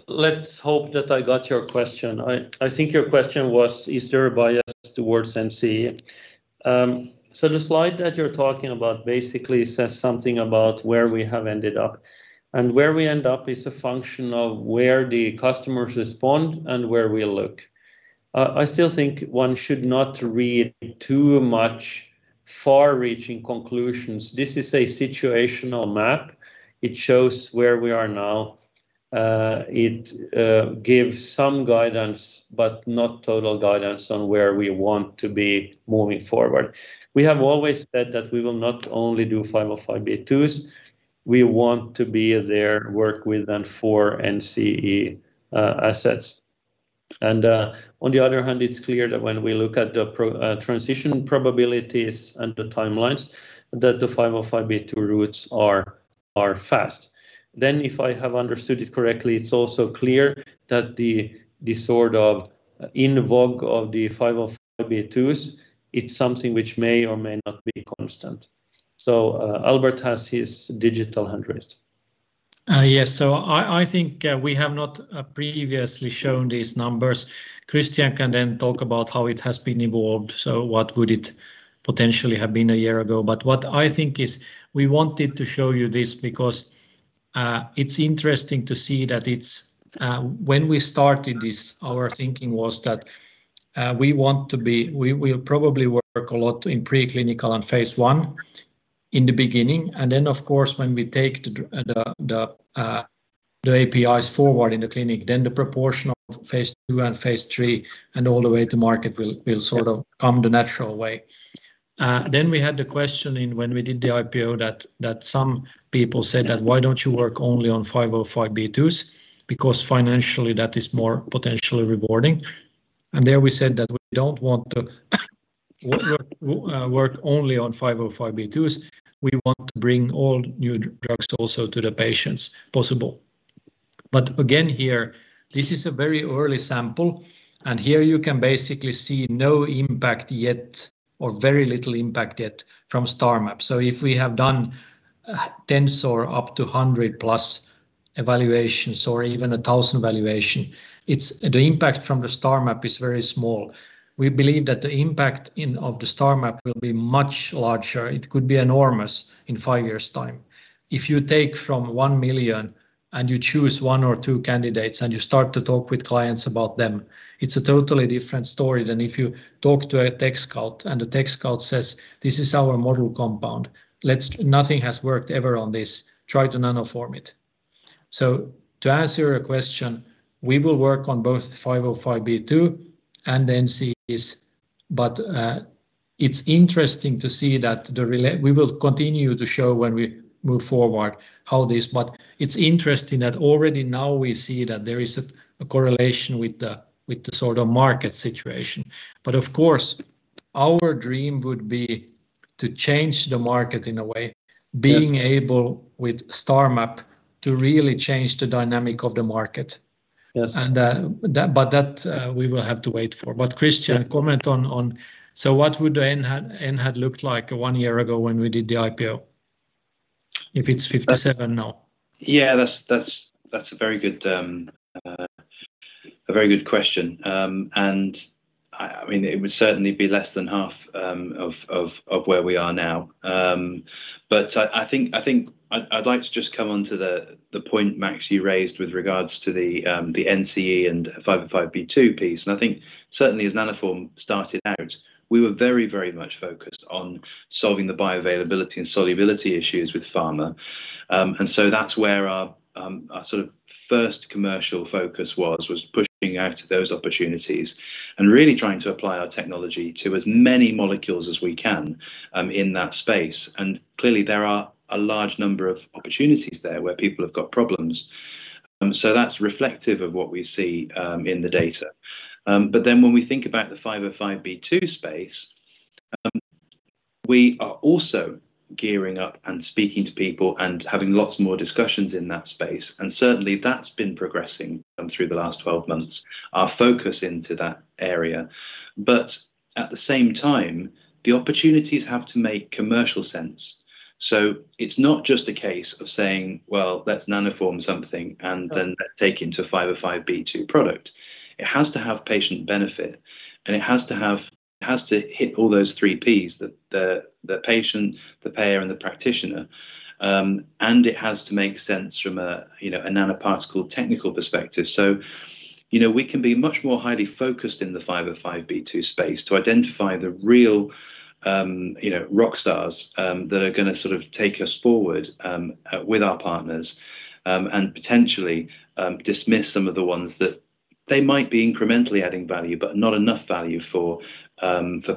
Speaker 2: Let's hope that I got your question. I think your question was, is there a bias towards NCE? The slide that you're talking about basically says something about where we have ended up. Where we end up is a function of where the customers respond and where we look. I still think one should not read too much far-reaching conclusions. This is a situational map. It shows where we are now. It gives some guidance, but not total guidance on where we want to be moving forward. We have always said that we will not only do 505(b)(2)s. We want to be there to work with and for NCE assets. On the other hand, it's clear that when we look at the transition probabilities and the timelines, that the 505(b)(2) routes are fast. If I have understood it correctly, it's also clear that the sort of in vogue of the 505(b)(2)s, it's something which may or may not be constant. Albert has his digital hand raised.
Speaker 23: Yes. I think we have not previously shown these numbers. Christian can then talk about how it has been evolved, what would it potentially have been a year ago. What I think is we wanted to show you this because it's interesting to see that when we started this, our thinking was that we will probably work a lot in preclinical and Phase I in the beginning, and of course, when we take the APIs forward in the clinic, the proportion of Phase II and Phase III and all the way to market will sort of come the natural way. We had the questioning when we did the IPO that some people said that why don't you work only on 505(b)(2)s because financially that is more potentially rewarding. There we said that we don't want to work only on 505(b)(2)s. We want to bring all new drugs also to the patients possible. Again, here, this is a very early sample, and here you can basically see no impact yet, or very little impact yet from STARMAP. If we have done 10 or up to 100-plus evaluations or even 1,000 evaluation. The impact from the STARMAP is very small. We believe that the impact of the STARMAP will be much larger. It could be enormous in five years' time. If you take from 1 million and you choose one or two candidates and you start to talk with clients about them, it's a totally different story than if you talk to a tech scout and the tech scout says, "This is our model compound. Nothing has worked ever on this. Try to nanoform it." To answer your question, we will work on both 505(b)(2) and NCEs, but it's interesting that already now we see that there is a correlation with the sort of market situation. Of course, our dream would be to change the market in a way, being able with STARMAP to really change the dynamic of the market.
Speaker 25: Yes.
Speaker 2: That we will have to wait for. Christian, comment on, so what would the NhaD had looked like one year ago when we did the IPO if it's 57 now?
Speaker 13: Yeah. That's a very good question. It would certainly be less than half of where we are now. I'd like to just come onto the point, Max, you raised with regards to the NCE and 505(b)(2) piece. I think certainly as Nanoform started out, we were very much focused on solving the bioavailability and solubility issues with pharma. That's where our sort of first commercial focus was pushing out those opportunities and really trying to apply our technology to as many molecules as we can in that space. Clearly, there are a large number of opportunities there where people have got problems. That's reflective of what we see in the data. When we think about the 505(b)(2) space, we are also gearing up and speaking to people and having lots more discussions in that space. Certainly, that's been progressing through the last 12 months, our focus into that area. At the same time, the opportunities have to make commercial sense. It's not just a case of saying, "Well, let's nanoform something and then take into 505(b)(2) product." It has to have patient benefit, and it has to hit all those three Ps, the patient, the payer, and the practitioner. It has to make sense from a nanoparticle technical perspective. We can be much more highly focused in the 505(b)(2) space to identify the real rock stars that are going to sort of take us forward with our partners, and potentially dismiss some of the ones that they might be incrementally adding value, but not enough value for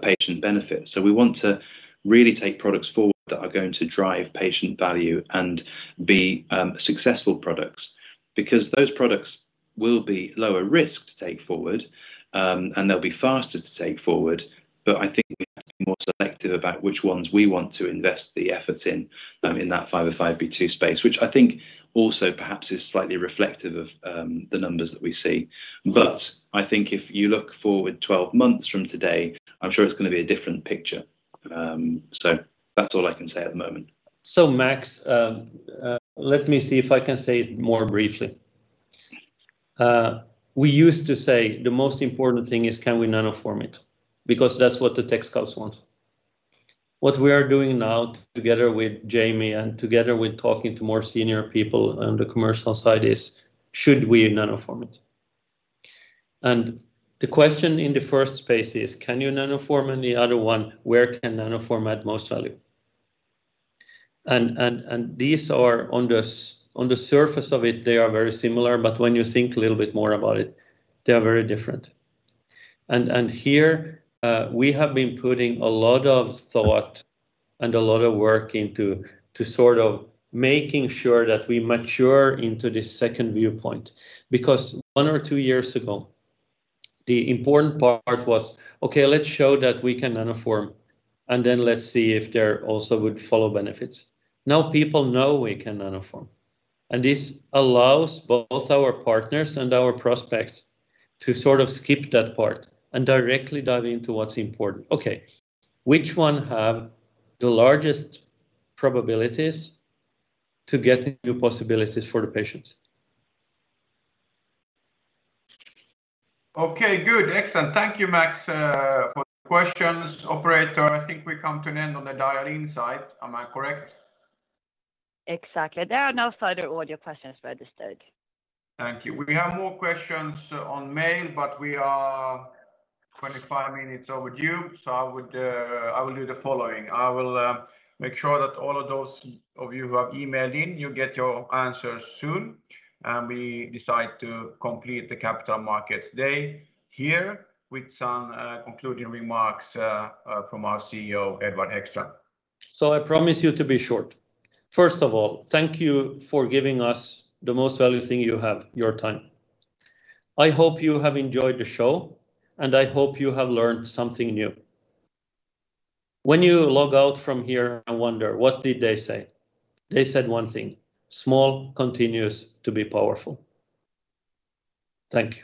Speaker 13: patient benefit. We want to really take products forward that are going to drive patient value and be successful products. Because those products will be lower risk to take forward, and they'll be faster to take forward. I think we have to be more selective about which ones we want to invest the efforts in that 505(b)(2) space, which I think also perhaps is slightly reflective of the numbers that we see. That's all I can say at the moment.
Speaker 2: Max, let me see if I can say it more briefly. We used to say the most important thing is can we Nanoform it? That's what the tech scouts want. What we are doing now together with Jamie and together with talking to more senior people on the commercial side is, should we Nanoform it? The question in the first space is, can you Nanoform? The other one, where can Nanoform add most value? These are, on the surface of it, they are very similar. When you think a little bit more about it, they are very different. Here, we have been putting a lot of thought and a lot of work into sort of making sure that we mature into this second viewpoint. One or two years ago, the important part was, okay, let's show that we can Nanoform, then let's see if there also would follow benefits. Now people know we can Nanoform, this allows both our partners and our prospects to sort of skip that part and directly dive into what's important. Okay, which one have the largest probabilities to get new possibilities for the patients?
Speaker 1: Okay, good. Excellent. Thank you, Max, for the questions. Operator, I think we've come to an end on the dial-in side. Am I correct?
Speaker 24: Exactly. There are no further audio questions registered.
Speaker 1: Thank you. We have more questions on mail, but we are 25 minutes overdue, so I will do the following. I will make sure that all of those of you who have emailed in, you will get your answers soon. We decide to complete the Capital Markets Day here with some concluding remarks from our CEO, Edward Hæggström.
Speaker 2: I promise you to be short. First of all, thank you for giving us the most valuable thing you have, your time. I hope you have enjoyed the show, and I hope you have learned something new. When you log out from here and wonder what did they say? They said one thing. Small continues to be powerful. Thank you.